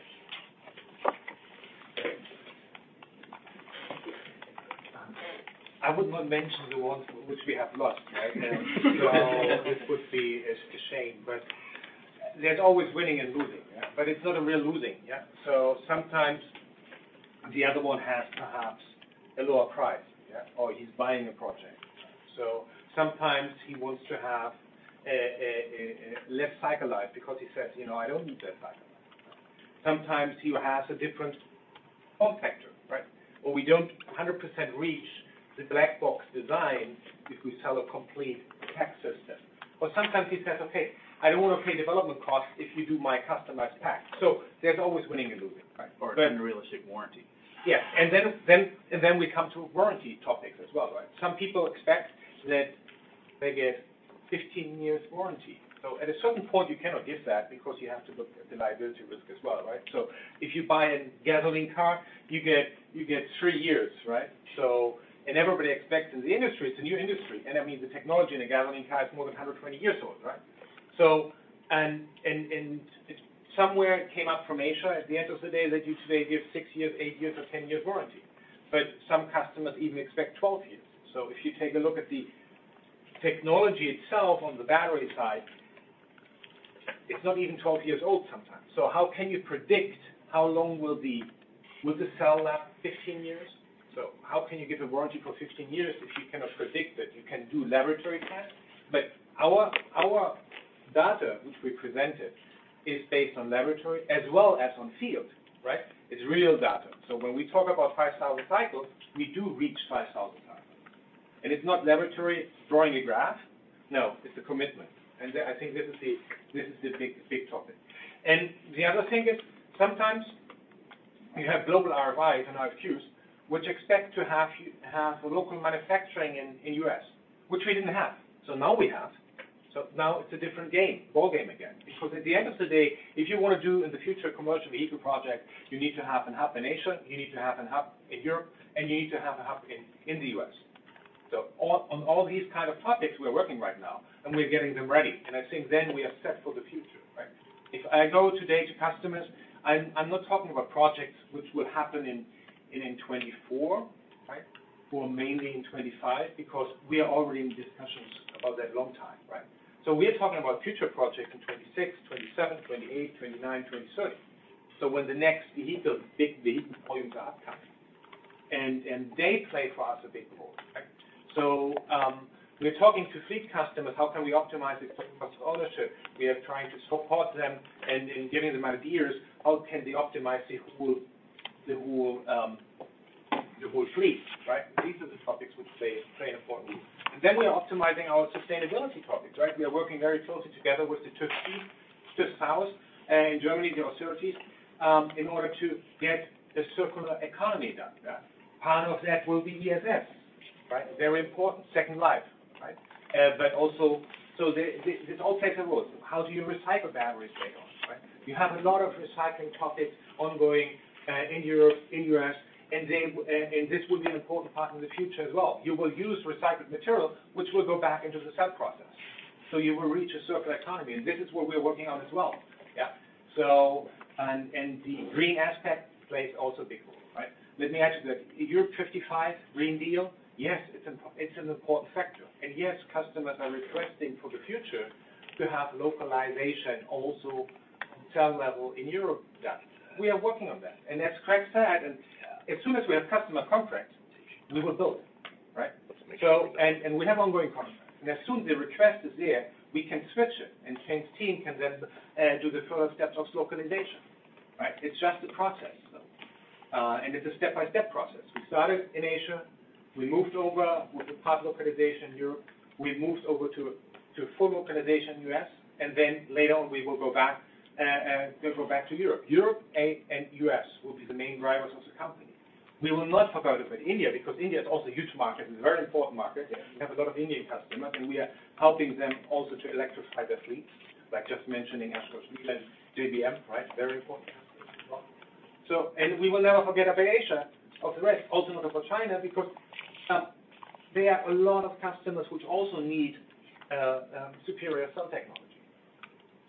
I would not mention the ones which we have lost, right? This would be a shame, but there's always winning and losing. Yeah, but it's not a real losing, yeah? Sometimes the other one has perhaps a lower price, yeah, or he's buying a project. Sometimes he wants to have a less cycle life because he says, "You know, I don't need that cycle." Sometimes he has a different cost factor, right? Or we don't 100% reach the black box design if we sell a complete pack system. Sometimes he says, "Okay, I don't want to pay development costs if you do my customized pack." There's always winning and losing, right? Unrealistic warranty. Yeah, then we come to warranty topics as well, right? Some people expect that they get 15 years warranty. At a certain point, you cannot give that because you have to look at the liability risk as well, right? If you buy a gasoline car, you get three years, right? Everybody expects in the industry, it's a new industry, and that means the technology in a gasoline car is more than 120 years old, right? It's somewhere it came up from Asia, at the end of the day, that you today give six years, eight years or 10 years warranty. Some customers even expect 12 years. If you take a look at the technology itself on the battery side, it's not even 12 years old sometimes. How can you predict how long will the cell last 15 years? How can you give a warranty for 15 years if you cannot predict it? You can do laboratory tests, but our data, which we presented, is based on laboratory as well as on field, right? It's real data. When we talk about 5,000 cycles, we do reach 5,000 cycles. It's not laboratory drawing a graph. No, it's a commitment. I think this is the big topic. The other thing is, sometimes you have global RFIs and RFQs, which expect to have local manufacturing in U.S., which we didn't have. Now we have. Now it's a different game, ball game again, because at the end of the day, if you want to do in the future commercial vehicle project, you need to have an hub in Asia, you need to have an hub in Europe, and you need to have a hub in the U.S. On all these kind of topics, we are working right now, and we're getting them ready, and I think then we are set for the future, right? If I go today to customers, I'm not talking about projects which will happen in 2024, right, or mainly in 2025, because we are already in discussions about that long time, right? We are talking about future projects in 2026, 2027, 2028, 2029, 2030. When the next vehicle, big vehicle volumes are upcoming, and they play for us a big role, right? We're talking to fleet customers, how can we optimize the total cost of ownership? We are trying to support them and giving them ideas, how can they optimize the whole fleet, right? These are the topics which play an important role. Then we are optimizing our sustainability topics, right? We are working very closely together with the Turks, TÜV SÜD, and in Germany, the authorities, in order to get the circular economy done. Yeah. Part of that will be ESS, right? Very important, second life, right? But also, this all takes a role. How do you recycle batteries later on, right? You have a lot of recycling topics ongoing in Europe, in U.S., and this will be an important part in the future as well. You will use recycled material, which will go back into the cell process. You will reach a circular economy, and this is what we're working on as well. Yeah. The green aspect plays also a big role, right? Let me ask you this, Europe 55 Green Deal? Yes, it's an important factor. Yes, customers are requesting for the future to have localization also cell level in Europe done. We are working on that. As Craig said, and as soon as we have customer contracts, we will build, right? And, and we have ongoing contracts, and as soon as the request is there, we can switch it, and Ken's team can then do the further steps of localization, right? It's just a process, though, and it's a step-by-step process. We started in Asia. We moved over with the part localization Europe. We moved over to full localization U.S., and then later on, we will go back, we'll go back to Europe. Europe and U.S. will be the main drivers of the company. We will not talk about it, but India, because India is also a huge market, a very important market. We have a lot of Indian customers, and we are helping them also to electrify their fleet, by just mentioning Escorts and JBM, right? Very important as well. We will never forget about Asia, of the rest, also not about China, because they have a lot of customers which also need superior cell technology.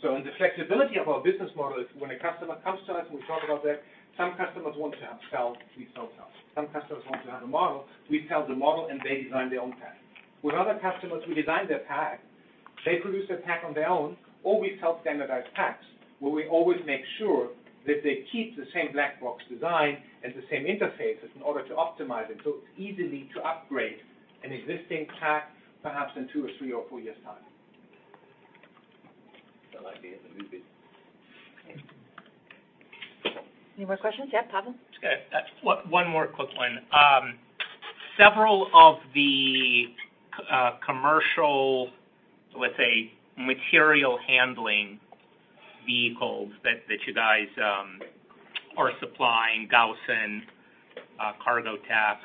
The flexibility of our business model is when a customer comes to us, and we talk about that, some customers want to have cell, we sell cell. Some customers want to have a model, we sell the model, and they design their own pack. With other customers, we design their pack, they produce a pack on their own, or we help standardize packs, where we always make sure that they keep the same black box design and the same interfaces in order to optimize it, so it's easy to upgrade an existing pack, perhaps in two or three or four years' time. I'd be able to move it. Any more questions? Yeah, Pavel. One more quick one. Several of the commercial, let's say, material handling vehicles that you guys are supplying, Gaussin, Cargotec,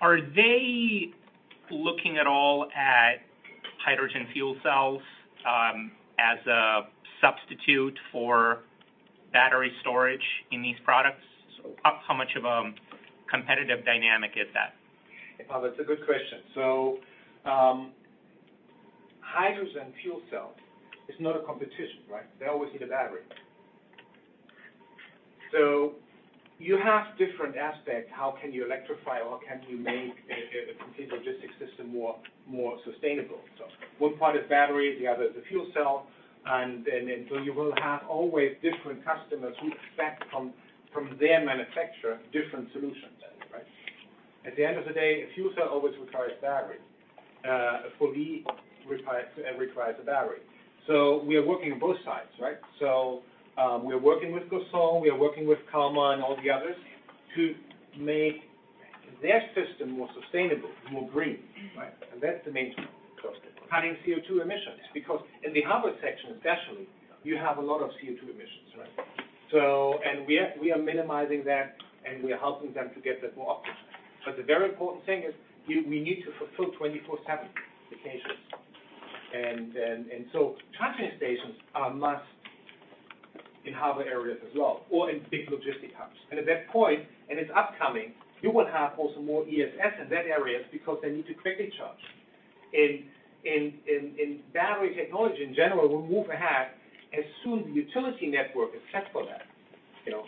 are they looking at all at hydrogen fuel cells as a substitute for battery storage in these products? How much of a competitive dynamic is that? Pavel, that's a good question. Hydrogen fuel cell is not a competition, right? They always need a battery. You have different aspects, how can you electrify or how can you make a complete logistics system more, more sustainable? One part is battery, the other is the fuel cell. You will have always different customers who expect from their manufacturer, different solutions, right? At the end of the day, a fuel cell always requires battery. A fully requires a battery. We are working on both sides, right? We are working with Gaussin, we are working with Kalmar and all the others to make their system more sustainable, more green, right? That's the main focus, cutting CO2 emissions, because in the harbor section, especially, you have a lot of CO2 emissions, right? We are minimizing that, and we are helping them to get that more optimized. The very important thing is, we need to fulfill 24/7 occasions. Charging stations are a must in harbor areas as well, or in big logistic hubs. At that point, and it's upcoming, you will have also more ESS in that areas because they need to quickly charge. Battery technology, in general, will move ahead as soon as the utility network is set for that, you know.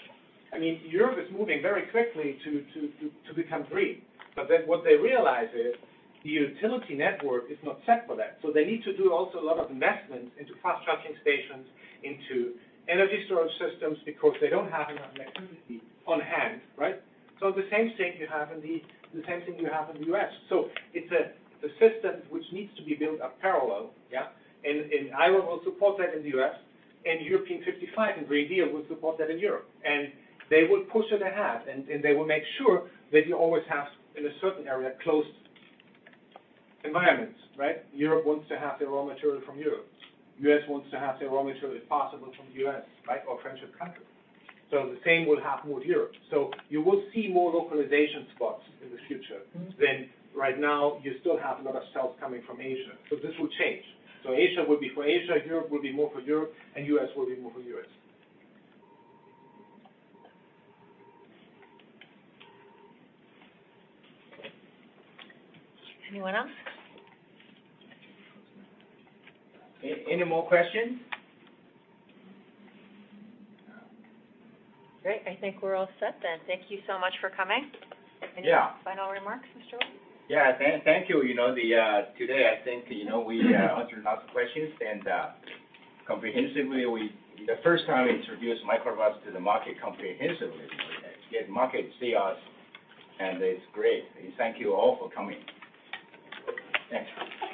Europe is moving very quickly to become green, what they realize is the utility network is not set for that. They need to do also a lot of investment into fast charging stations, into energy storage systems, because they don't have enough electricity on hand, right? The same thing you have in the U.S. It's a system which needs to be built up parallel, yeah? I will also support that in the U.S., and European Fit for 55 and Green Deal will support that in Europe. They will push it ahead, and they will make sure that you always have, in a certain area, close environments, right? Europe wants to have their raw material from Europe. U.S. wants to have their raw material, if possible, from the U.S., right, or friendship country. The same will happen with Europe. You will see more localization spots in the future. Than right now, you still have a lot of cells coming from Asia, this will change. Asia will be for Asia, Europe will be more for Europe, and U.S. will be more for U.S. Anyone else? Any more questions? Great, I think we're all set then. Thank you so much for coming. Yeah. Any final remarks, Mr. Wu? Yeah, thank you. You know, today, I think, you know, we answered lots of questions, and the first time we introduced Microvast to the market comprehensively. Get market see us, and it's great. Thank you all for coming. Thanks.